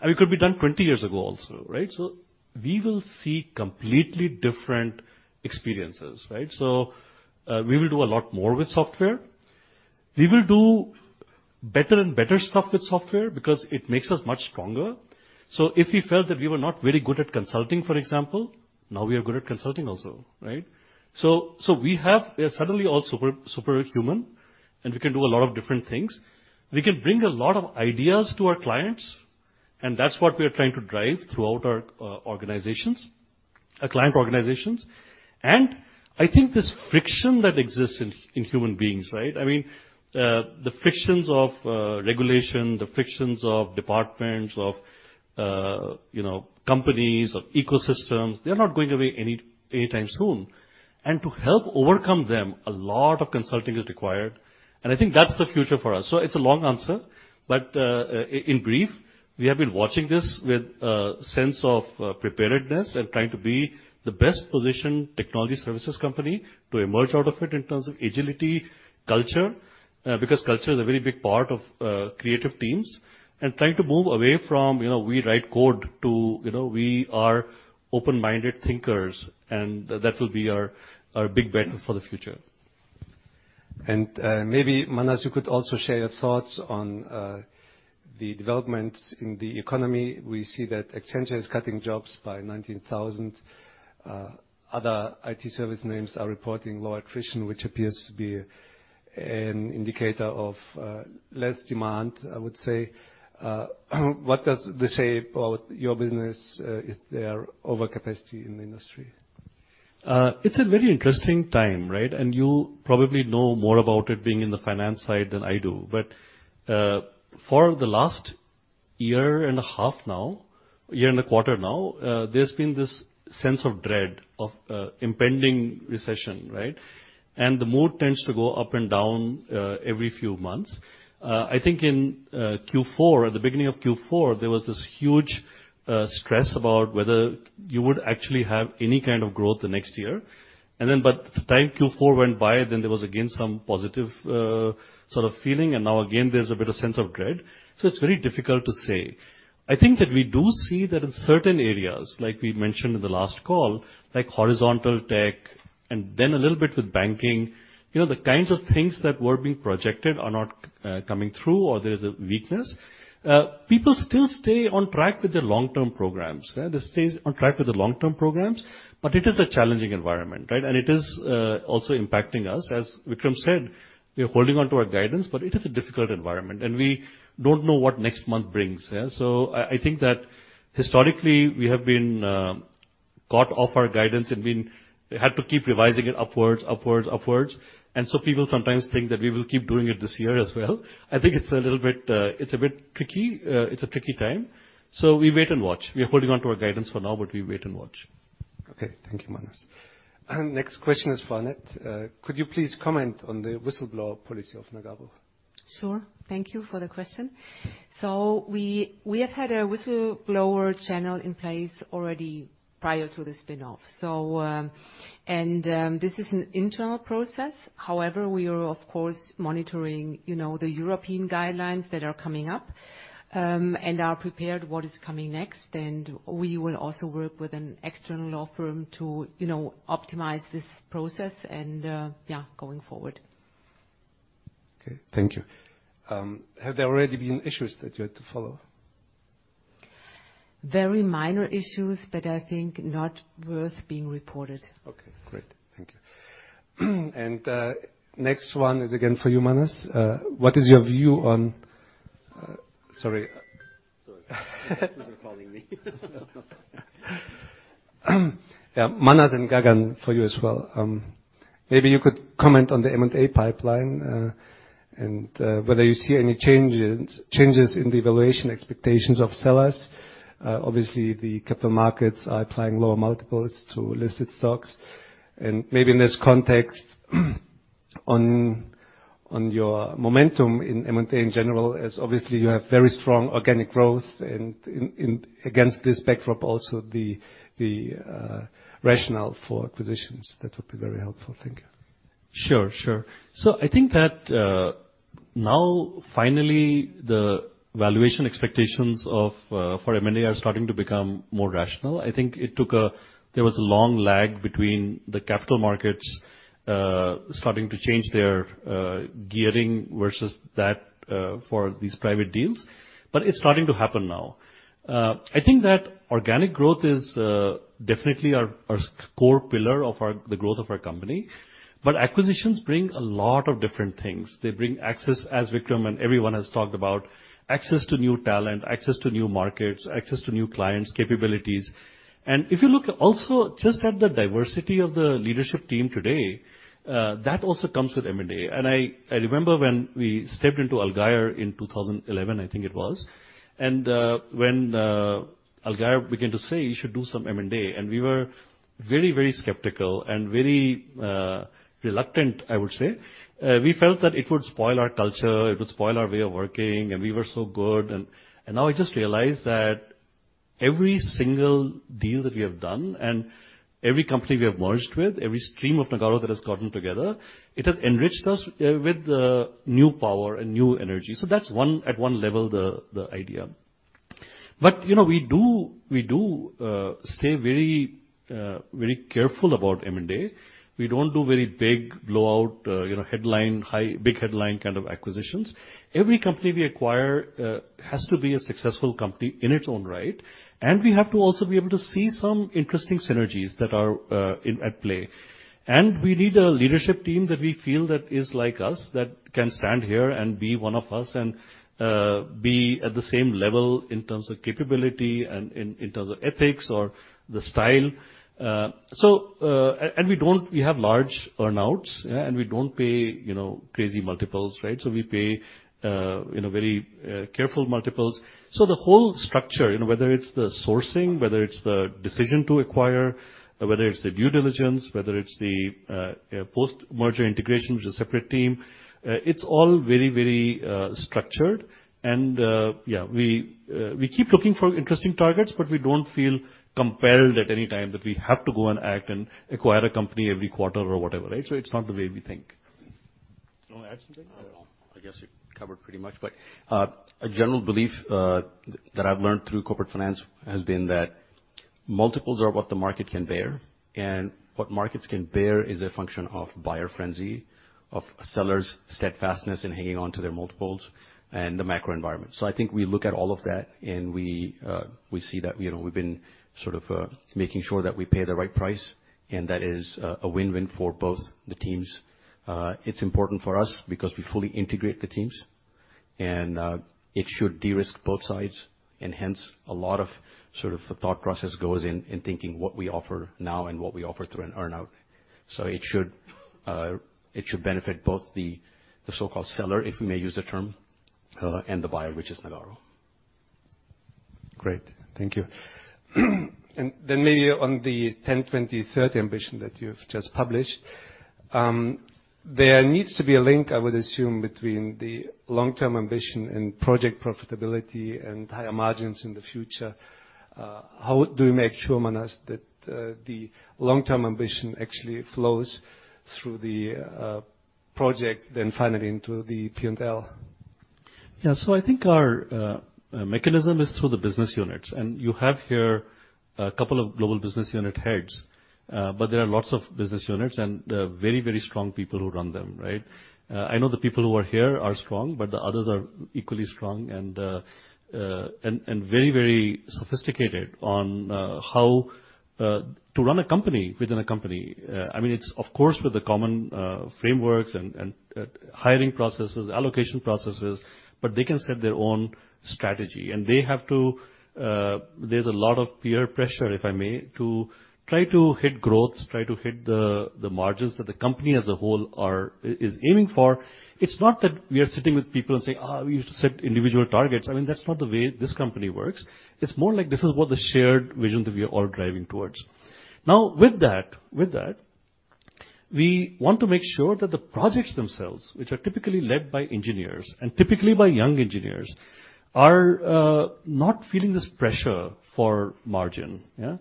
I mean, it could be done 20 years ago also, right? We will see completely different experiences, right? We will do a lot more with software. We will do better and better stuff with software because it makes us much stronger. If we felt that we were not very good at consulting, for example, now we are good at consulting also, right? We are suddenly all super human, and we can do a lot of different things. We can bring a lot of ideas to our clients, and that's what we are trying to drive throughout our organizations, our client organizations. I think this friction that exists in human beings, right? I mean, the frictions of regulation, the frictions of departments, of, you know, companies or ecosystems, they're not going away anytime soon. To help overcome them, a lot of consulting is required, and I think that's the future for us. It's a long answer, but, in brief, we have been watching this with a sense of preparedness and trying to be the best positioned technology services company to emerge out of it in terms of agility, culture, because culture is a very big part of creative teams. Trying to move away from, you know, we write code to, you know, we are open-minded thinkers, and that will be our big bet for the future. Maybe, Manas, you could also share your thoughts on the developments in the economy. We see that Accenture is cutting jobs by 19,000. Other IT service names are reporting lower attrition, which appears to be an indicator of less demand, I would say. What does this say about your business, if there are overcapacity in the industry? It's a very interesting time, right? You probably know more about it being in the finance side than I do. For the last year and a half now, a year and a quarter now, there's been this sense of dread of impending recession, right? The mood tends to go up and down every few months. I think in Q4, at the beginning of Q4, there was this huge stress about whether you would actually have any kind of growth the next year. Then by the time Q4 went by, then there was, again, some positive feeling. Now again, there's a bit of sense of dread. It's very difficult to say. I think that we do see that in certain areas, like we mentioned in the last call, like horizontal tech and then a little bit with banking. You know, the kinds of things that were being projected are not coming through or there is a weakness. People still stay on track with their long-term programs. They stay on track with the long-term programs, but it is a challenging environment, right? It is also impacting us. As Vikram said, we are holding on to our guidance, but it is a difficult environment, and we don't know what next month brings. Yeah. I think that historically we have been caught off our guidance and had to keep revising it upwards, upwards. People sometimes think that we will keep doing it this year as well. I think it's a little bit, it's a bit tricky. It's a tricky time. We wait and watch. We are holding on to our guidance for now, but we wait and watch. Okay. Thank you, Manas. Next question is for Annette. Could you please comment on the whistleblower policy of Nagarro? Sure. Thank you for the question. We have had a whistleblower channel in place already prior to the spin-off. This is an internal process. However, we are of course monitoring, you know, the European guidelines that are coming up and are prepared what is coming next. We will also work with an external law firm to, you know, optimize this process going forward. Okay. Thank you. Have there already been issues that you had to follow? Very minor issues, but I think not worth being reported. Okay, great. Thank you. Next one is again for you, Manas. What is your view on... sorry. Sorry. People are calling me. Manas and Gagan, for you as well. Maybe you could comment on the M&A pipeline and whether you see any changes in the evaluation expectations of sellers. Obviously, the capital markets are applying lower multiples to listed stocks. Maybe in this context, on your momentum in M&A in general, as obviously you have very strong organic growth and against this backdrop also the rationale for acquisitions. That would be very helpful. Thank you. I think that now finally the valuation expectations for M&A are starting to become more rational. I think it took there was a long lag between the capital markets starting to change their gearing versus that for these private deals. It's starting to happen now. I think that organic growth is definitely our core pillar of our, the growth of our company. Acquisitions bring a lot of different things. They bring access, as Vikram and everyone has talked about, access to new talent, access to new markets, access to new clients, capabilities. If you look also just at the diversity of the leadership team today, that also comes with M&A. I remember when we stepped into Allgeier in 2011, I think it was, and when Allgeier began to say, "You should do some M&A," and we were very, very skeptical and very reluctant, I would say. We felt that it would spoil our culture, it would spoil our way of working, and we were so good and now I just realize that every single deal that we have done and every company we have merged with, every stream of Nagarro that has gotten together, it has enriched us with new power and new energy. That's one, at one level, the idea. You know, we do stay very careful about M&A. We don't do very big blowout, you know, headline, high, big headline acquisitions. Every company we acquire has to be a successful company in its own right, and we have to also be able to see some interesting synergies that are at play. We need a leadership team that we feel that is like us, that can stand here and be one of us and be at the same level in terms of capability and in terms of ethics or the style. We don't... We have large earn-outs, yeah? We don't pay, you know, crazy multiples, right? We pay, you know, very careful multiples. The whole structure, you know, whether it's the sourcing, whether it's the decision to acquire, whether it's the due diligence, whether it's the post-merger integration, which is a separate team, it's all very, very structured. Yeah, we keep looking for interesting targets, but we don't feel compelled at any time that we have to go and act and acquire a company every quarter or whatever, right? It's not the way we think. You wanna add something? I don't know. I guess you covered pretty much. A general belief that I've learned through corporate finance has been that multiples are what the market can bear, and what markets can bear is a function of buyer frenzy, of sellers' steadfastness in hanging on to their multiples and the macro environment. I think we look at all of that and we see that, you know, we've been making sure that we pay the right price and that is a win-win for both the teams. It's important for us because we fully integrate the teams. It should de-risk both sides and hence a lot of thought process goes in thinking what we offer now and what we offer through an earn-out. It should benefit both the so-called seller, if we may use the term, and the buyer, which is Nagarro. Great. Thank you. Maybe on the 10, 20, 30 ambition that you've just published, there needs to be a link, I would assume, between the long-term ambition and project profitability and higher margins in the future. How do you make sure, Manas, that the long-term ambition actually flows through the project, then finally into the P&L? I think our mechanism is through the business units. You have here a couple of global business unit heads, but there are lots of business units and very, very strong people who run them, right? I know the people who are here are strong, but the others are equally strong and very, very sophisticated on how to run a company within a company. I mean, it's of course with the common frameworks and hiring processes, allocation processes, but they can set their own strategy. They have to, there's a lot of peer pressure, if I may, to try to hit growth, try to hit the margins that the company as a whole is aiming for. It's not that we are sitting with people and say, "We need to set individual targets." I mean, that's not the way this company works. It's more like this is what the shared vision that we are all driving towards. With that, we want to make sure that the projects themselves, which are typically led by engineers and typically by young engineers, are not feeling this pressure for margin, yeah.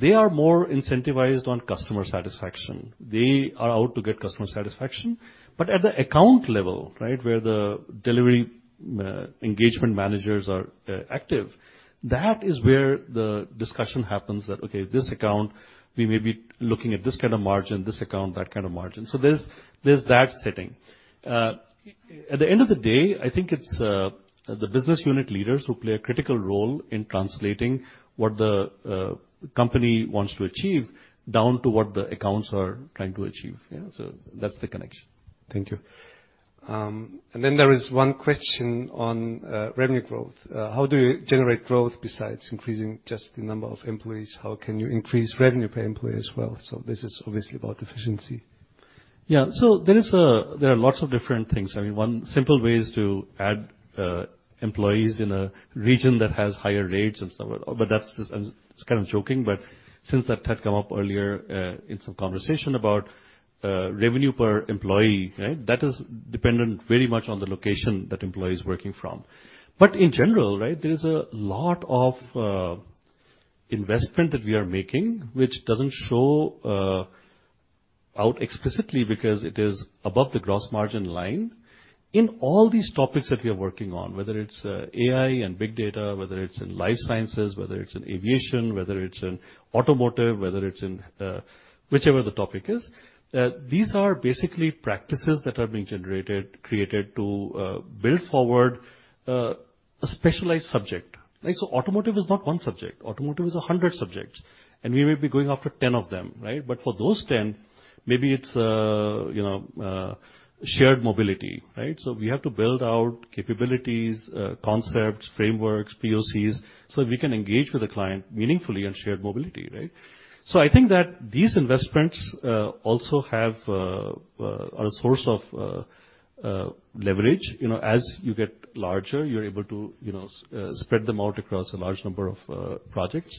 They are more incentivized on customer satisfaction. They are out to get customer satisfaction. At the account level, right. Where the delivery, engagement managers are active, that is where the discussion happens that, okay, this account, we may be looking at this kind of margin, this account, that kind of margin. There's that setting. At the end of the day, I think it's the business unit leaders who play a critical role in translating what the company wants to achieve down to what the accounts are trying to achieve, yeah. That's the connection. Thank you. Then there is one question on revenue growth. How do you generate growth besides increasing just the number of employees? How can you increase revenue per employee as well? This is obviously about efficiency. There are lots of different things. I mean, one simple way is to add employees in a region that has higher rates and so on. That's just... I'm kind of joking, but since that had come up earlier in some conversation about revenue per employee, right? That is dependent very much on the location that employee is working from. In general, right, there is a lot of investment that we are making, which doesn't show out explicitly because it is above the gross margin line. In all these topics that we are working on, whether it's AI and big data, whether it's in life sciences, whether it's in aviation, whether it's in automotive, whether it's in whichever the topic is, these are basically practices that are being generated, created to build forward a specialized subject. Right? Automotive is not one subject. Automotive is 100 subjects, and we may be going after 10 of them, right? But for those 10, maybe it's, you know, shared mobility, right? We have to build out capabilities, concepts, frameworks, POCs, so we can engage with the client meaningfully on shared mobility, right? I think that these investments also have are a source of leverage. You know, as you get larger, you're able to, you know, spread them out across a large number of projects.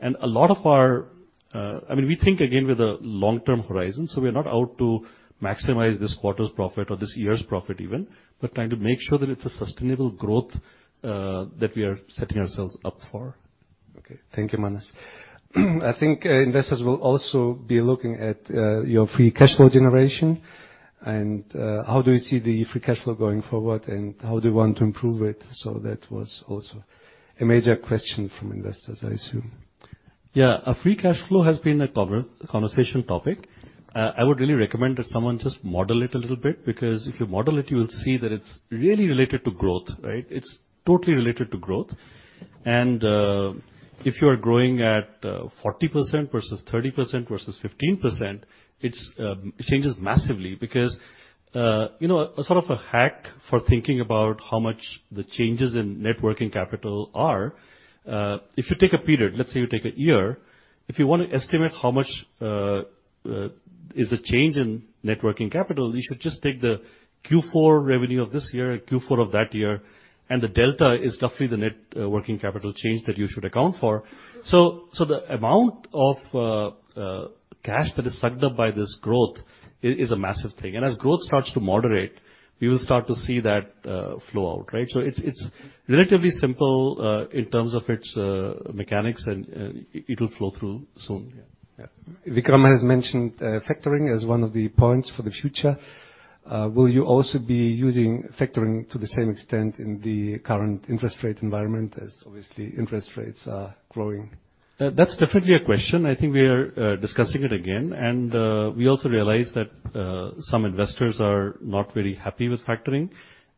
A lot of our, I mean, we think, again, with a long-term horizon, so we are not out to maximize this quarter's profit or this year's profit even, but trying to make sure that it's a sustainable growth that we are setting ourselves up for. Okay. Thank you, Manas. I think investors will also be looking at your free cash flow generation and how do you see the free cash flow going forward, and how do you want to improve it? That was also a major question from investors, I assume. Free cash flow has been a conversation topic. I would really recommend that someone just model it a little bit, because if you model it, you will see that it's really related to growth, right? It's totally related to growth. If you are growing at 40% versus 30% versus 15%, it changes massively because, you know, a a hack for thinking about how much the changes in net working capital are if you take a period, let's say you take a year, if you want to estimate how much is the change in net working capital, you should just take the Q4 revenue of this year and Q4 of that year, and the delta is roughly the net working capital change that you should account for. The amount of cash that is sucked up by this growth is a massive thing. As growth starts to moderate, we will start to see that flow out, right? It's relatively simple in terms of its mechanics and it'll flow through soon. Yeah. Yeah. Vikram has mentioned factoring as one of the points for the future. Will you also be using factoring to the same extent in the current interest rate environment, as obviously interest rates are growing? That's definitely a question. I think we are discussing it again. We also realize that some investors are not very happy with factoring.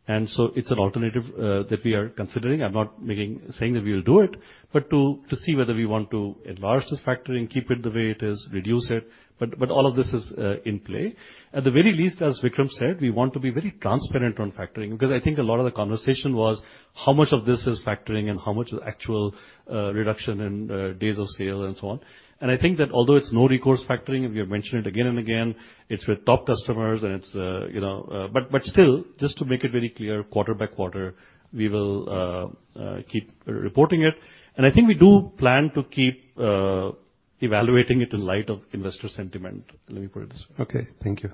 It's an alternative that we are considering. I'm not saying that we'll do it, but to see whether we want to enlarge this factoring, keep it the way it is, reduce it. But all of this is in play. At the very least, as Vikram said, we want to be very transparent on factoring because I think a lot of the conversation was how much of this is factoring and how much is actual reduction in days of sale and so on. I think that although it's no recourse factoring, and we have mentioned it again and again, it's with top customers and it's, you know. Still, just to make it very clear, quarter by quarter, we will keep reporting it. I think we do plan to keep evaluating it in light of investor sentiment. Let me put it this way. Okay. Thank you.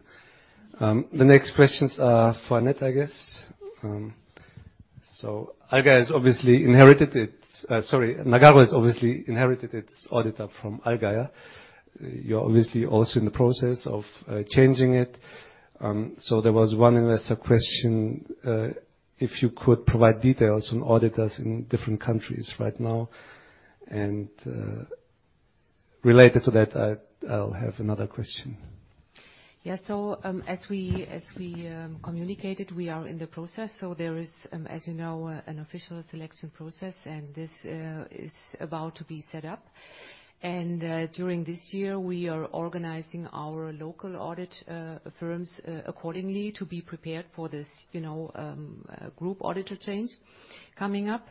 The next questions are for Annette, I guess. Nagarro has obviously inherited its auditor from Allgeier. You're obviously also in the process of changing it. So there was 1 investor question, if you could provide details on auditors in different countries right now. Related to that, I'll have another question. Yeah. As we communicated, we are in the process. There is, as you know, an official selection process, this is about to be set up. During this year we are organizing our local audit firms accordingly to be prepared for this, you know, group auditor change coming up.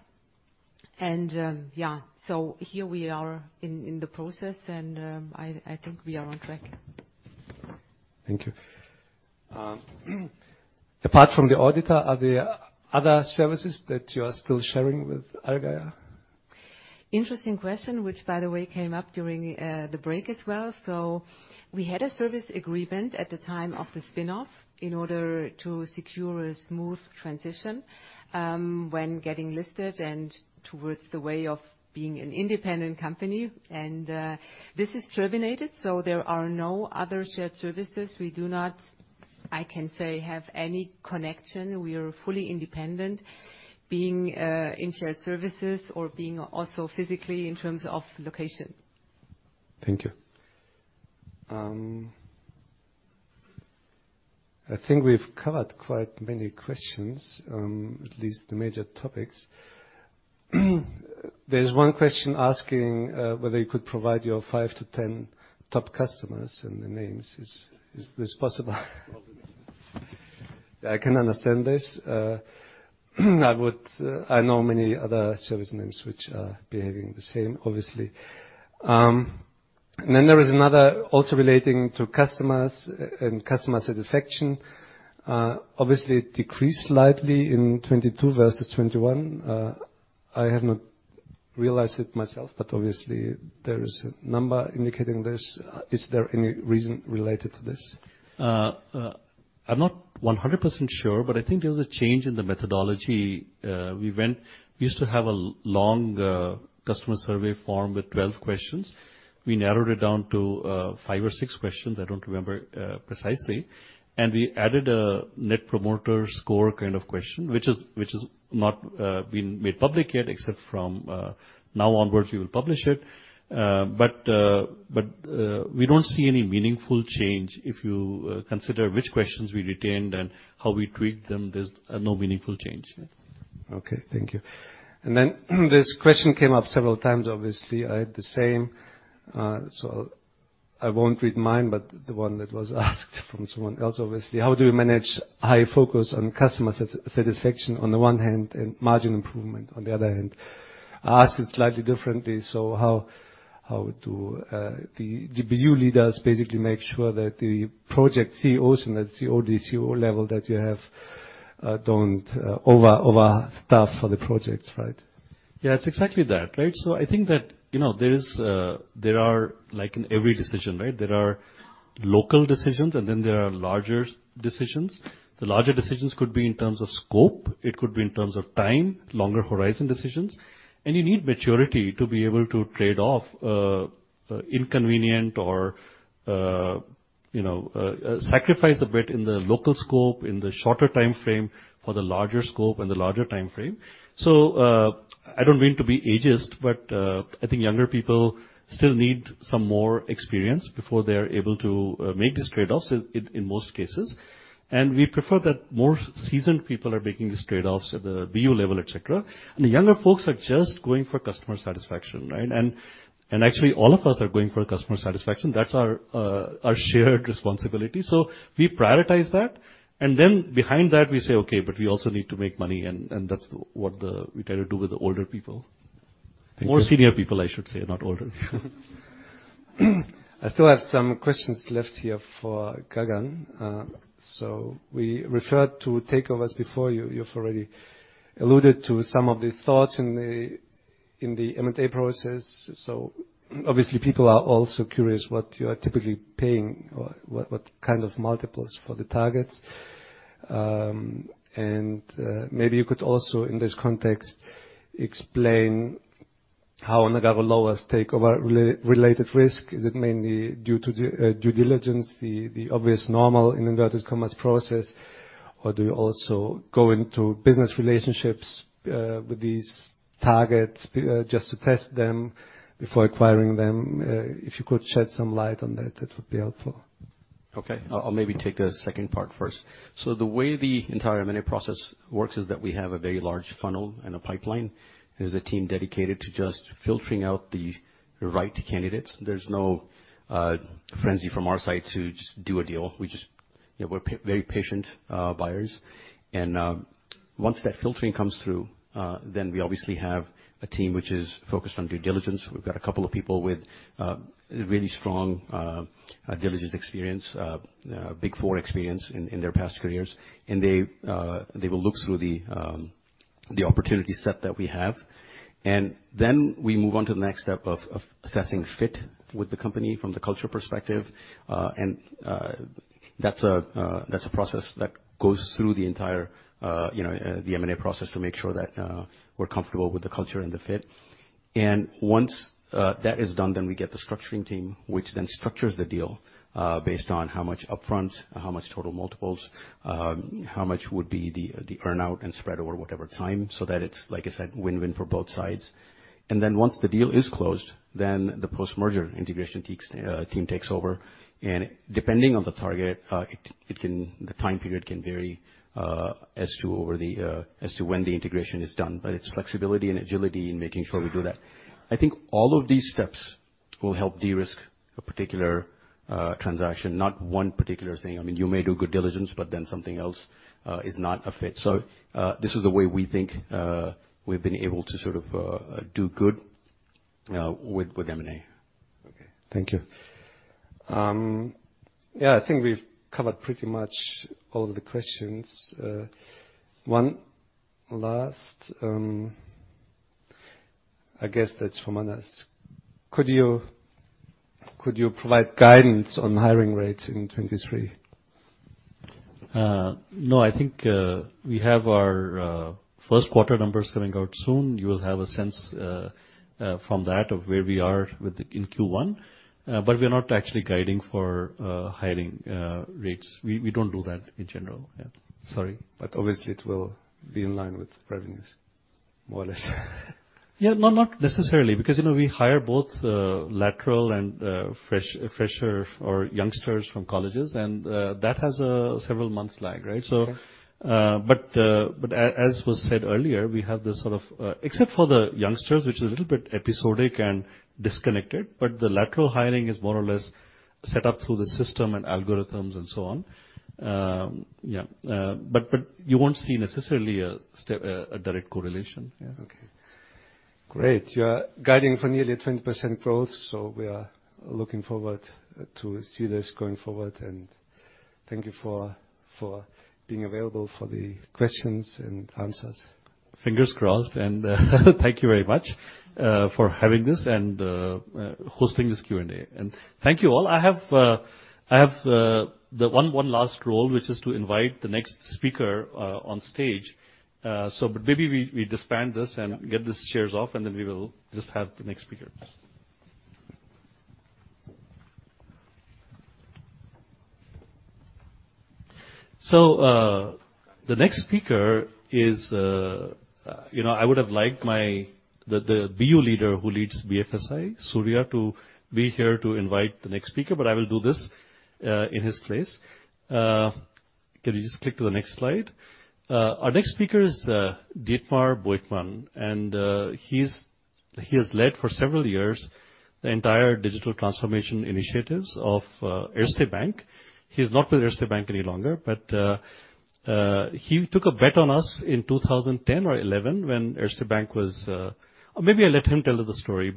Yeah. Here we are in the process, I think we are on track. Thank you. Apart from the auditor, are there other services that you are still sharing with Allgeier? Interesting question, which by the way, came up during the break as well. We had a service agreement at the time of the spin-off in order to secure a smooth transition when getting listed and towards the way of being an independent company. This is terminated, so there are no other shared services. We do not, I can say, have any connection. We are fully independent, being in shared services or being also physically in terms of location. Thank you. I think we've covered quite many questions, at least the major topics. There's one question asking whether you could provide your five to 10 top customers and the names. Is this possible? Probably. I can understand this. I know many other service names which are behaving the same, obviously. There is another also relating to customers and customer satisfaction. Obviously it decreased slightly in 22 versus 21. I have not realized it myself, but obviously there is a number indicating this. Is there any reason related to this? I'm not 100% sure, but I think there's a change in the methodology. We used to have a long customer survey form with 12 questions. We narrowed it down to 5 or 6 questions, I don't remember precisely. And we added a Net Promoter Score kind of question, which has not been made public yet, except from now onwards we will publish it. But we don't see any meaningful change if you consider which questions we retained and how we tweaked them, there's no meaningful change. Okay, thank you. This question came up several times, obviously, I had the same, so I won't read mine, but the one that was asked from someone else, obviously. How do you manage high focus on customer satisfaction on the one hand, and margin improvement on the other hand? Asked it slightly differently. How do the GBU leaders basically make sure that the project CEOs and the COD, CEO level that you have, don't overstaff for the projects, right? Yeah, it's exactly that, right? I think that, you know, there is, there are, like in every decision, right, there are local decisions, and then there are larger decisions. The larger decisions could be in terms of scope, it could be in terms of time, longer horizon decisions. You need maturity to be able to trade off, inconvenient or, you know, sacrifice a bit in the local scope, in the shorter time frame for the larger scope and the larger time frame. I don't mean to be ageist, but I think younger people still need some more experience before they're able to make these trade-offs in most cases. We prefer that more seasoned people are making these trade-offs at the BU level, et cetera. The younger folks are just going for customer satisfaction, right? Actually all of us are going for customer satisfaction. That's our shared responsibility. We prioritize that. Then behind that, we say, "Okay, but we also need to make money." That's what we try to do with the older people. Thank you. More senior people, I should say, not older. I still have some questions left here for Gagan. We referred to takeovers before. You've already alluded to some of the thoughts in the M&A process. Obviously people are also curious what you are typically paying or what kind of multiples for the targets. Maybe you could also, in this context, explain how Nagarro lowers takeover related risk. Is it mainly due to due diligence, the obvious normal, in inverted commas, process? Or do you also go into business relationships with these targets just to test them before acquiring them? If you could shed some light on that would be helpful. Okay. I'll maybe take the second part first. The way the entire M&A process works is that we have a very large funnel and a pipeline. There's a team dedicated to just filtering out the right candidates. There's no frenzy from our side to just do a deal. You know, we're very patient buyers. Once that filtering comes through, then we obviously have a team which is focused on due diligence. We've got a couple of people with really strong diligence experience, big four experience in their past careers. They will look through the opportunity set that we have. Then we move on to the next step of assessing fit with the company from the culture perspective. That's a process that goes through the entire, you know, the M&A process to make sure that we're comfortable with the culture and the fit. Once that is done, then we get the structuring team, which then structures the deal based on how much upfront, how much total multiples, how much would be the earn-out and spread over whatever time, so that it's, like I said, win-win for both sides. Once the deal is closed, then the post-merger integration team takes over. Depending on the target, the time period can vary as to over the as to when the integration is done. But it's flexibility and agility in making sure we do that. I think all of these steps will help de-risk a particular transaction, not one particular thing. I mean, you may do good diligence, but then something else is not a fit. This is the way we think, we've been able to do good, with M&A. Okay, thank you. I think we've covered pretty much all of the questions. One last, I guess that's from Anas. Could you provide guidance on hiring rates in 23? No. I think, we have our first quarter numbers coming out soon. You will have a sense from that of where we are in Q1. We're not actually guiding for hiring rates. We don't do that in general. Yeah. Sorry. Obviously it will be in line with revenues, more or less. Yeah. No, not necessarily, because, you know, we hire both lateral and fresher or youngsters from colleges, and that has a several months lag, right? As was said earlier, we have this except for the youngsters, which is a little bit episodic and disconnected, but the lateral hiring is more or less set up through the system and algorithms, and so on. Yeah, but you won't see necessarily a direct correlation. Yeah. Okay. Great. You're guiding for nearly a 20% growth. We are looking forward to see this going forward. Thank you for being available for the questions and answers. Fingers crossed. Thank you very much for having this and hosting this Q&A. Thank you all. I have the one last role, which is to invite the next speaker on stage. Maybe we disband this Yeah. get these chairs off, and then we will just have the next speaker. The next speaker is, you know, I would have liked my, the BU leader who leads BFSI, Surya, to be here to invite the next speaker, but I will do this in his place. Can you just click to the next slide? Our next speaker is Dietmar Beutmann, and he has led for several years the entire digital transformation initiatives of Erste Bank. He's not with Erste Bank any longer, but he took a bet on us in 2010 or 2011 when Erste Bank was. Or maybe I let him tell you the story.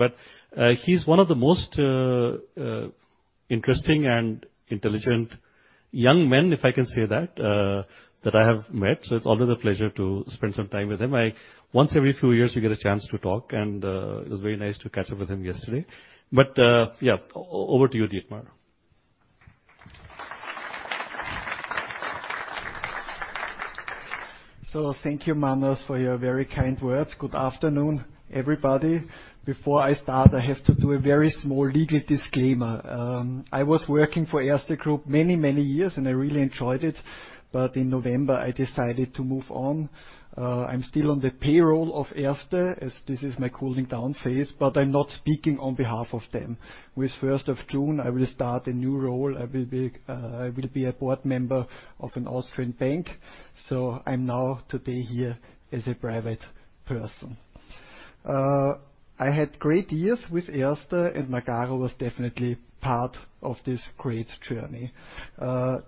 He's one of the most interesting and intelligent young men, if I can say that I have met. It's always a pleasure to spend some time with him. Once every few years we get a chance to talk, and it was very nice to catch up with him yesterday. Yeah, over to you, Dietmar. Thank you, Manas, for your very kind words. Good afternoon, everybody. Before I start, I have to do a very small legal disclaimer. I was working for Erste Group many, many years, and I really enjoyed it, but in November, I decided to move on. I'm still on the payroll of Erste as this is my cooling down phase, but I'm not speaking on behalf of them. With 1st of June, I will start a new role. I will be a board member of an Austrian bank. I'm now today here as a private person. I had great years with Erste. Nagarro was definitely part of this great journey.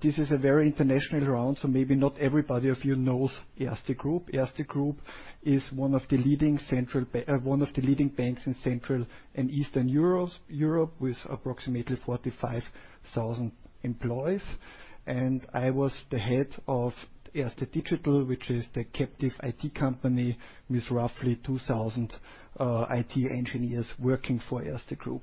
This is a very international round. Maybe not everybody of you knows Erste Group. Erste Group is one of the leading banks in Central and Eastern Europe with approximately 45,000 employees. I was the head of Erste Digital, which is the captive IT company with roughly 2,000 IT engineers working for Erste Group.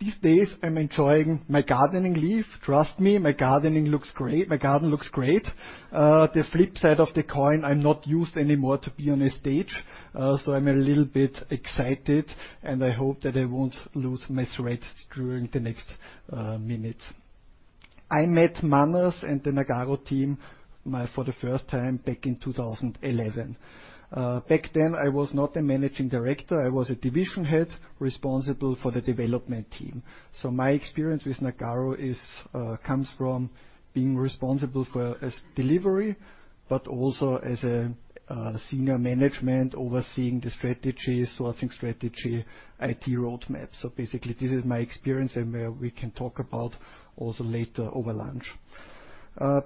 These days, I'm enjoying my gardening leave. Trust me, my gardening looks great. My garden looks great. The flip side of the coin, I'm not used anymore to be on a stage, so I'm a little bit excited, and I hope that I won't lose my thread during the next minutes. I met Manas and the Nagarro team for the first time back in 2011. Back then, I was not a managing director. I was a division head responsible for the development team. My experience with Nagarro is, comes from being responsible for as delivery, but also as a senior management overseeing the strategy, sourcing strategy, IT roadmap. Basically, this is my experience and where we can talk about also later over lunch.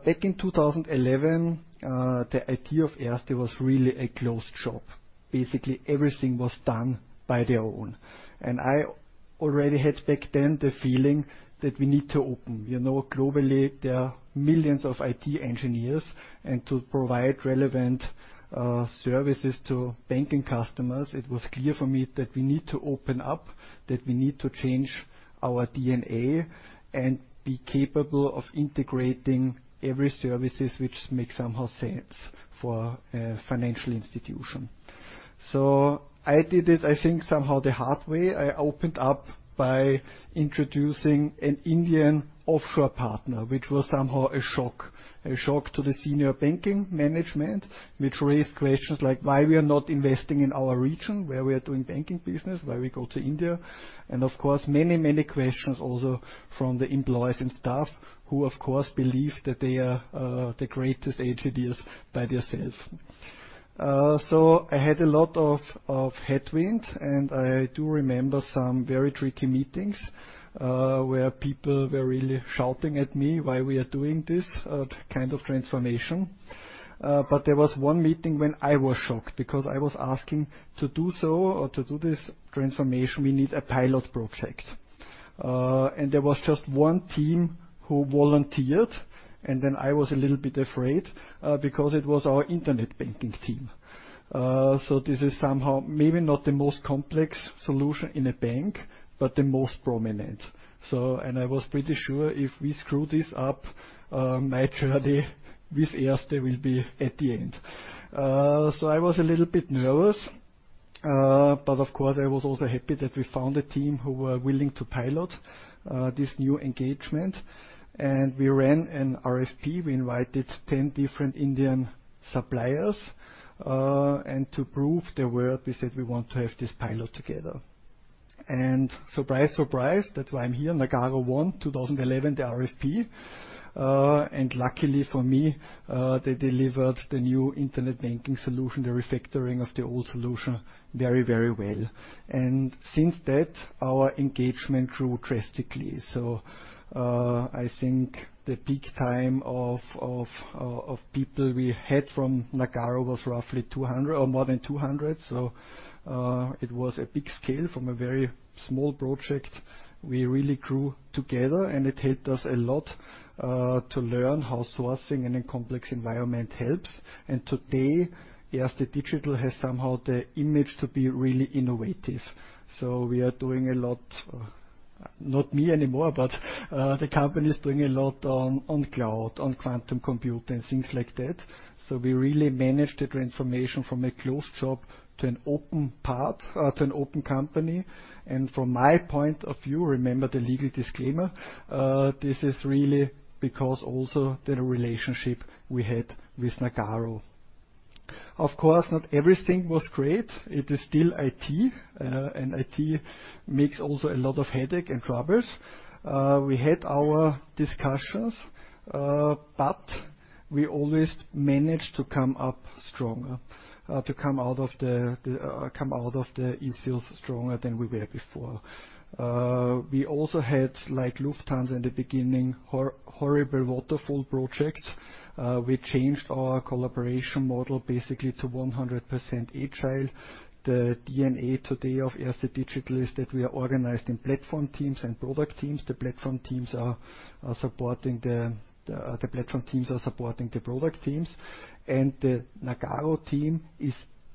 Back in 2011, the IT of Erste was really a closed shop. Basically, everything was done by their own. I already had back then the feeling that we need to open. You know, globally, there are millions of IT engineers, and to provide relevant services to banking customers, it was clear for me that we need to open up, that we need to change our DNA and be capable of integrating every services which make somehow sense for a financial institution. I did it, I think, somehow the hard way. I opened up by introducing an Indian offshore partner, which was somehow a shock. A shock to the senior banking management, which raised questions like, "Why we are not investing in our region where we are doing banking business? Why we go to India?" Of course, many, many questions also from the employees and staff, who of course believed that they are the greatest HEDs by themselves. I had a lot of headwinds, and I do remember some very tricky meetings, where people were really shouting at me, why we are doing this kind of transformation. There was one meeting when I was shocked because I was asking to do so or to do this transformation, we need a pilot project. Uh, and there was just one team who volunteered, and then I was a little bit afraid, uh, because it was our internet banking team. Uh, so this is somehow maybe not the most complex solution in a bank, but the most prominent. So... And I was pretty sure if we screw this up, uh, my journey with Erste will be at the end. Uh, so I was a little bit nervous. Uh, but of course, I was also happy that we found a team who were willing to pilot, uh, this new engagement. And we ran an RFP. We invited ten different Indian suppliers, uh, and to prove their worth, we said we want to have this pilot together. And surprise, surprise, that's why I'm here. Nagarro won two thousand eleven, the RFP. Luckily for me, they delivered the new internet banking solution, the refactoring of the old solution very, very well. Since that, our engagement grew drastically. I think the peak time of people we had from Nagarro was roughly 200 or more than 200. It was a big scale from a very small project. We really grew together, and it helped us a lot to learn how sourcing in a complex environment helps. Today, Erste Digital has somehow the image to be really innovative. We are doing a lot... Not me anymore, but the company is doing a lot on cloud, on quantum computing, things like that. We really managed the transformation from a closed shop to an open part, to an open company. From my point of view, remember the legal disclaimer, this is really because also the relationship we had with Nagarro. Of course, not everything was great. It is still IT, and IT makes also a lot of headache and troubles. We had our discussions, but we always managed to come up stronger, to come out of the issues stronger than we were before. We also had, like Lufthansa in the beginning, horrible waterfall projects. We changed our collaboration model basically to 100% agile. The DNA today of Erste Digital is that we are organized in platform teams and product teams. The platform teams are supporting the product teams. The Nagarro team is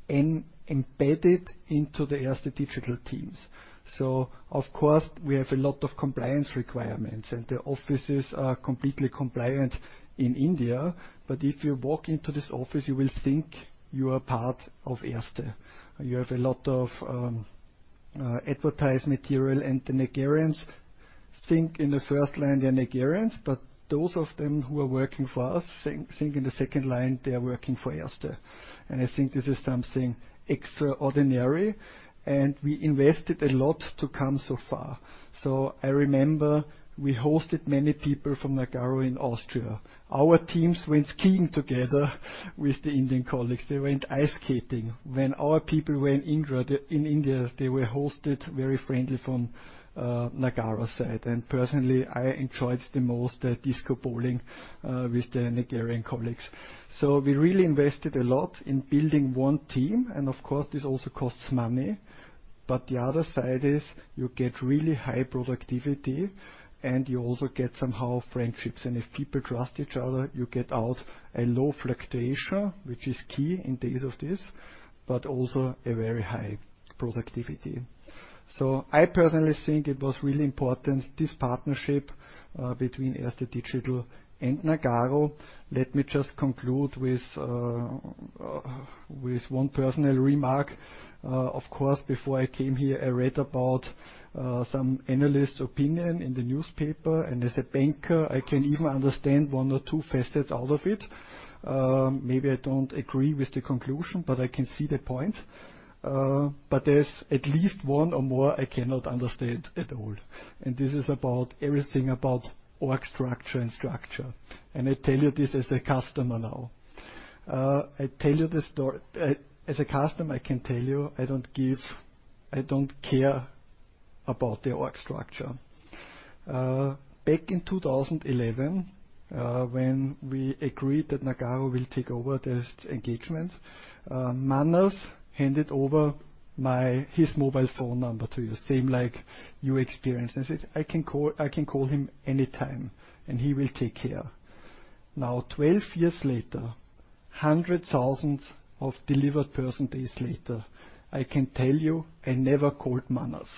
embedded into the Erste Digital teams. of course, we have a lot of compliance requirements, and the offices are completely compliant in India. if you walk into this office, you will think you are part of Erste. You have a lot of advertised material. The Nagarrians think in the first line, they are Nagarrians, but those of them who are working for us think in the second line they are working for Erste. I think this is something extraordinary, and we invested a lot to come so far. I remember we hosted many people from Nagarro in Austria. Our teams went skiing together with the Indian colleagues. They went ice skating. When our people were in India, they were hosted very friendly from Nagarro side. Personally, I enjoyed the most the disco bowling with the Nagarrian colleagues. We really invested a lot in building one team, and of course, this also costs money. The other side is you get really high productivity, and you also get somehow friendships. If people trust each other, you get out a low fluctuation, which is key in days of this, but also a very high productivity. I personally think it was really important, this partnership, between Erste Digital and Nagarro. Let me just conclude with one personal remark. Of course, before I came here, I read about some analyst opinion in the newspaper. As a banker, I can even understand one or two facets out of it. Maybe I don't agree with the conclusion, but I can see the point. There's at least one or more I cannot understand at all. This is about everything about org structure and structure. I tell you this as a customer now. I tell you the story. As a customer, I can tell you, I don't care about the org structure. Back in 2011, when we agreed that Nagarro will take over this engagement, Manas handed over his mobile phone number to you, same like you experienced, and said, "I can call him anytime, and he will take care." Now, 12 years later, 100,000 of delivered person days later, I can tell you, I never called Manas.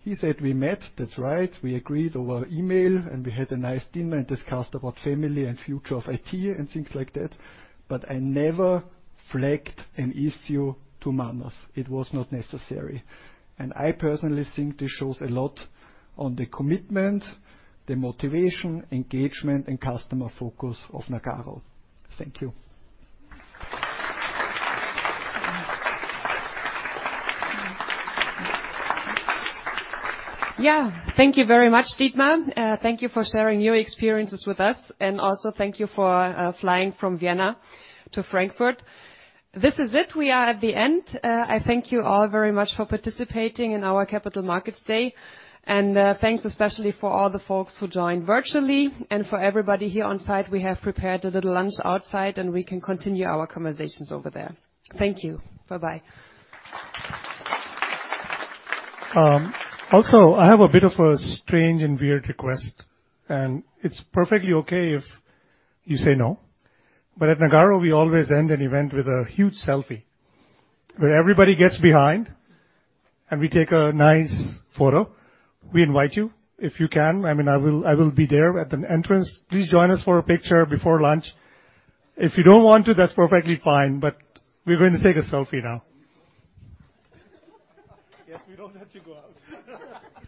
He said we met. That's right. We agreed over email, and we had a nice dinner and discussed about family and future of IT and things like that. I never flagged an issue to Manas. It was not necessary. I personally think this shows a lot on the commitment, the motivation, engagement, and customer focus of Nagarro. Thank you. Thank you very much, Dietmar. Thank you for sharing your experiences with us, and also thank you for flying from Vienna to Frankfurt. This is it. We are at the end. I thank you all very much for participating in our Capital Markets Day. Thanks especially for all the folks who joined virtually and for everybody here on site. We have prepared a little lunch outside, and we can continue our conversations over there. Thank you. Bye-bye. I have a bit of a strange and weird request, and it's perfectly okay if you say no. At Nagarro, we always end an event with a huge selfie where everybody gets behind, and we take a nice photo. We invite you if you can. I mean, I will be there at the entrance. Please join us for a picture before lunch. If you don't want to, that's perfectly fine, but we're going to take a selfie now. Yes, we don't let you go out.